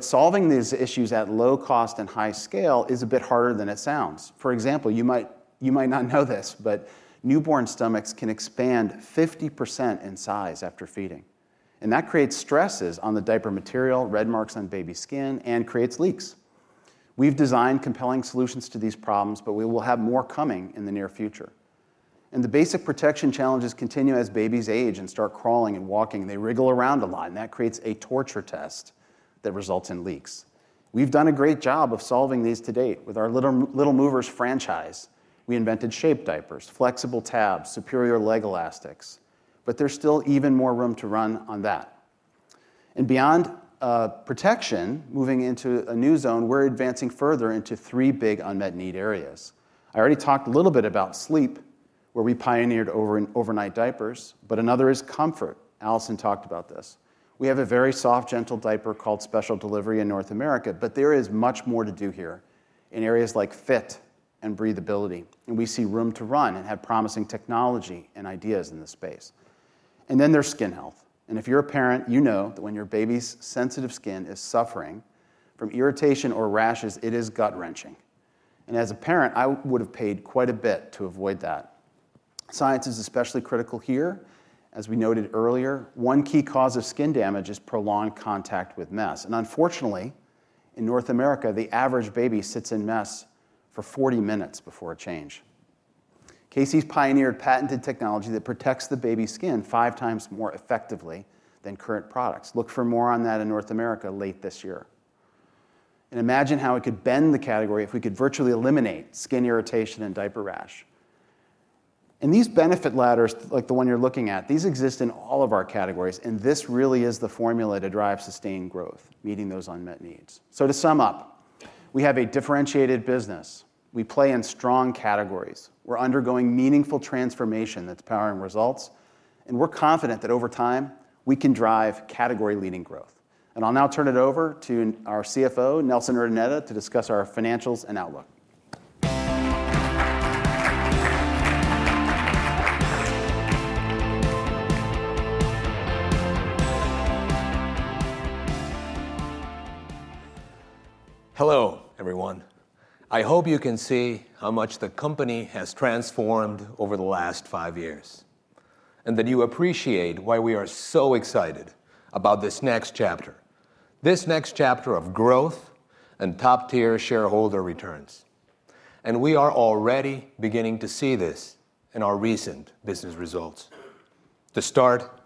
Solving these issues at low cost and high scale is a bit harder than it sounds. For example, you might not know this, but newborn stomachs can expand 50% in size after feeding. That creates stresses on the diaper material, red marks on baby skin, and creates leaks. We've designed compelling solutions to these problems, but we will have more coming in the near future. The basic protection challenges continue as babies age and start crawling and walking. They wriggle around a lot. That creates a torture test that results in leaks. We've done a great job of solving these to date with our Little Movers franchise. We invented shape diapers, flexible tabs, superior leg elastics. But there's still even more room to run on that. Beyond protection, moving into a new zone, we're advancing further into three big unmet need areas. I already talked a little bit about sleep, where we pioneered overnight diapers. But another is comfort. Alison talked about this. We have a very soft, gentle diaper called Special Delivery in North America. But there is much more to do here in areas like fit and breathability. We see room to run and have promising technology and ideas in this space. Then there's skin health. If you're a parent, you know that when your baby's sensitive skin is suffering from irritation or rashes, it is gut-wrenching. As a parent, I would have paid quite a bit to avoid that. Science is especially critical here. As we noted earlier, one key cause of skin damage is prolonged contact with mess. Unfortunately, in North America, the average baby sits in mess for 40 minutes before a change. KC's pioneered patented technology that protects the baby's skin five times more effectively than current products. Look for more on that in North America late this year. Imagine how it could bend the category if we could virtually eliminate skin irritation and diaper rash. These benefit ladders, like the one you're looking at, these exist in all of our categories. This really is the formula to drive sustained growth, meeting those unmet needs. To sum up, we have a differentiated business. We play in strong categories. We're undergoing meaningful transformation that's powering results. We're confident that over time, we can drive category-leading growth. I'll now turn it over to our CFO, Nelson Urdaneta, to discuss our financials and outlook. Hello, everyone. I hope you can see how much the company has transformed over the last five years and that you appreciate why we are so excited about this next chapter, this next chapter of growth and top-tier shareholder returns. We are already beginning to see this in our recent business results. To start,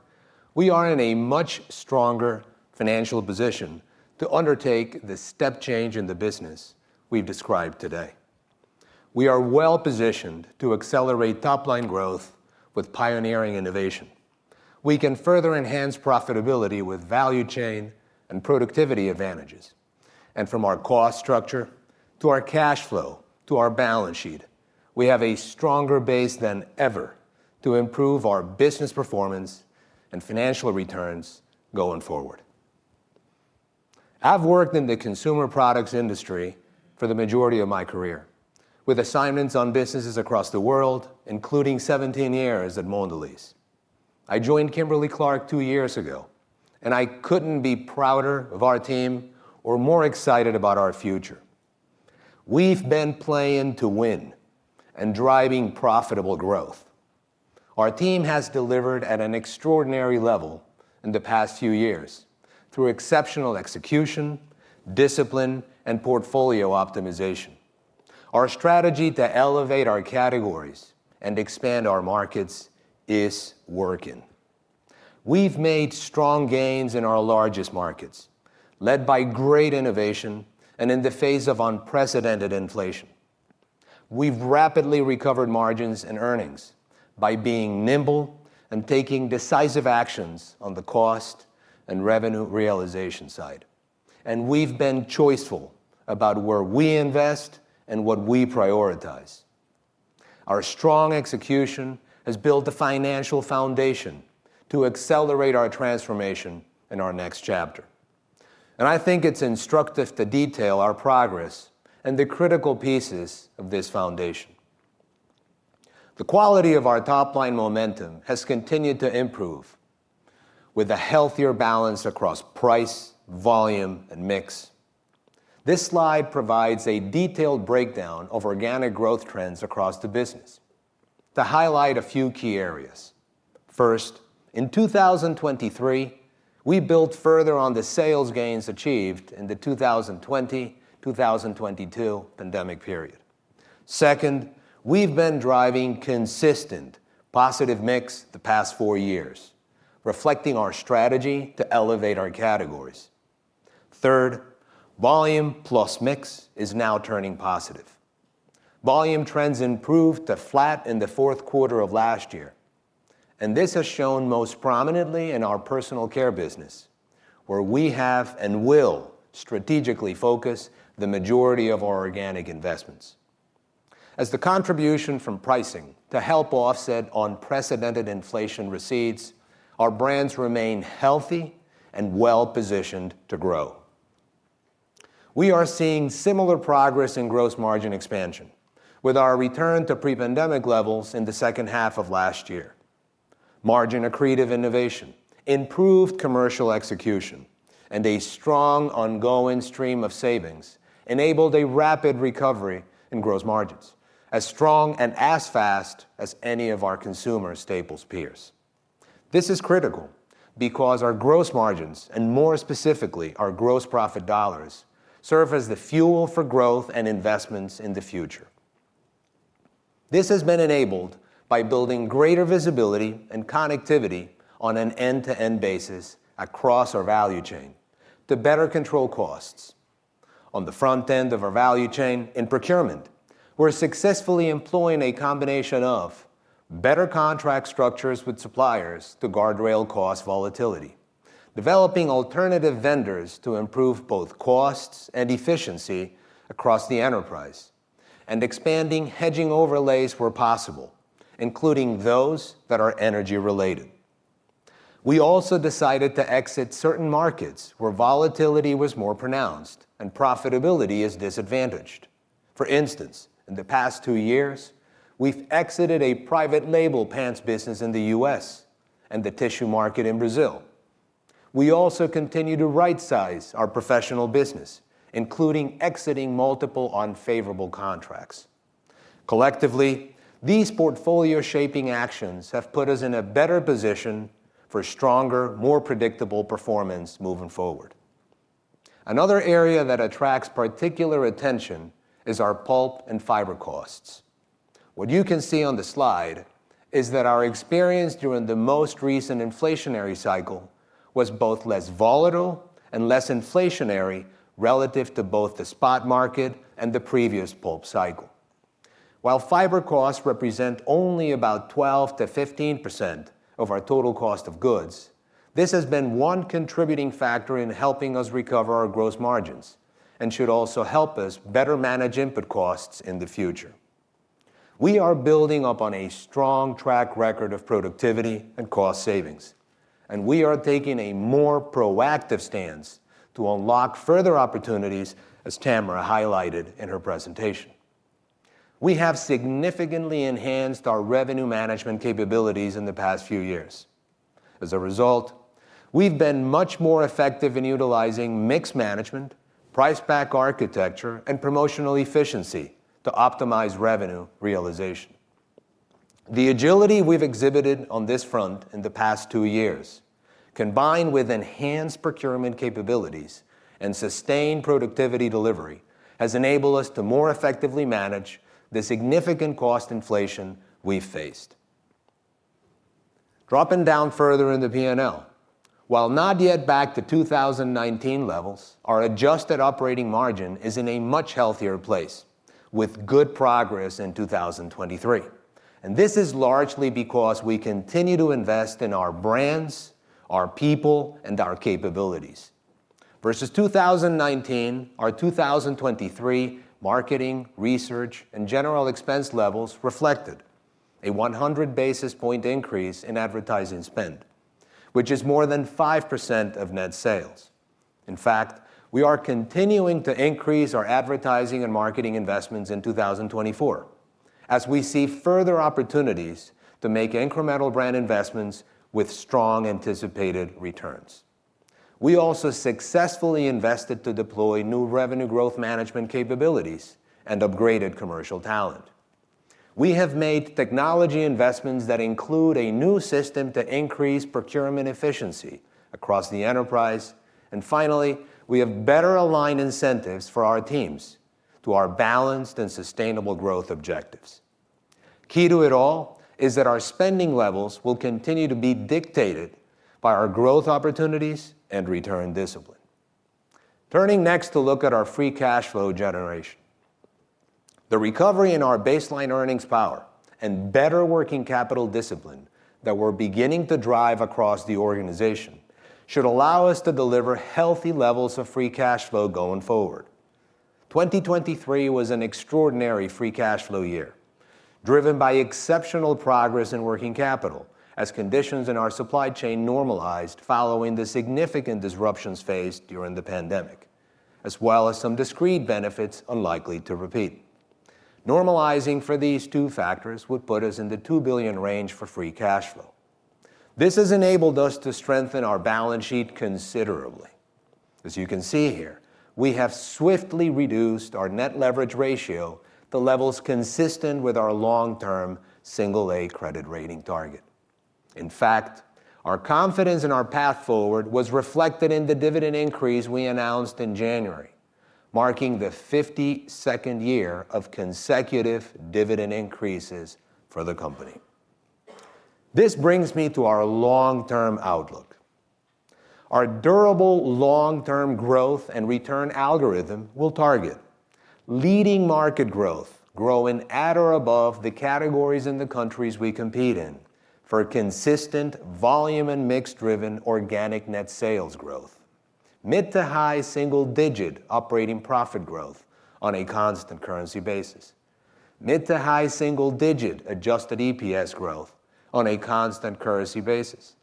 we are in a much stronger financial position to undertake the step change in the business we've described today. We are well-positioned to accelerate top-line growth with pioneering innovation. We can further enhance profitability with value chain and productivity advantages. From our cost structure to our cash flow to our balance sheet, we have a stronger base than ever to improve our business performance and financial returns going forward. I've worked in the consumer products industry for the majority of my career with assignments on businesses across the world, including 17 years at Mondelēz. I joined Kimberly-Clark two years ago. I couldn't be prouder of our team or more excited about our future. We've been playing to win and driving profitable growth. Our team has delivered at an extraordinary level in the past few years through exceptional execution, discipline, and portfolio optimization. Our strategy to elevate our categories and expand our markets is working. We've made strong gains in our largest markets, led by great innovation and in the face of unprecedented inflation. We've rapidly recovered margins and earnings by being nimble and taking decisive actions on the cost and revenue realization side. We've been choiceful about where we invest and what we prioritize. Our strong execution has built the financial foundation to accelerate our transformation in our next chapter. I think it's instructive to detail our progress and the critical pieces of this foundation. The quality of our top-line momentum has continued to improve with a healthier balance across price, volume, and mix. This slide provides a detailed breakdown of organic growth trends across the business to highlight a few key areas. First, in 2023, we built further on the sales gains achieved in the 2020-2022 pandemic period. Second, we've been driving consistent positive mix the past 4 years, reflecting our strategy to elevate our categories. Third, volume plus mix is now turning positive. Volume trends improved to flat in the fourth quarter of last year. This has shown most prominently in our personal care business, where we have and will strategically focus the majority of our organic investments. As the contribution from pricing to help offset unprecedented inflation recedes, our brands remain healthy and well-positioned to grow. We are seeing similar progress in gross margin expansion with our return to pre-pandemic levels in the second half of last year. Margin accretive innovation, improved commercial execution, and a strong ongoing stream of savings enabled a rapid recovery in gross margins, as strong and as fast as any of our consumer staples peers. This is critical because our gross margins, and more specifically our gross profit dollars, serve as the fuel for growth and investments in the future. This has been enabled by building greater visibility and connectivity on an end-to-end basis across our value chain to better control costs. On the front end of our value chain in procurement, we're successfully employing a combination of better contract structures with suppliers to guardrail cost volatility, developing alternative vendors to improve both costs and efficiency across the enterprise, and expanding hedging overlays where possible, including those that are energy-related. We also decided to exit certain markets where volatility was more pronounced and profitability is disadvantaged. For instance, in the past 2 years, we've exited a private label pants business in the U.S. and the tissue market in Brazil. We also continue to right-size our professional business, including exiting multiple unfavorable contracts. Collectively, these portfolio-shaping actions have put us in a better position for stronger, more predictable performance moving forward. Another area that attracts particular attention is our pulp and fiber costs. What you can see on the slide is that our experience during the most recent inflationary cycle was both less volatile and less inflationary relative to both the spot market and the previous pulp cycle. While fiber costs represent only about 12%-15% of our total cost of goods, this has been one contributing factor in helping us recover our gross margins and should also help us better manage input costs in the future. We are building up on a strong track record of productivity and cost savings. We are taking a more proactive stance to unlock further opportunities, as Tamera highlighted in her presentation. We have significantly enhanced our revenue management capabilities in the past few years. As a result, we've been much more effective in utilizing mix management, price-pack architecture, and promotional efficiency to optimize revenue realization. The agility we've exhibited on this front in the past two years, combined with enhanced procurement capabilities and sustained productivity delivery, has enabled us to more effectively manage the significant cost inflation we've faced. Dropping down further in the P&L, while not yet back to 2019 levels, our adjusted operating margin is in a much healthier place with good progress in 2023. This is largely because we continue to invest in our brands, our people, and our capabilities. Versus 2019, our 2023 marketing, research, and general expense levels reflected a 100 basis point increase in advertising spend, which is more than 5% of net sales. In fact, we are continuing to increase our advertising and marketing investments in 2024 as we see further opportunities to make incremental brand investments with strong anticipated returns. We also successfully invested to deploy new revenue growth management capabilities and upgraded commercial talent. We have made technology investments that include a new system to increase procurement efficiency across the enterprise. And finally, we have better aligned incentives for our teams to our balanced and sustainable growth objectives. Key to it all is that our spending levels will continue to be dictated by our growth opportunities and return discipline. Turning next to look at our free cash flow generation, the recovery in our baseline earnings power and better working capital discipline that we're beginning to drive across the organization should allow us to deliver healthy levels of free cash flow going forward. 2023 was an extraordinary free cash flow year, driven by exceptional progress in working capital as conditions in our supply chain normalized following the significant disruptions faced during the pandemic, as well as some discrete benefits unlikely to repeat. Normalizing for these two factors would put us in the $2 billion range for free cash flow. This has enabled us to strengthen our balance sheet considerably. As you can see here, we have swiftly reduced our net leverage ratio to levels consistent with our long-term single-A credit rating target. In fact, our confidence in our path forward was reflected in the dividend increase we announced in January, marking the 52nd year of consecutive dividend increases for the company. This brings me to our long-term outlook. Our durable long-term growth and return algorithm will target leading market growth growing at or above the categories in the countries we compete in for consistent volume and mix-driven organic net sales growth, mid- to high-single-digit operating profit growth on a constant currency basis, mid- to high-single-digit adjusted EPS growth on a constant currency basis,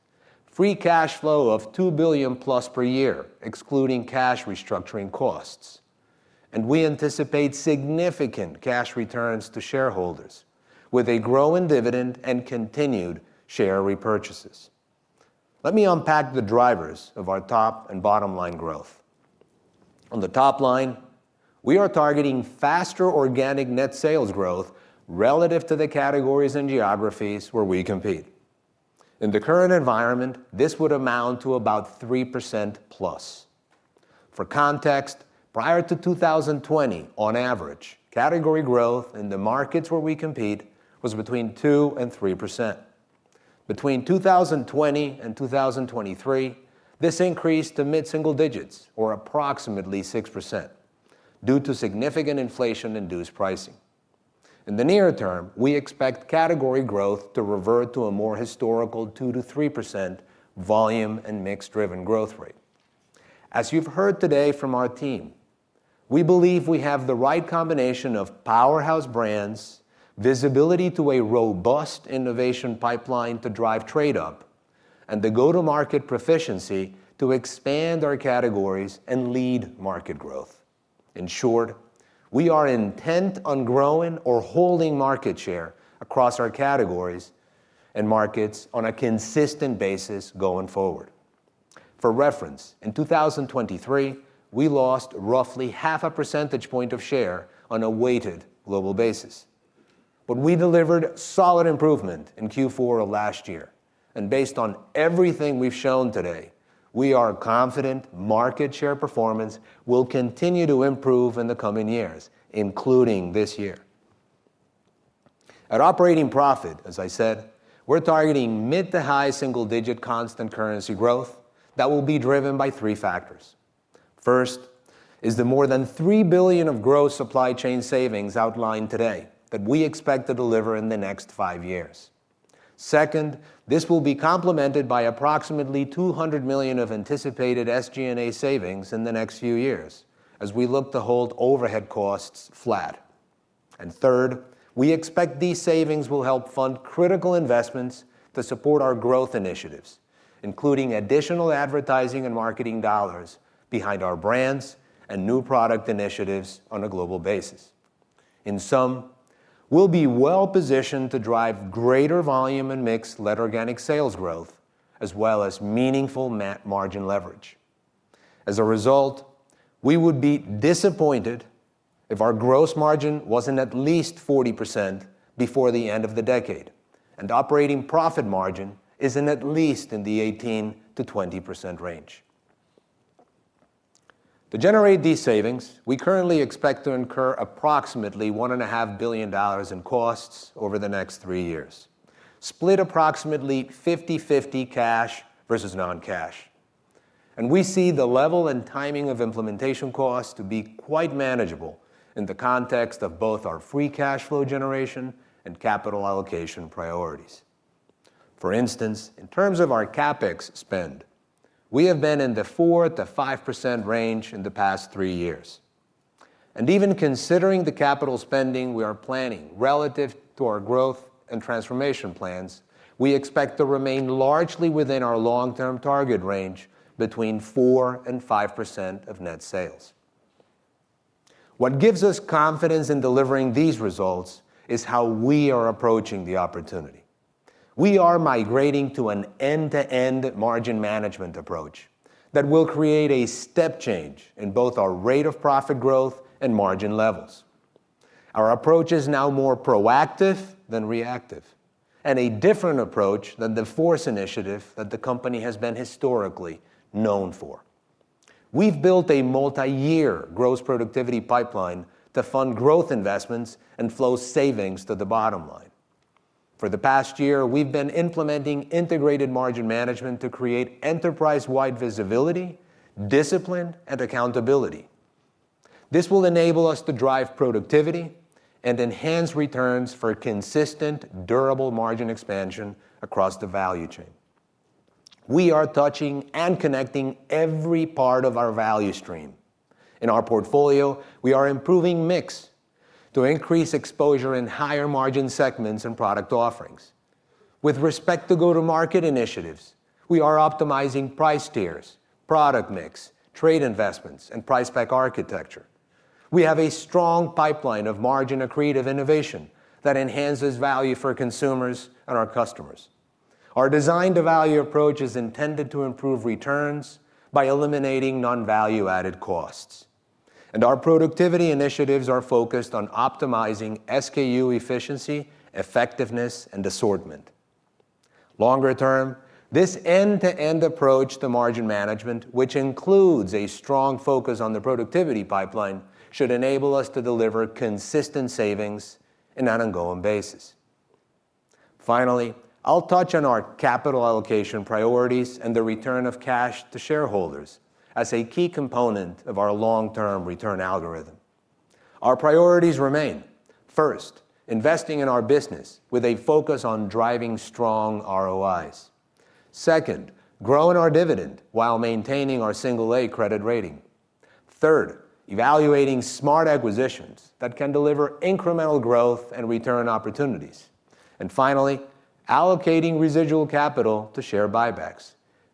free cash flow of $2 billion+ per year excluding cash restructuring costs. And we anticipate significant cash returns to shareholders with a growing dividend and continued share repurchases. Let me unpack the drivers of our top and bottom-line growth. On the top line, we are targeting faster organic net sales growth relative to the categories and geographies where we compete. In the current environment, this would amount to about 3%+. For context, prior to 2020, on average, category growth in the markets where we compete was between 2%-3%. Between 2020 and 2023, this increased to mid-single digits or approximately 6% due to significant inflation-induced pricing. In the near term, we expect category growth to revert to a more historical 2%-3% volume and mix-driven growth rate. As you've heard today from our team, we believe we have the right combination of powerhouse brands, visibility to a robust innovation pipeline to drive trade-up, and the go-to-market proficiency to expand our categories and lead market growth. In short, we are intent on growing or holding market share across our categories and markets on a consistent basis going forward. For reference, in 2023, we lost roughly half a percentage point of share on a weighted global basis. But we delivered solid improvement in Q4 of last year. And based on everything we've shown today, we are confident market share performance will continue to improve in the coming years, including this year. At operating profit, as I said, we're targeting mid to high single-digit constant currency growth that will be driven by three factors. First is the more than $3 billion of gross supply chain savings outlined today that we expect to deliver in the next five years. Second, this will be complemented by approximately $200 million of anticipated SG&A savings in the next few years as we look to hold overhead costs flat. Third, we expect these savings will help fund critical investments to support our growth initiatives, including additional advertising and marketing dollars behind our brands and new product initiatives on a global basis. In sum, we'll be well-positioned to drive greater volume and mix-led organic sales growth as well as meaningful net margin leverage. As a result, we would be disappointed if our gross margin wasn't at least 40% before the end of the decade and operating profit margin isn't at least in the 18%-20% range. To generate these savings, we currently expect to incur approximately $1.5 billion in costs over the next three years, split approximately 50/50 cash versus non-cash. We see the level and timing of implementation costs to be quite manageable in the context of both our free cash flow generation and capital allocation priorities. For instance, in terms of our CapEx spend, we have been in the 4%-5% range in the past 3 years. Even considering the capital spending we are planning relative to our growth and transformation plans, we expect to remain largely within our long-term target range between 4% and 5% of net sales. What gives us confidence in delivering these results is how we are approaching the opportunity. We are migrating to an end-to-end margin management approach that will create a step change in both our rate of profit growth and margin levels. Our approach is now more proactive than reactive and a different approach than the FORCE initiative that the company has been historically known for. We've built a multi-year gross productivity pipeline to fund growth investments and flow savings to the bottom line. For the past year, we've been implementing Integrated Margin Management to create enterprise-wide visibility, discipline, and accountability. This will enable us to drive productivity and enhance returns for consistent, durable margin expansion across the value chain. We are touching and connecting every part of our value stream. In our portfolio, we are improving mix to increase exposure in higher margin segments and product offerings. With respect to go-to-market initiatives, we are optimizing price tiers, product mix, trade investments, and price-pack architecture. We have a strong pipeline of margin accretive innovation that enhances value for consumers and our customers. Our design-to-value approach is intended to improve returns by eliminating non-value-added costs. Our productivity initiatives are focused on optimizing SKU efficiency, effectiveness, and assortment. Longer term, this end-to-end approach to margin management, which includes a strong focus on the productivity pipeline, should enable us to deliver consistent savings on an ongoing basis. Finally, I'll touch on our capital allocation priorities and the return of cash to shareholders as a key component of our long-term return algorithm. Our priorities remain. First, investing in our business with a focus on driving strong ROIs. Second, growing our dividend while maintaining our single-A credit rating. Third, evaluating smart acquisitions that can deliver incremental growth and return opportunities. And finally, allocating residual capital to share buybacks,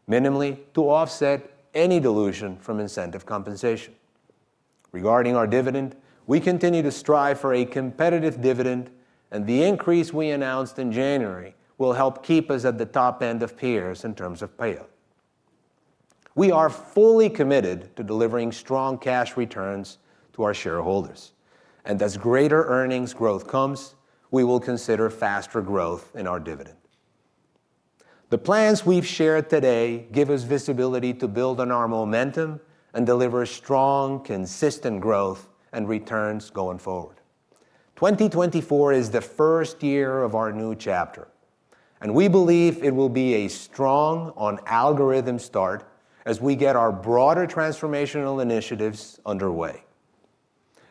minimally to offset any dilution from incentive compensation. Regarding our dividend, we continue to strive for a competitive dividend. The increase we announced in January will help keep us at the top end of peers in terms of payout. We are fully committed to delivering strong cash returns to our shareholders. As greater earnings growth comes, we will consider faster growth in our dividend. The plans we've shared today give us visibility to build on our momentum and deliver strong, consistent growth and returns going forward. 2024 is the first year of our new chapter. We believe it will be a strong on-algorithm start as we get our broader transformational initiatives underway.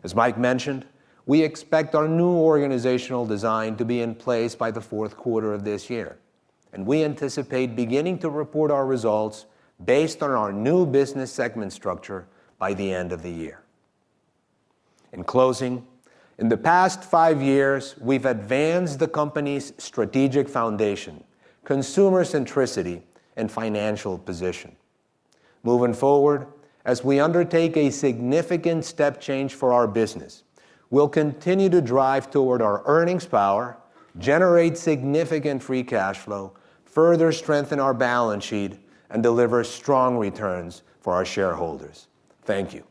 As Mike mentioned, we expect our new organizational design to be in place by the fourth quarter of this year. We anticipate beginning to report our results based on our new business segment structure by the end of the year. In closing, in the past five years, we've advanced the company's strategic foundation, consumer centricity, and financial position. Moving forward, as we undertake a significant step change for our business, we'll continue to drive toward our earnings power, generate significant free cash flow, further strengthen our balance sheet, and deliver strong returns for our shareholders. Thank you.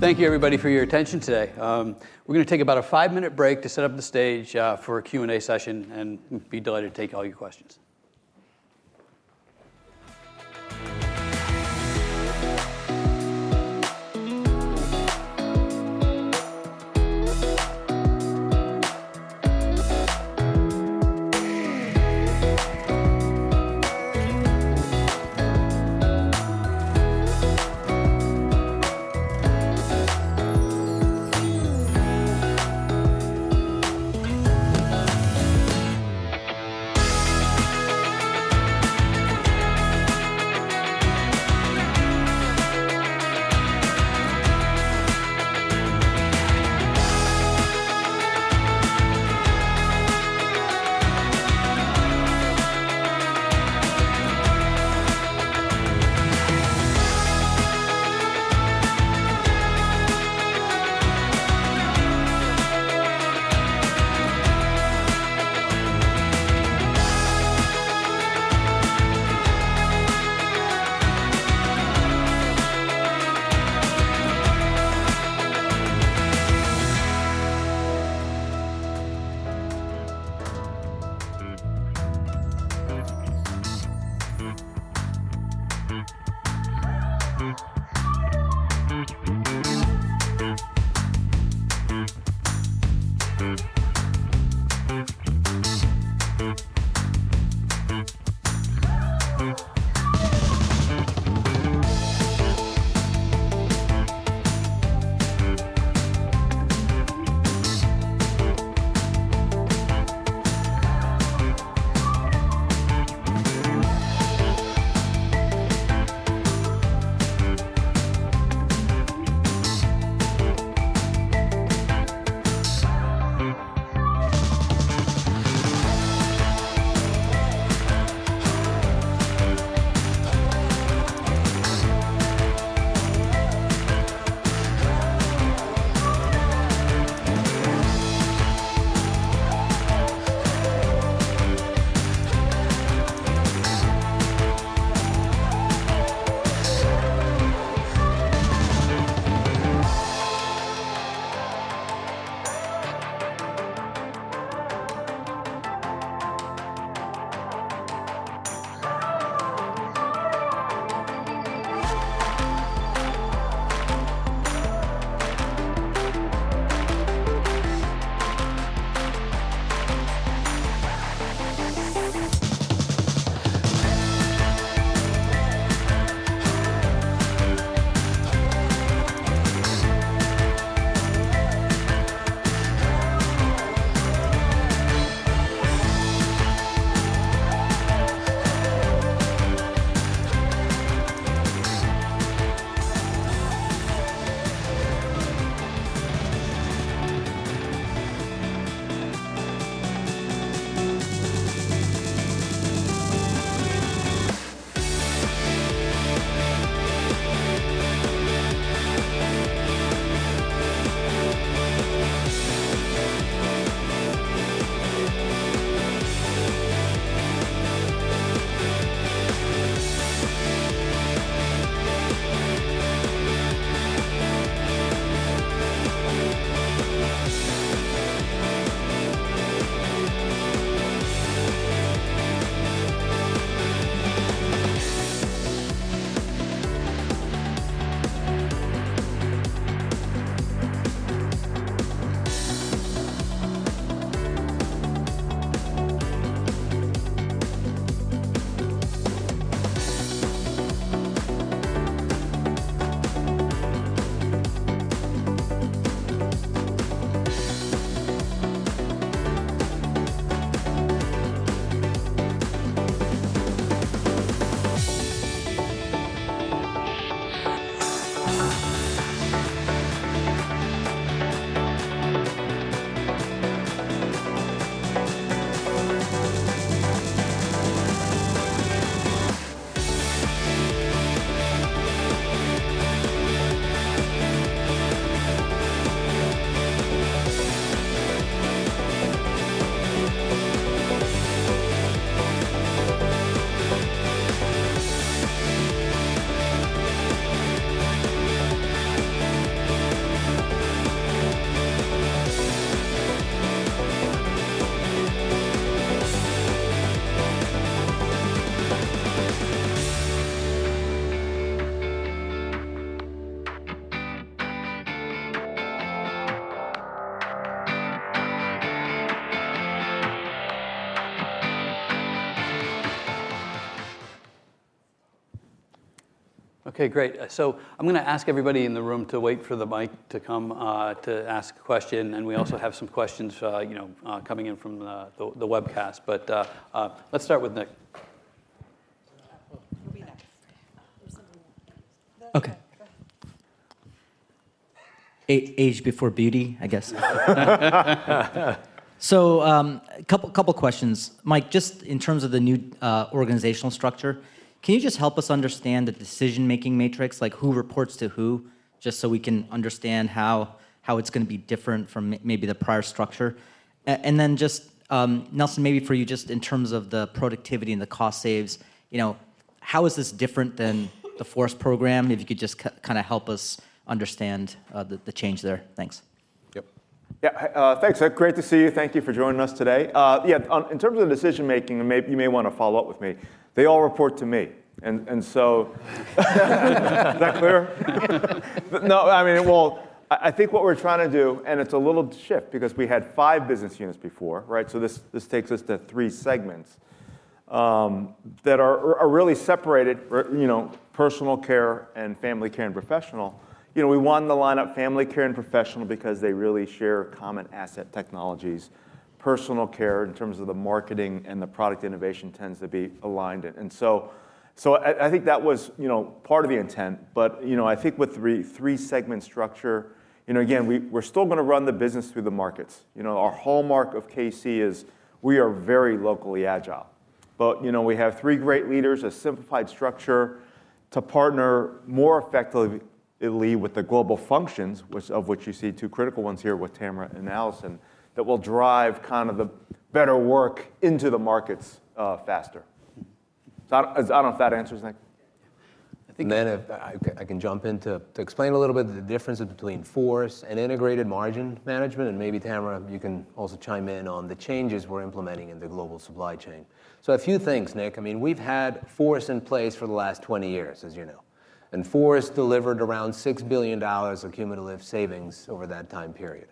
Thank you, everybody, for your attention today. We're going to take about a 5-minute break to set up the stage for a Q&A session. We'd be delighted to take all your questions. Okay, great. So I'm going to ask everybody in the room to wait for the mic to come to ask a question. We also have some questions coming in from the webcast. Let's start with Nick. Age before beauty, I guess. So a couple of questions. Mike, just in terms of the new organizational structure, can you just help us understand the decision-making matrix, like who reports to who, just so we can understand how it's going to be different from maybe the prior structure? And then just Nelson, maybe for you, just in terms of the productivity and the cost saves, how is this different than the FORCE program, if you could just kind of help us understand the change there? Thanks. Yep. Yeah, thanks. Great to see you. Thank you for joining us today. Yeah, in terms of the decision-making, you may want to follow up with me. They all report to me. And so is that clear? No, I mean, well, I think what we're trying to do, and it's a little shift because we had five business units before, right? So this takes us to three segments that are really separated: personal care, family care, and professional. We want to line up family care and professional because they really share common asset technologies. Personal care, in terms of the marketing and the product innovation, tends to be aligned. And so I think that was part of the intent. But I think with three-segment structure, again, we're still going to run the business through the markets. Our hallmark of KC is we are very locally agile. We have three great leaders, a simplified structure to partner more effectively with the global functions, of which you see two critical ones here with Tamera and Alison, that will drive kind of the better work into the markets faster. I don't know if that answers Nick. I think. Nick, I can jump in to explain a little bit the differences between FORCE and Integrated Margin Management. Maybe, Tamera, you can also chime in on the changes we're implementing in the global supply chain. A few things, Nick. I mean, we've had FORCE in place for the last 20 years, as you know. And FORCE delivered around $6 billion of cumulative savings over that time period.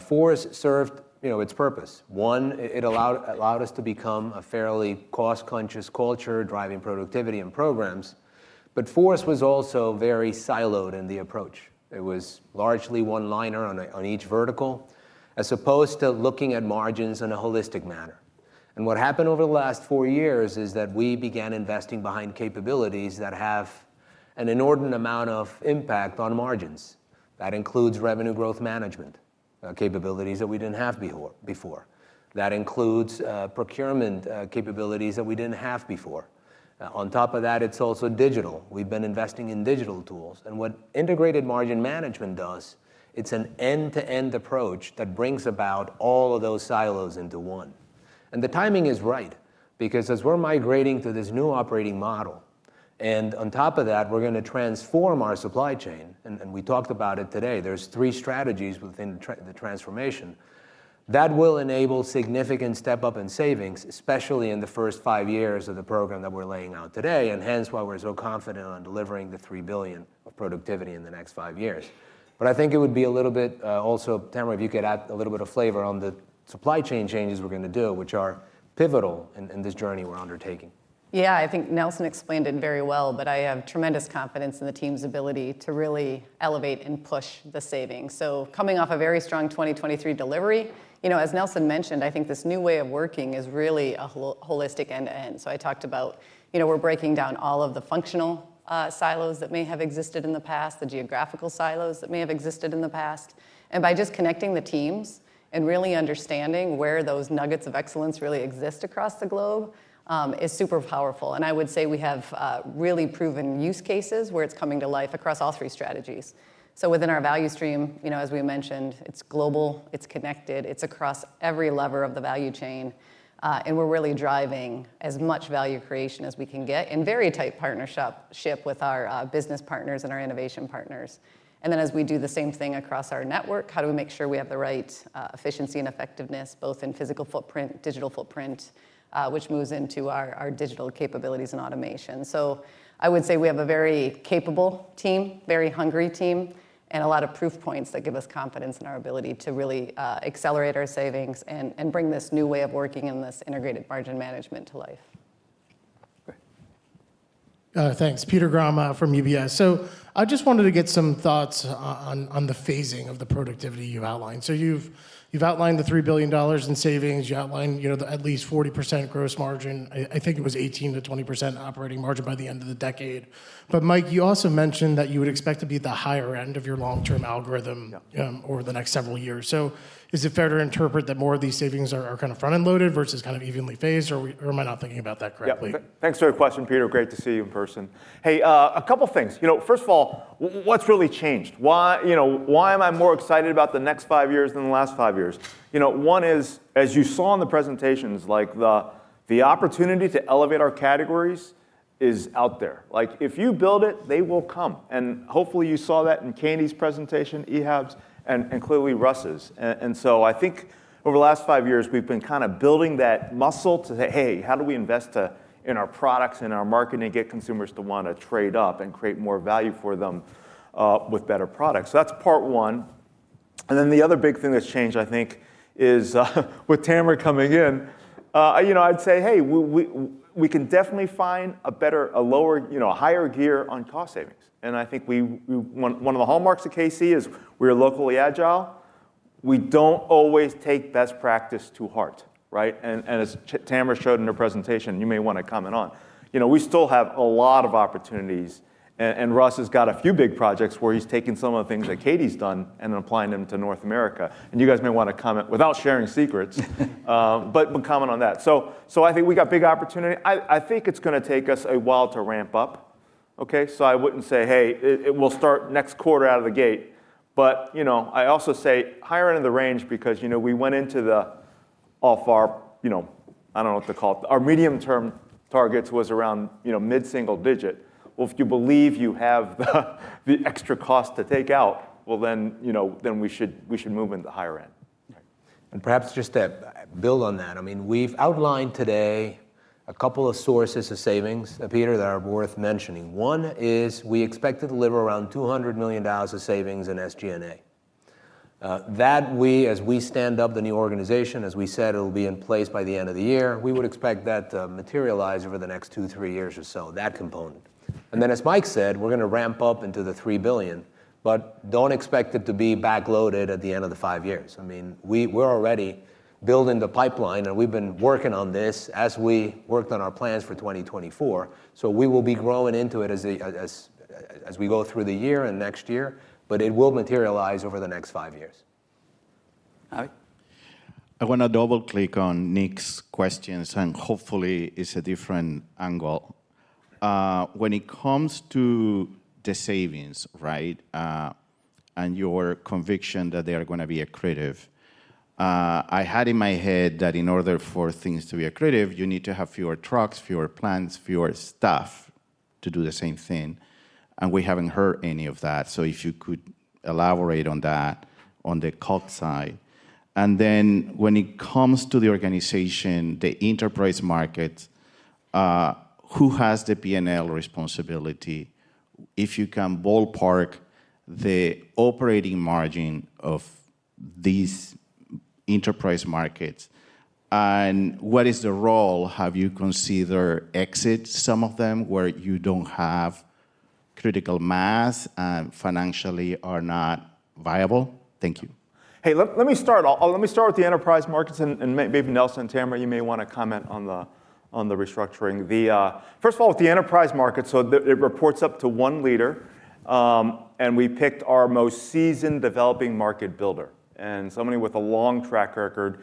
FORCE served its purpose. One, it allowed us to become a fairly cost-conscious culture driving productivity and programs. But FORCE was also very siloed in the approach. It was largely one-liner on each vertical as opposed to looking at margins in a holistic manner. And what happened over the last four years is that we began investing behind capabilities that have an inordinate amount of impact on margins. That includes Revenue Growth Management capabilities that we didn't have before. That includes procurement capabilities that we didn't have before. On top of that, it's also digital. We've been investing in digital tools. What Integrated Margin Management does, it's an end-to-end approach that brings about all of those silos into one. The timing is right because as we're migrating to this new operating model, and on top of that, we're going to transform our supply chain and we talked about it today. There are three strategies within the transformation that will enable significant step-up in savings, especially in the first five years of the program that we're laying out today, and hence why we're so confident on delivering the $3 billion of productivity in the next five years. I think it would be a little bit also, Tamera, if you could add a little bit of flavor on the supply chain changes we're going to do, which are pivotal in this journey we're undertaking. Yeah, I think Nelson explained it very well. But I have tremendous confidence in the team's ability to really elevate and push the savings. So coming off a very strong 2023 delivery, as Nelson mentioned, I think this new way of working is really a holistic end-to-end. So I talked about we're breaking down all of the functional silos that may have existed in the past, the geographical silos that may have existed in the past. And by just connecting the teams and really understanding where those nuggets of excellence really exist across the globe is super powerful. And I would say we have really proven use cases where it's coming to life across all three strategies. So within our value stream, as we mentioned, it's global. It's connected. It's across every lever of the value chain. And we're really driving as much value creation as we can get in very tight partnership with our business partners and our innovation partners. And then as we do the same thing across our network, how do we make sure we have the right efficiency and effectiveness, both in physical footprint, digital footprint, which moves into our digital capabilities and automation? So I would say we have a very capable team, very hungry team, and a lot of proof points that give us confidence in our ability to really accelerate our savings and bring this new way of working and this Integrated Margin Management to life. Great. Thanks. Peter Grom from UBS. So I just wanted to get some thoughts on the phasing of the productivity you outlined. So you've outlined the $3 billion in savings. You outlined at least 40% gross margin. I think it was 18%-20% operating margin by the end of the decade. But Mike, you also mentioned that you would expect to be at the higher end of your long-term algorithm over the next several years. So is it fair to interpret that more of these savings are kind of front-end loaded versus kind of evenly phased? Or am I not thinking about that correctly? Thanks for your question, Peter. Great to see you in person. Hey, a couple of things. First of all, what's really changed? Why am I more excited about the next five years than the last five years? One is, as you saw in the presentations, the opportunity to elevate our categories is out there. If you build it, they will come. And hopefully, you saw that in Katy's presentation, Ehab's, and clearly Russ's. And so I think over the last five years, we've been kind of building that muscle to say, hey, how do we invest in our products and our marketing and get consumers to want to trade up and create more value for them with better products? So that's part one. And then the other big thing that's changed, I think, is with Tamera coming in, I'd say, hey, we can definitely find a lower a higher gear on cost savings. And I think one of the hallmarks of KC is we are locally agile. We don't always take best practice to heart, right? And as Tamera showed in her presentation, you may want to comment on, we still have a lot of opportunities. And Russ has got a few big projects where he's taken some of the things that Katy's done and applying them to North America. And you guys may want to comment without sharing secrets, but comment on that. So I think we got big opportunity. I think it's going to take us a while to ramp up, OK? So I wouldn't say, hey, it will start next quarter out of the gate. But I also say higher end of the range because we went into the all-in. I don't know what to call it. Our medium-term targets was around mid-single digit. Well, if you believe you have the extra cost to take out, well, then we should move into the higher end. And perhaps just to build on that, I mean, we've outlined today a couple of sources of savings, Peter, that are worth mentioning. One is we expect to deliver around $200 million of savings in SG&A. That, as we stand up the new organization, as we said, it'll be in place by the end of the year, we would expect that to materialize over the next two, three years or so, that component. And then, as Mike said, we're going to ramp up into the $3 billion. But don't expect it to be backloaded at the end of the five years. I mean, we're already building the pipeline. And we've been working on this as we worked on our plans for 2024. So we will be growing into it as we go through the year and next year. But it will materialize over the next five years. I want to double-click on Nick's questions. Hopefully, it's a different angle. When it comes to the savings, right, and your conviction that they are going to be accretive, I had in my head that in order for things to be accretive, you need to have fewer trucks, fewer plants, fewer staff to do the same thing. We haven't heard any of that. So if you could elaborate on that on the cost side. Then when it comes to the organization, the enterprise markets, who has the P&L responsibility? If you can ballpark the operating margin of these enterprise markets, and what is the role? Have you considered exit some of them where you don't have critical mass and financially are not viable? Thank you. Hey, let me start. Let me start with the enterprise markets. And maybe Nelson and Tamera, you may want to comment on the restructuring. First of all, with the enterprise markets, so it reports up to one leader. And we picked our most seasoned developing market builder, and somebody with a long track record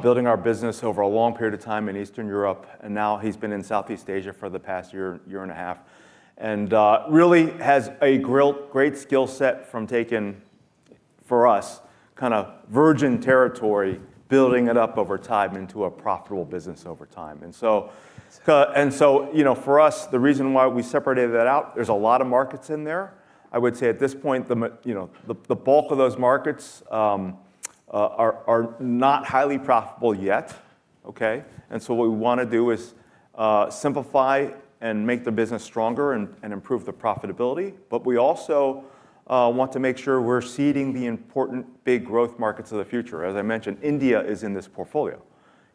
building our business over a long period of time in Eastern Europe. And now he's been in Southeast Asia for the past year and a half and really has a great skill set from taking, for us, kind of virgin territory, building it up over time into a profitable business over time. And so for us, the reason why we separated that out, there's a lot of markets in there. I would say at this point, the bulk of those markets are not highly profitable yet, OK? And so what we want to do is simplify and make the business stronger and improve the profitability. But we also want to make sure we're seeding the important big growth markets of the future. As I mentioned, India is in this portfolio.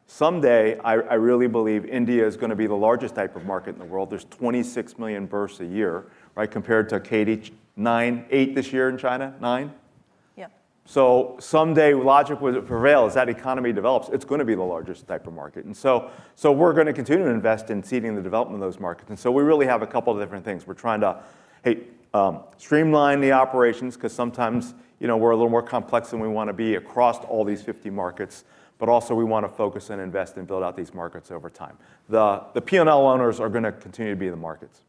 Someday, I really believe India is going to be the largest type of market in the world. There's 26 million births a year, right, compared to China, 9.8 this year in China, 9? Yeah. So someday, logic will prevail. As that economy develops, it's going to be the largest type of market. And so we're going to continue to invest in seeding the development of those markets. And so we really have a couple of different things. We're trying to, hey, streamline the operations because sometimes we're a little more complex than we want to be across all these 50 markets. But also, we want to focus and invest and build out these markets over time. The P&L owners are going to continue to be the markets.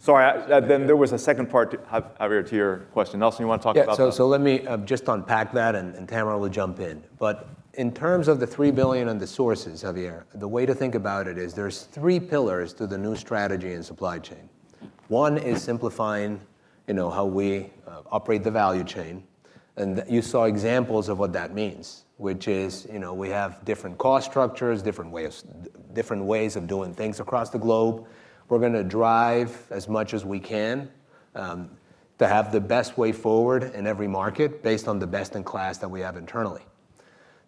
Sorry. Then there was a second part, Javier, to your question. Nelson, you want to talk about that? Yeah. So let me just unpack that. And Tamera, we'll jump in. But in terms of the $3 billion and the sources, Javier, the way to think about it is there's three pillars to the new strategy and supply chain. One is simplifying how we operate the value chain. And you saw examples of what that means, which is we have different cost structures, different ways of doing things across the globe. We're going to drive as much as we can to have the best way forward in every market based on the best-in-class that we have internally.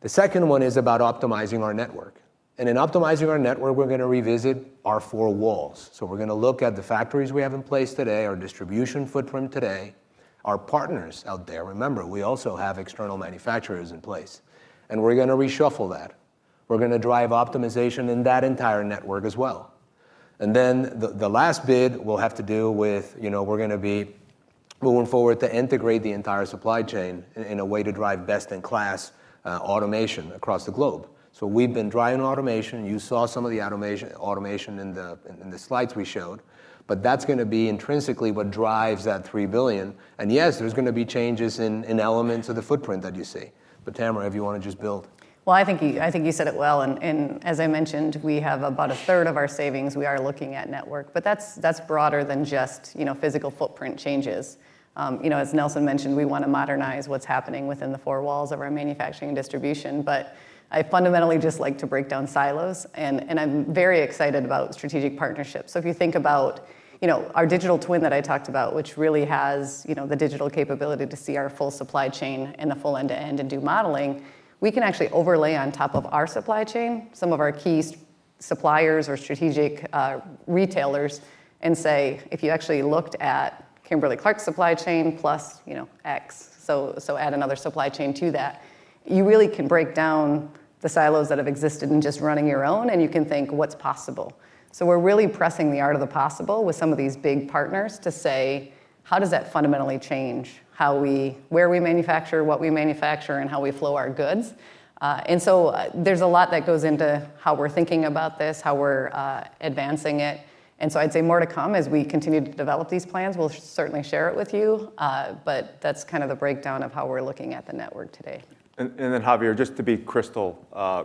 The second one is about optimizing our network. And in optimizing our network, we're going to revisit our four walls. So we're going to look at the factories we have in place today, our distribution footprint today, our partners out there. Remember, we also have external manufacturers in place. And we're going to reshuffle that. We're going to drive optimization in that entire network as well. And then the last bit will have to do with we're going to be moving forward to integrate the entire supply chain in a way to drive best-in-class automation across the globe. So we've been driving automation. You saw some of the automation in the slides we showed. But that's going to be intrinsically what drives that $3 billion. And yes, there's going to be changes in elements of the footprint that you see. But Tamera, if you want to just build. Well, I think you said it well. And as I mentioned, we have about a third of our savings we are looking at network. But that's broader than just physical footprint changes. As Nelson mentioned, we want to modernize what's happening within the four walls of our manufacturing and distribution. But I fundamentally just like to break down silos. And I'm very excited about strategic partnerships. So if you think about our digital twin that I talked about, which really has the digital capability to see our full supply chain and the full end-to-end and do modeling, we can actually overlay on top of our supply chain some of our key suppliers or strategic retailers and say, if you actually looked at Kimberly-Clark's supply chain plus X, so add another supply chain to that, you really can break down the silos that have existed in just running your own. You can think what's possible. We're really pressing the art of the possible with some of these big partners to say, how does that fundamentally change where we manufacture, what we manufacture, and how we flow our goods? There's a lot that goes into how we're thinking about this, how we're advancing it. I'd say more to come as we continue to develop these plans. We'll certainly share it with you. But that's kind of the breakdown of how we're looking at the network today. And then, Javier, just to be crystal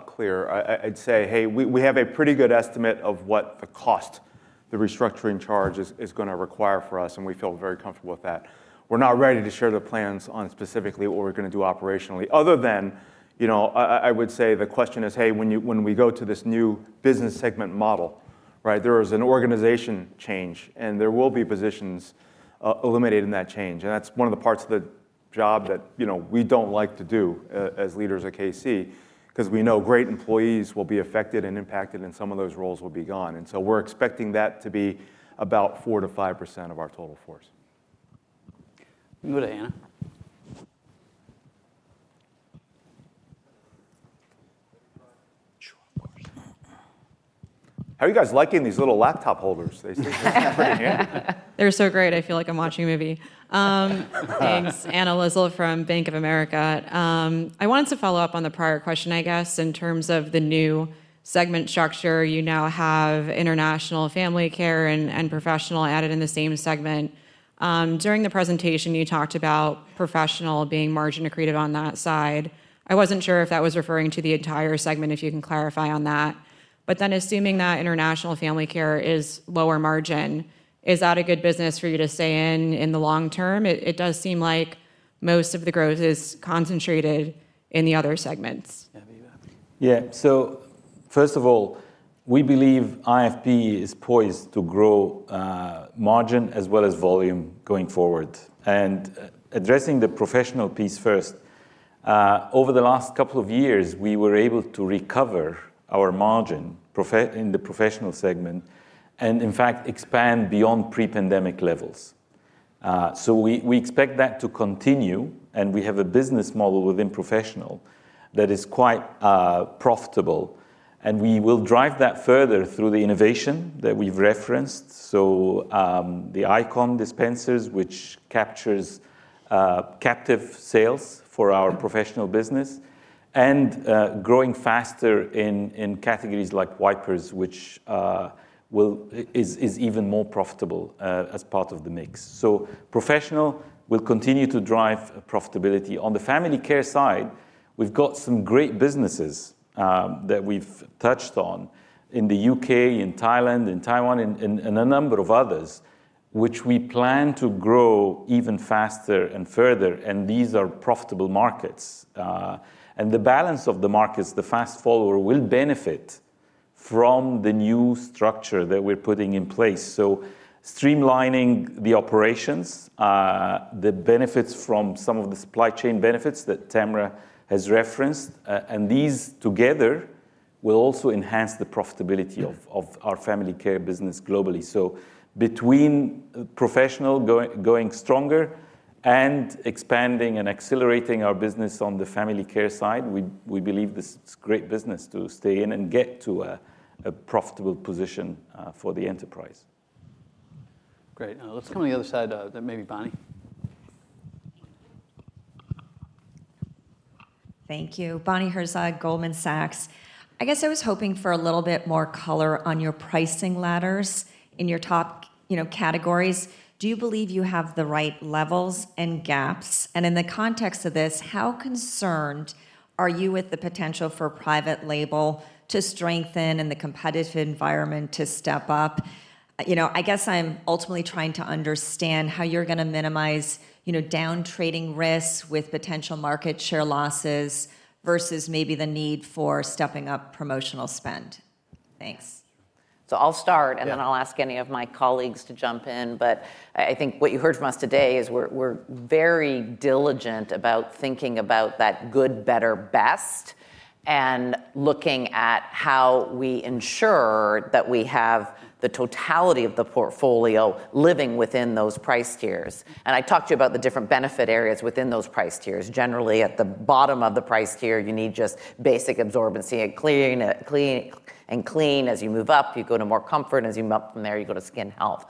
clear, I'd say, hey, we have a pretty good estimate of what the cost, the restructuring charge is going to require for us. And we feel very comfortable with that. We're not ready to share the plans on specifically what we're going to do operationally other than I would say the question is, hey, when we go to this new business segment model, there is an organization change. And there will be positions eliminating that change. And that's one of the parts of the job that we don't like to do as leaders at KC because we know great employees will be affected and impacted. And some of those roles will be gone. And so we're expecting that to be about 4%-5% of our total force. Can we go to Anna? Sure, of course. How are you guys liking these little laptop holders? They're so great. I feel like I'm watching a movie. Thanks. Anna Lizzul from Bank of America. I wanted to follow up on the prior question, I guess, in terms of the new segment structure. You now have International Family Care and Professional added in the same segment. During the presentation, you talked about professional being margin accretive on that side. I wasn't sure if that was referring to the entire segment, if you can clarify on that. But then assuming that International Family Care is lower margin, is that a good business for you to stay in in the long term? It does seem like most of the growth is concentrated in the other segments. Yeah. So first of all, we believe IFP is poised to grow margin as well as volume going forward. Addressing the professional piece first, over the last couple of years, we were able to recover our margin in the professional segment and, in fact, expand beyond pre-pandemic levels. We expect that to continue. We have a business model within professional that is quite profitable. We will drive that further through the innovation that we've referenced, so the ICON dispensers, which captures captive sales for our professional business, and growing faster in categories like wipers, which is even more profitable as part of the mix. Professional will continue to drive profitability. On the family care side, we've got some great businesses that we've touched on in the UK, in Thailand, in Taiwan, and a number of others, which we plan to grow even faster and further. These are profitable markets. The balance of the markets, the fast follower, will benefit from the new structure that we're putting in place. So streamlining the operations, the benefits from some of the supply chain benefits that Tamera has referenced, and these together will also enhance the profitability of our family care business globally. So between professional going stronger and expanding and accelerating our business on the family care side, we believe this is great business to stay in and get to a profitable position for the enterprise. Great. Let's come on the other side. Maybe Bonnie. Thank you. Bonnie Herzog, Goldman Sachs. I guess I was hoping for a little bit more color on your pricing ladders in your top categories. Do you believe you have the right levels and gaps? And in the context of this, how concerned are you with the potential for private label to strengthen in the competitive environment to step up? I guess I'm ultimately trying to understand how you're going to minimize down trading risks with potential market share losses versus maybe the need for stepping up promotional spend. Thanks. So I'll start. Then I'll ask any of my colleagues to jump in. I think what you heard from us today is we're very diligent about thinking about that good, better, best and looking at how we ensure that we have the totality of the portfolio living within those price tiers. I talked to you about the different benefit areas within those price tiers. Generally, at the bottom of the price tier, you need just basic absorbency and cleaning. And clean, as you move up, you go to more comfort. As you move up from there, you go to skin health.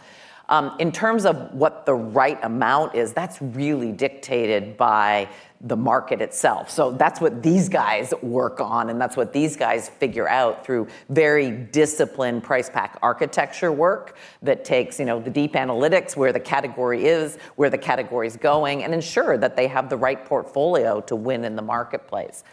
In terms of what the right amount is, that's really dictated by the market itself. That's what these guys work on. That's what these guys figure out through very disciplined price pack architecture work that takes the deep analytics, where the category is, where the category is going, and ensure that they have the right portfolio to win in the marketplace.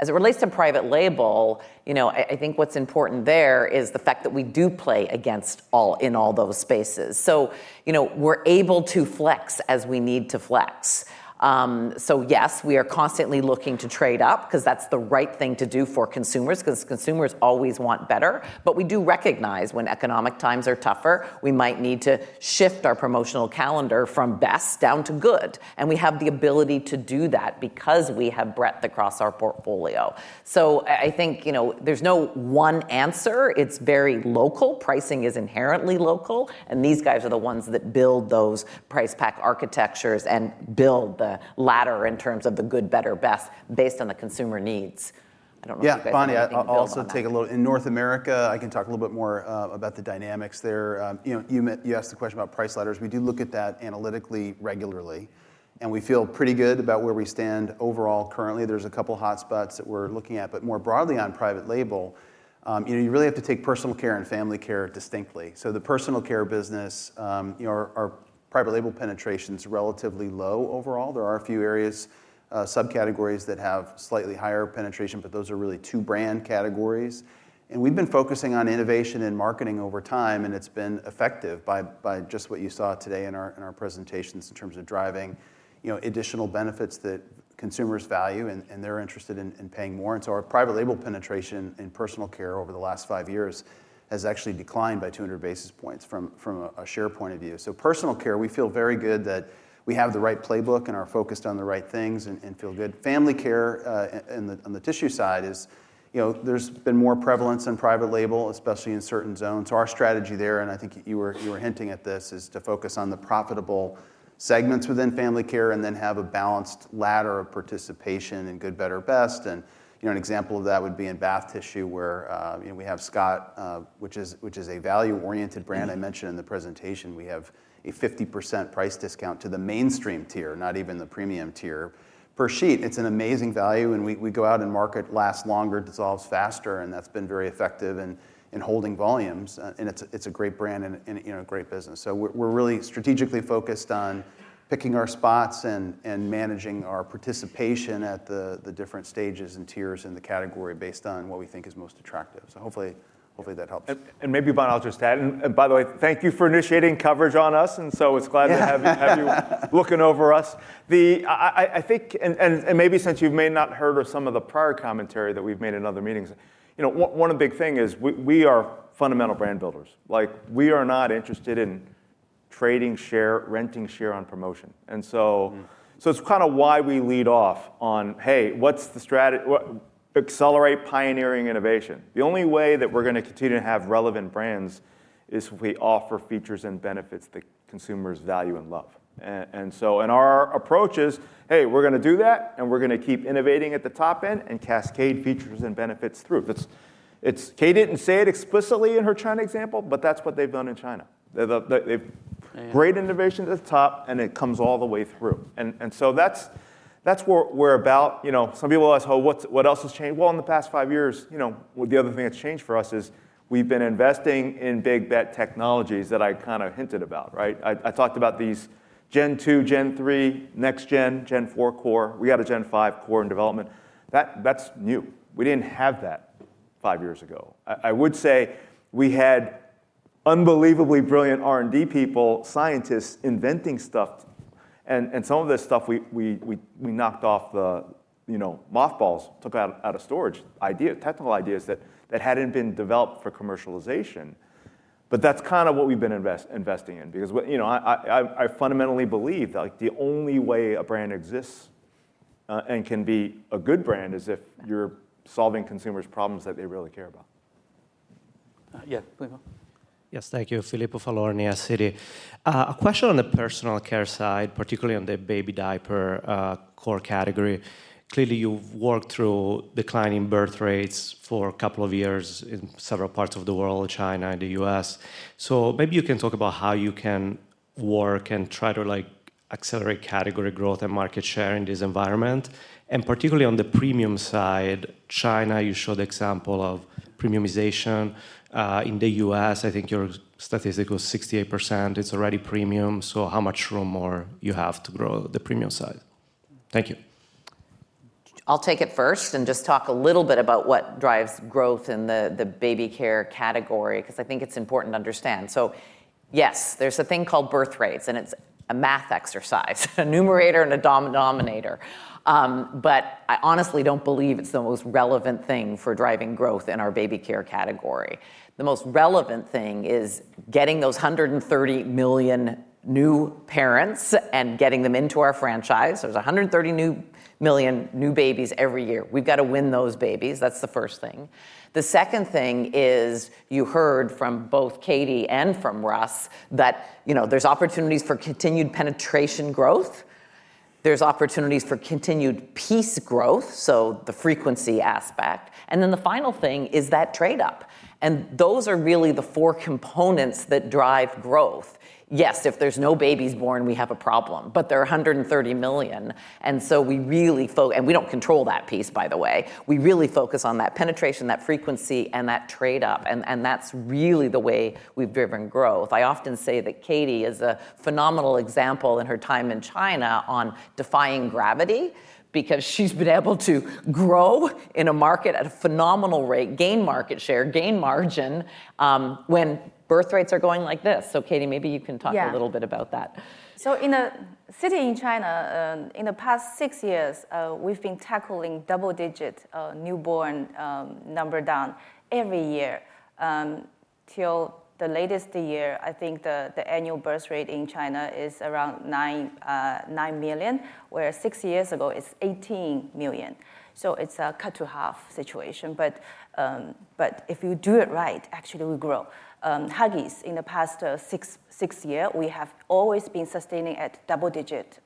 As it relates to private label, I think what's important there is the fact that we do play against all in all those spaces. So we're able to flex as we need to flex. So yes, we are constantly looking to trade up because that's the right thing to do for consumers because consumers always want better. But we do recognize when economic times are tougher, we might need to shift our promotional calendar from best down to good. We have the ability to do that because we have breadth across our portfolio. So I think there's no one answer. It's very local. Pricing is inherently local. These guys are the ones that build those price pack architectures and build the ladder in terms of the good, better, best based on the consumer needs. I don't know if you guys have anything to add? Yeah. Bonnie, I'll also take a little in North America. I can talk a little bit more about the dynamics there. You asked the question about price ladders. We do look at that analytically regularly. We feel pretty good about where we stand overall currently. There's a couple of hot spots that we're looking at. More broadly on private label, you really have to take personal care and family care distinctly. The personal care business, our private label penetration is relatively low overall. There are a few areas, subcategories, that have slightly higher penetration. Those are really two brand categories. We've been focusing on innovation and marketing over time. It's been effective by just what you saw today in our presentations in terms of driving additional benefits that consumers value. They're interested in paying more. Our private label penetration in personal care over the last five years has actually declined by 200 basis points from a share point of view. So personal care, we feel very good that we have the right playbook and are focused on the right things and feel good. Family care on the tissue side, there's been more prevalence in private label, especially in certain zones. So our strategy there, and I think you were hinting at this, is to focus on the profitable segments within family care and then have a balanced ladder of participation in good, better, best. And an example of that would be in bath tissue, where we have Scott, which is a value-oriented brand I mentioned in the presentation. We have a 50% price discount to the mainstream tier, not even the premium tier, per sheet. It's an amazing value. We go out and market. It lasts longer, dissolves faster. That's been very effective in holding volumes. It's a great brand and a great business. We're really strategically focused on picking our spots and managing our participation at the different stages and tiers in the category based on what we think is most attractive. Hopefully, that helps. Maybe, Bonnie, I'll just add, and by the way, thank you for initiating coverage on us. So it's glad to have you looking over us. Maybe since you may not have heard of some of the prior commentary that we've made in other meetings, one big thing is we are fundamental brand builders. We are not interested in trading share, renting share on promotion. So it's kind of why we lead off on, hey, accelerate pioneering innovation. The only way that we're going to continue to have relevant brands is if we offer features and benefits that consumers value and love. Our approach is, hey, we're going to do that. We're going to keep innovating at the top end and cascade features and benefits through. Katy didn't say it explicitly in her China example. But that's what they've done in China. Great innovation at the top. It comes all the way through. So that's where about some people ask, oh, what else has changed? Well, in the past 5 years, the other thing that's changed for us is we've been investing in big bet technologies that I kind of hinted about. I talked about these Gen 2, Gen 3, next-gen, Gen 4 core. We got a Gen 5 core in development. That's new. We didn't have that 5 years ago. I would say we had unbelievably brilliant R&D people, scientists inventing stuff. Some of this stuff, we knocked off the mothballs, took out of storage technical ideas that hadn't been developed for commercialization. But that's kind of what we've been investing in because I fundamentally believe that the only way a brand exists and can be a good brand is if you're solving consumers' problems that they really care about. Yeah. Yes, thank you. Filippo Falorni, Citi. A question on the personal care side, particularly on the baby diaper core category. Clearly, you've worked through declining birth rates for a couple of years in several parts of the world, China and the US. So maybe you can talk about how you can work and try to accelerate category growth and market share in this environment. And particularly on the premium side, China, you showed the example of premiumization. In the US, I think your statistic was 68%. It's already premium. So how much room more do you have to grow the premium side? Thank you. I'll take it first and just talk a little bit about what drives growth in the baby care category because I think it's important to understand. So yes, there's a thing called birth rates. And it's a math exercise, a numerator and a denominator. But I honestly don't believe it's the most relevant thing for driving growth in our baby care category. The most relevant thing is getting those 130 million new parents and getting them into our franchise. There's 130 million new babies every year. We've got to win those babies. That's the first thing. The second thing is you heard from both Katy and from Russ that there's opportunities for continued penetration growth. There's opportunities for continued piece growth, so the frequency aspect. And then the final thing is that trade-up. And those are really the four components that drive growth. Yes, if there's no babies born, we have a problem. But there are 130 million. And so we really and we don't control that piece, by the way. We really focus on that penetration, that frequency, and that trade-up. And that's really the way we've driven growth. I often say that Katy is a phenomenal example in her time in China on defying gravity because she's been able to grow in a market at a phenomenal rate, gain market share, gain margin when birth rates are going like this. So Katy, maybe you can talk a little bit about that. So in a city in China, in the past six years, we've been tackling double-digit newborn number down every year. Till the latest year, I think the annual birth rate in China is around 9 million, where six years ago, it's 18 million. So it's a cut-to-half situation. But if you do it right, actually, we grow. Huggies, in the past six years, we have always been sustaining at double-digit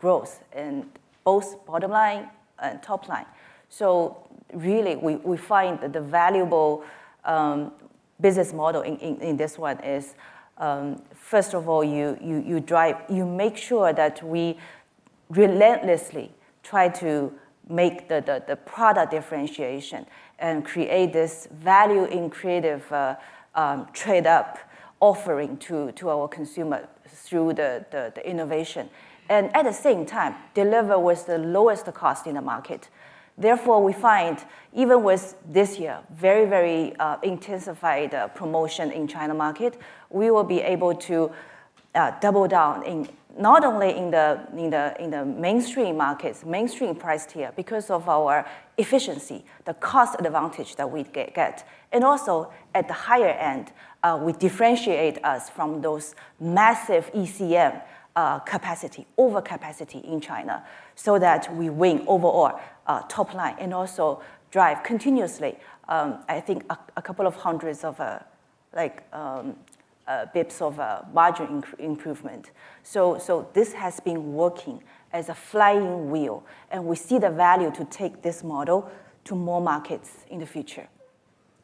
growth in both bottom line and top line. So really, we find that the valuable business model in this one is, first of all, you make sure that we relentlessly try to make the product differentiation and create this value in creative trade-up offering to our consumer through the innovation and at the same time deliver with the lowest cost in the market. Therefore, we find even with this year, very, very intensified promotion in China market, we will be able to double down not only in the mainstream markets, mainstream price tier because of our efficiency, the cost advantage that we get. And also at the higher end, we differentiate us from those massive OEM capacity, overcapacity in China so that we win overall top line and also drive continuously, I think, a couple of hundreds of bps of margin improvement. So this has been working as a flywheel. And we see the value to take this model to more markets in the future.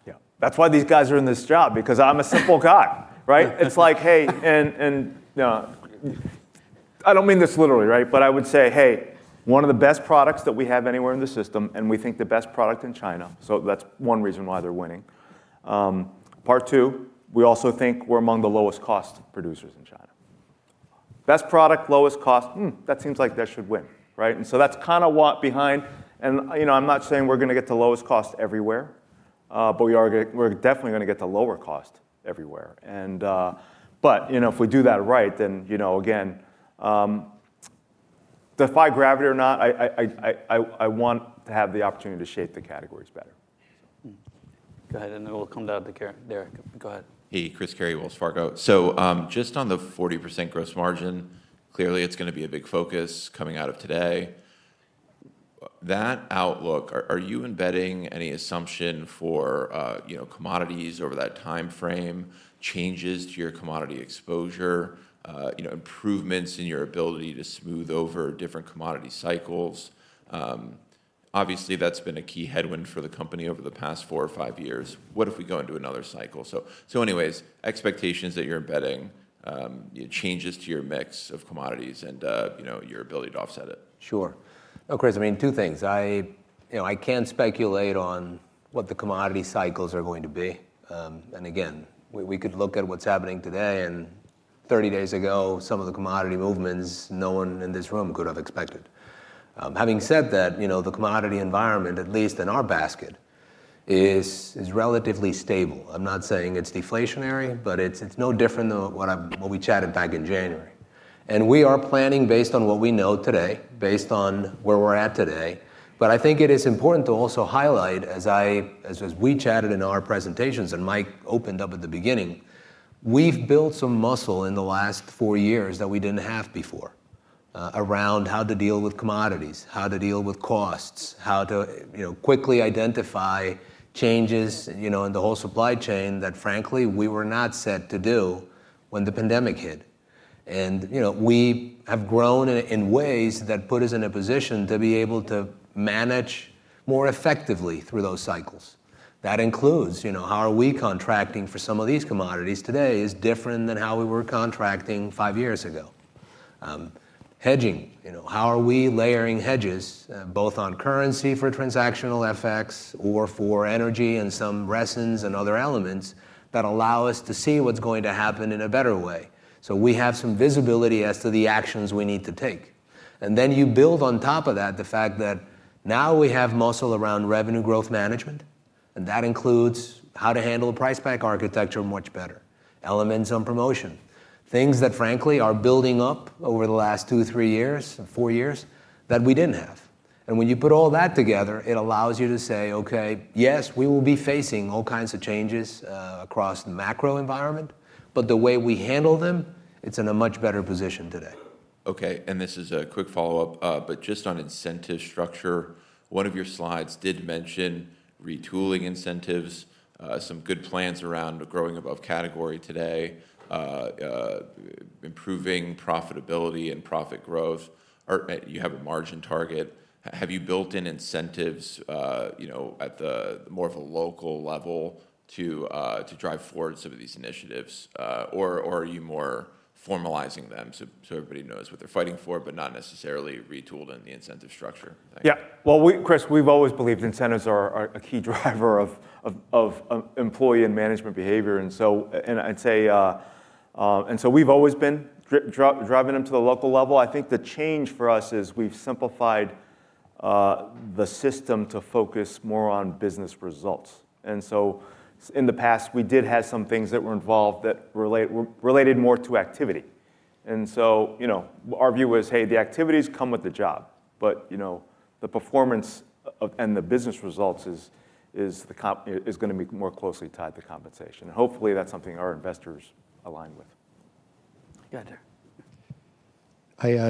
Yeah. That's why these guys are in this job because I'm a simple guy. It's like, hey, and I don't mean this literally. But I would say, hey, one of the best products that we have anywhere in the system. And we think the best product in China. So that's one reason why they're winning. Part two, we also think we're among the lowest cost producers in China. Best product, lowest cost, that seems like that should win. And so that's kind of what's behind and I'm not saying we're going to get the lowest cost everywhere. But we're definitely going to get the lower cost everywhere. But if we do that right, then again, defy gravity or not, I want to have the opportunity to shape the categories better. Go ahead. Then we'll come down to Derek. Go ahead. Hey, Chris Carey, Wells Fargo. So just on the 40% gross margin, clearly, it's going to be a big focus coming out of today. That outlook, are you embedding any assumption for commodities over that time frame, changes to your commodity exposure, improvements in your ability to smooth over different commodity cycles? Obviously, that's been a key headwind for the company over the past four or five years. What if we go into another cycle? So anyways, expectations that you're embedding, changes to your mix of commodities and your ability to offset it? Sure. No, Chris, I mean, two things. I can speculate on what the commodity cycles are going to be. Again, we could look at what's happening today. 30 days ago, some of the commodity movements no one in this room could have expected. Having said that, the commodity environment, at least in our basket, is relatively stable. I'm not saying it's deflationary. But it's no different than what we chatted back in January. We are planning based on what we know today, based on where we're at today. But I think it is important to also highlight, as we chatted in our presentations and Mike opened up at the beginning, we've built some muscle in the last four years that we didn't have before around how to deal with commodities, how to deal with costs, how to quickly identify changes in the whole supply chain that, frankly, we were not set to do when the pandemic hit. And we have grown in ways that put us in a position to be able to manage more effectively through those cycles. That includes how are we contracting for some of these commodities today is different than how we were contracting five years ago. Hedging, how are we layering hedges both on currency for transactional effects or for energy and some resins and other elements that allow us to see what's going to happen in a better way? So we have some visibility as to the actions we need to take. And then you build on top of that the fact that now we have muscle around revenue growth management. And that includes how to handle price pack architecture much better, elements on promotion, things that, frankly, are building up over the last 2, 3 years, 4 years that we didn't have. And when you put all that together, it allows you to say, OK, yes, we will be facing all kinds of changes across the macro environment. But the way we handle them, it's in a much better position today. OK. This is a quick follow-up. Just on incentive structure, one of your slides did mention retooling incentives, some good plans around growing above category today, improving profitability and profit growth. You have a margin target. Have you built in incentives at more of a local level to drive forward some of these initiatives? Or are you more formalizing them so everybody knows what they're fighting for but not necessarily retooled in the incentive structure? Yeah. Well, Chris, we've always believed incentives are a key driver of employee and management behavior. And so we've always been driving them to the local level. I think the change for us is we've simplified the system to focus more on business results. And so in the past, we did have some things that were involved that related more to activity. And so our view is, hey, the activities come with the job. But the performance and the business results is going to be more closely tied to compensation. And hopefully, that's something our investors align with. Gotcha.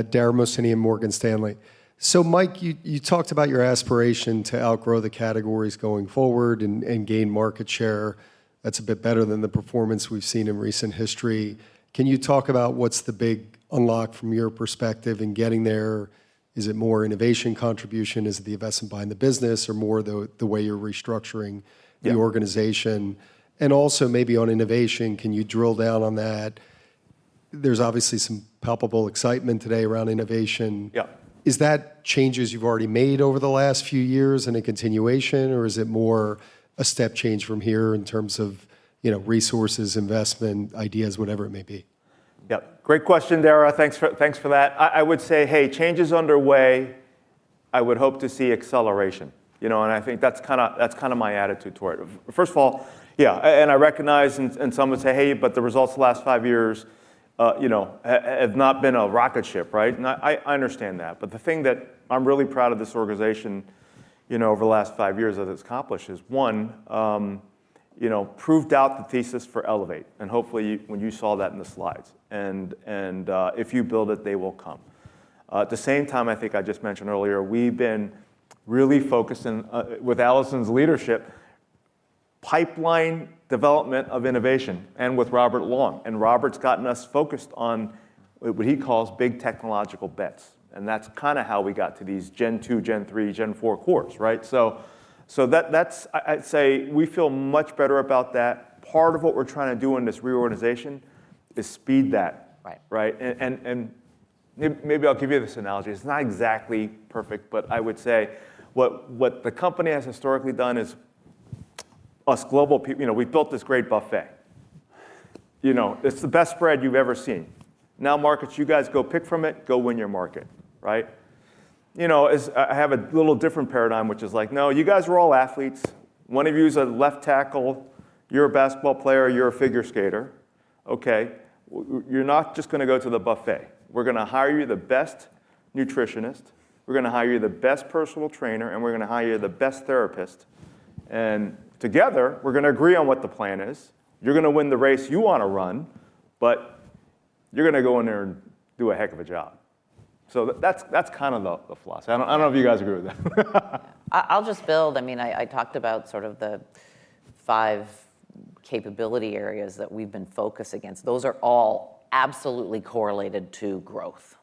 Dara Mohsenian and Morgan Stanley. So Mike, you talked about your aspiration to outgrow the categories going forward and gain market share. That's a bit better than the performance we've seen in recent history. Can you talk about what's the big unlock from your perspective in getting there? Is it more innovation contribution? Is it the investment behind the business or more the way you're restructuring the organization? And also maybe on innovation, can you drill down on that? There's obviously some palpable excitement today around innovation. Is that changes you've already made over the last few years and a continuation? Or is it more a step change from here in terms of resources, investment, ideas, whatever it may be? Yeah. Great question, Dara. Thanks for that. I would say, hey, changes underway. I would hope to see acceleration. And I think that's kind of my attitude toward it. First of all, yeah. And I recognize, and some would say, hey, but the results of the last five years have not been a rocket ship. I understand that. But the thing that I'm really proud of this organization over the last five years that it's accomplished is, one, proved out the thesis for Elevate. And hopefully, when you saw that in the slides, and if you build it, they will come. At the same time, I think I just mentioned earlier, we've been really focused with Alison's leadership, pipeline development of innovation and with Robert Long. And Robert's gotten us focused on what he calls big technological bets. That's kind of how we got to these Gen 2, Gen 3, Gen 4 cores. So I'd say we feel much better about that. Part of what we're trying to do in this reorganization is speed that. And maybe I'll give you this analogy. It's not exactly perfect. But I would say what the company has historically done is us global, we've built this great buffet. It's the best spread you've ever seen. Now, markets, you guys go pick from it. Go win your market. I have a little different paradigm, which is like, no, you guys are all athletes. One of you's a left tackle. You're a basketball player. You're a figure skater. OK. You're not just going to go to the buffet. We're going to hire you the best nutritionist. We're going to hire you the best personal trainer. We're going to hire you the best therapist. Together, we're going to agree on what the plan is. You're going to win the race you want to run. But you're going to go in there and do a heck of a job. So that's kind of the floss. I don't know if you guys agree with that. I'll just build. I mean, I talked about sort of the five capability areas that we've been focused against. Those are all absolutely correlated to growth.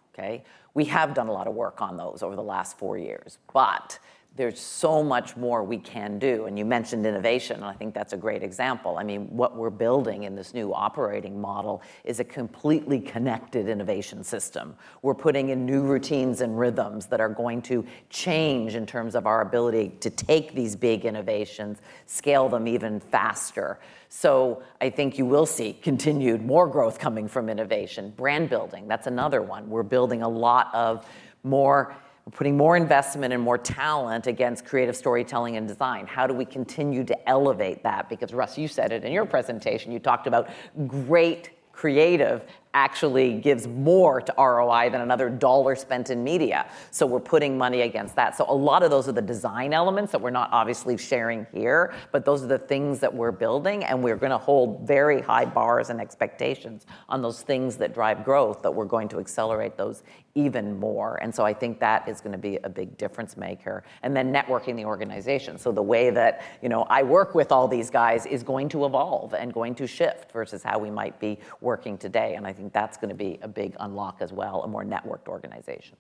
We have done a lot of work on those over the last four years. But there's so much more we can do. You mentioned innovation. I think that's a great example. I mean, what we're building in this new operating model is a completely connected innovation system. We're putting in new routines and rhythms that are going to change in terms of our ability to take these big innovations, scale them even faster. So I think you will see continued more growth coming from innovation, brand building. That's another one. We're building a lot more; we're putting more investment and more talent against creative storytelling and design. How do we continue to elevate that? Because, Russ, you said it in your presentation. You talked about great creative actually gives more to ROI than another dollar spent in media. So we're putting money against that. So a lot of those are the design elements that we're not obviously sharing here. But those are the things that we're building. And we're going to hold very high bars and expectations on those things that drive growth that we're going to accelerate those even more. And so I think that is going to be a big difference maker. And then networking the organization. So the way that I work with all these guys is going to evolve and going to shift versus how we might be working today. And I think that's going to be a big unlock as well, a more networked organization.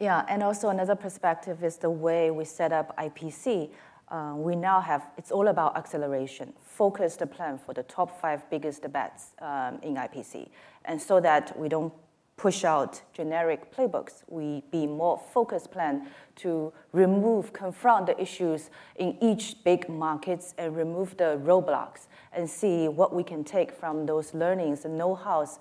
Yeah. And also another perspective is the way we set up IPC. We now have it's all about acceleration, focused plan for the top five biggest bets in IPC. And so that we don't push out generic playbooks, we be more focused plan to remove, confront the issues in each big markets and remove the roadblocks and see what we can take from those learnings and know-hows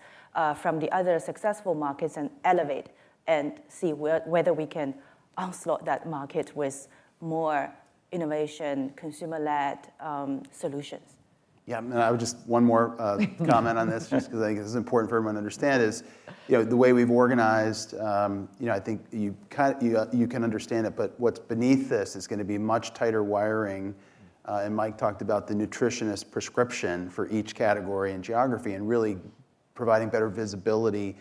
from the other successful markets and elevate and see whether we can onslaught that market with more innovation, consumer-led solutions. Yeah. And I would just one more comment on this just because I think it's important for everyone to understand is the way we've organized. I think you can understand it. But what's beneath this is going to be much tighter wiring. And Mike talked about the nutritious prescription for each category and geography and really providing better visibility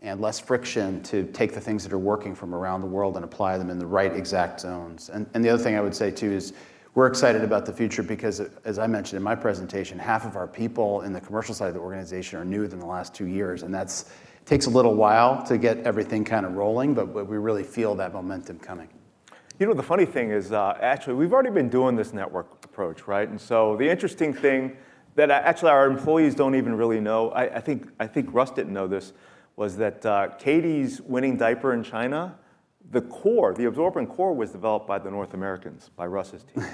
and less friction to take the things that are working from around the world and apply them in the right exact zones. And the other thing I would say, too, is we're excited about the future because, as I mentioned in my presentation, half of our people in the commercial side of the organization are new in the last two years. And that takes a little while to get everything kind of rolling. But we really feel that momentum coming. You know, the funny thing is actually, we've already been doing this network approach. So the interesting thing that actually our employees don't even really know, I think Russ didn't know this, was that Katy's winning diaper in China, the core, the absorbent core, was developed by the North Americans, by Russ's team.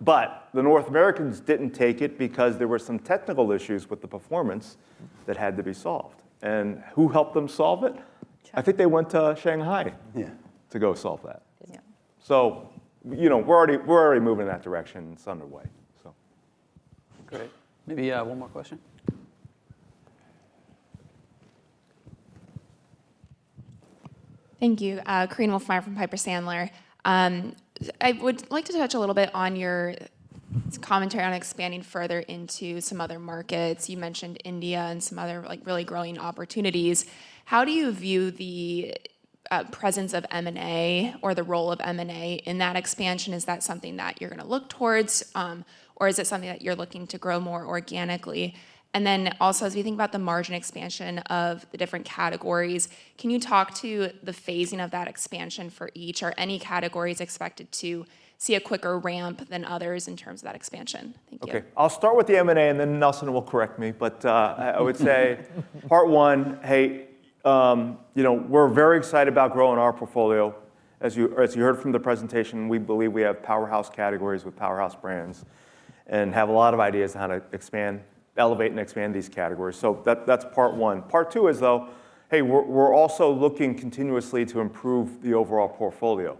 But the North Americans didn't take it because there were some technical issues with the performance that had to be solved. And who helped them solve it? I think they went to Shanghai to go solve that. So we're already moving in that direction, and it's underway. Great. Maybe one more question. Thank you. Korinne Wolfmeyer from Piper Sandler. I would like to touch a little bit on your commentary on expanding further into some other markets. You mentioned India and some other really growing opportunities. How do you view the presence of M&A or the role of M&A in that expansion? Is that something that you're going to look towards? Or is it something that you're looking to grow more organically? And then also, as we think about the margin expansion of the different categories, can you talk to the phasing of that expansion for each? Are any categories expected to see a quicker ramp than others in terms of that expansion? Thank you. OK. I'll start with the M&A. And then Nelson will correct me. But I would say part one, hey, we're very excited about growing our portfolio. As you heard from the presentation, we believe we have powerhouse categories with powerhouse brands and have a lot of ideas on how to elevate and expand these categories. So that's part one. Part two is, though, hey, we're also looking continuously to improve the overall portfolio.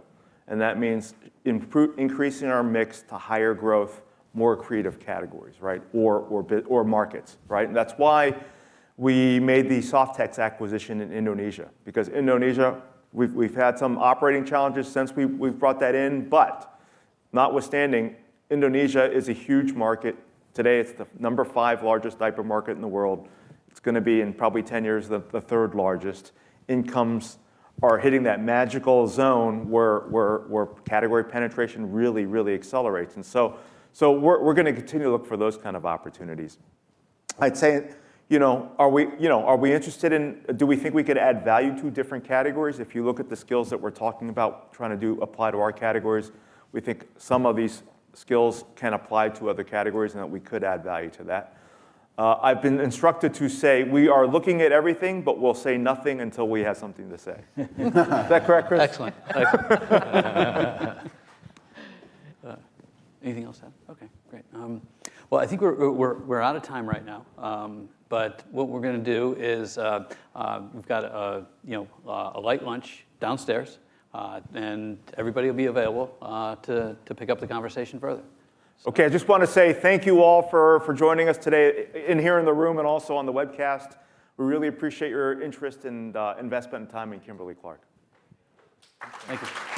And that means increasing our mix to higher growth, more creative categories or markets. And that's why we made the Softex acquisition in Indonesia because Indonesia, we've had some operating challenges since we've brought that in. But notwithstanding, Indonesia is a huge market today. It's the number 5 largest diaper market in the world. It's going to be in probably 10 years the third largest. Incomes are hitting that magical zone where category penetration really, really accelerates. And so we're going to continue to look for those kind of opportunities. I'd say, are we interested in do we think we could add value to different categories? If you look at the skills that we're talking about trying to apply to our categories, we think some of these skills can apply to other categories and that we could add value to that. I've been instructed to say we are looking at everything. But we'll say nothing until we have something to say. Is that correct, Chris? Excellent. Anything else, Dan? OK. Great. Well, I think we're out of time right now. But what we're going to do is we've got a light lunch downstairs. Everybody will be available to pick up the conversation further. OK. I just want to say thank you all for joining us today and here in the room and also on the webcast. We really appreciate your interest and investment and time in Kimberly-Clark. Thank you.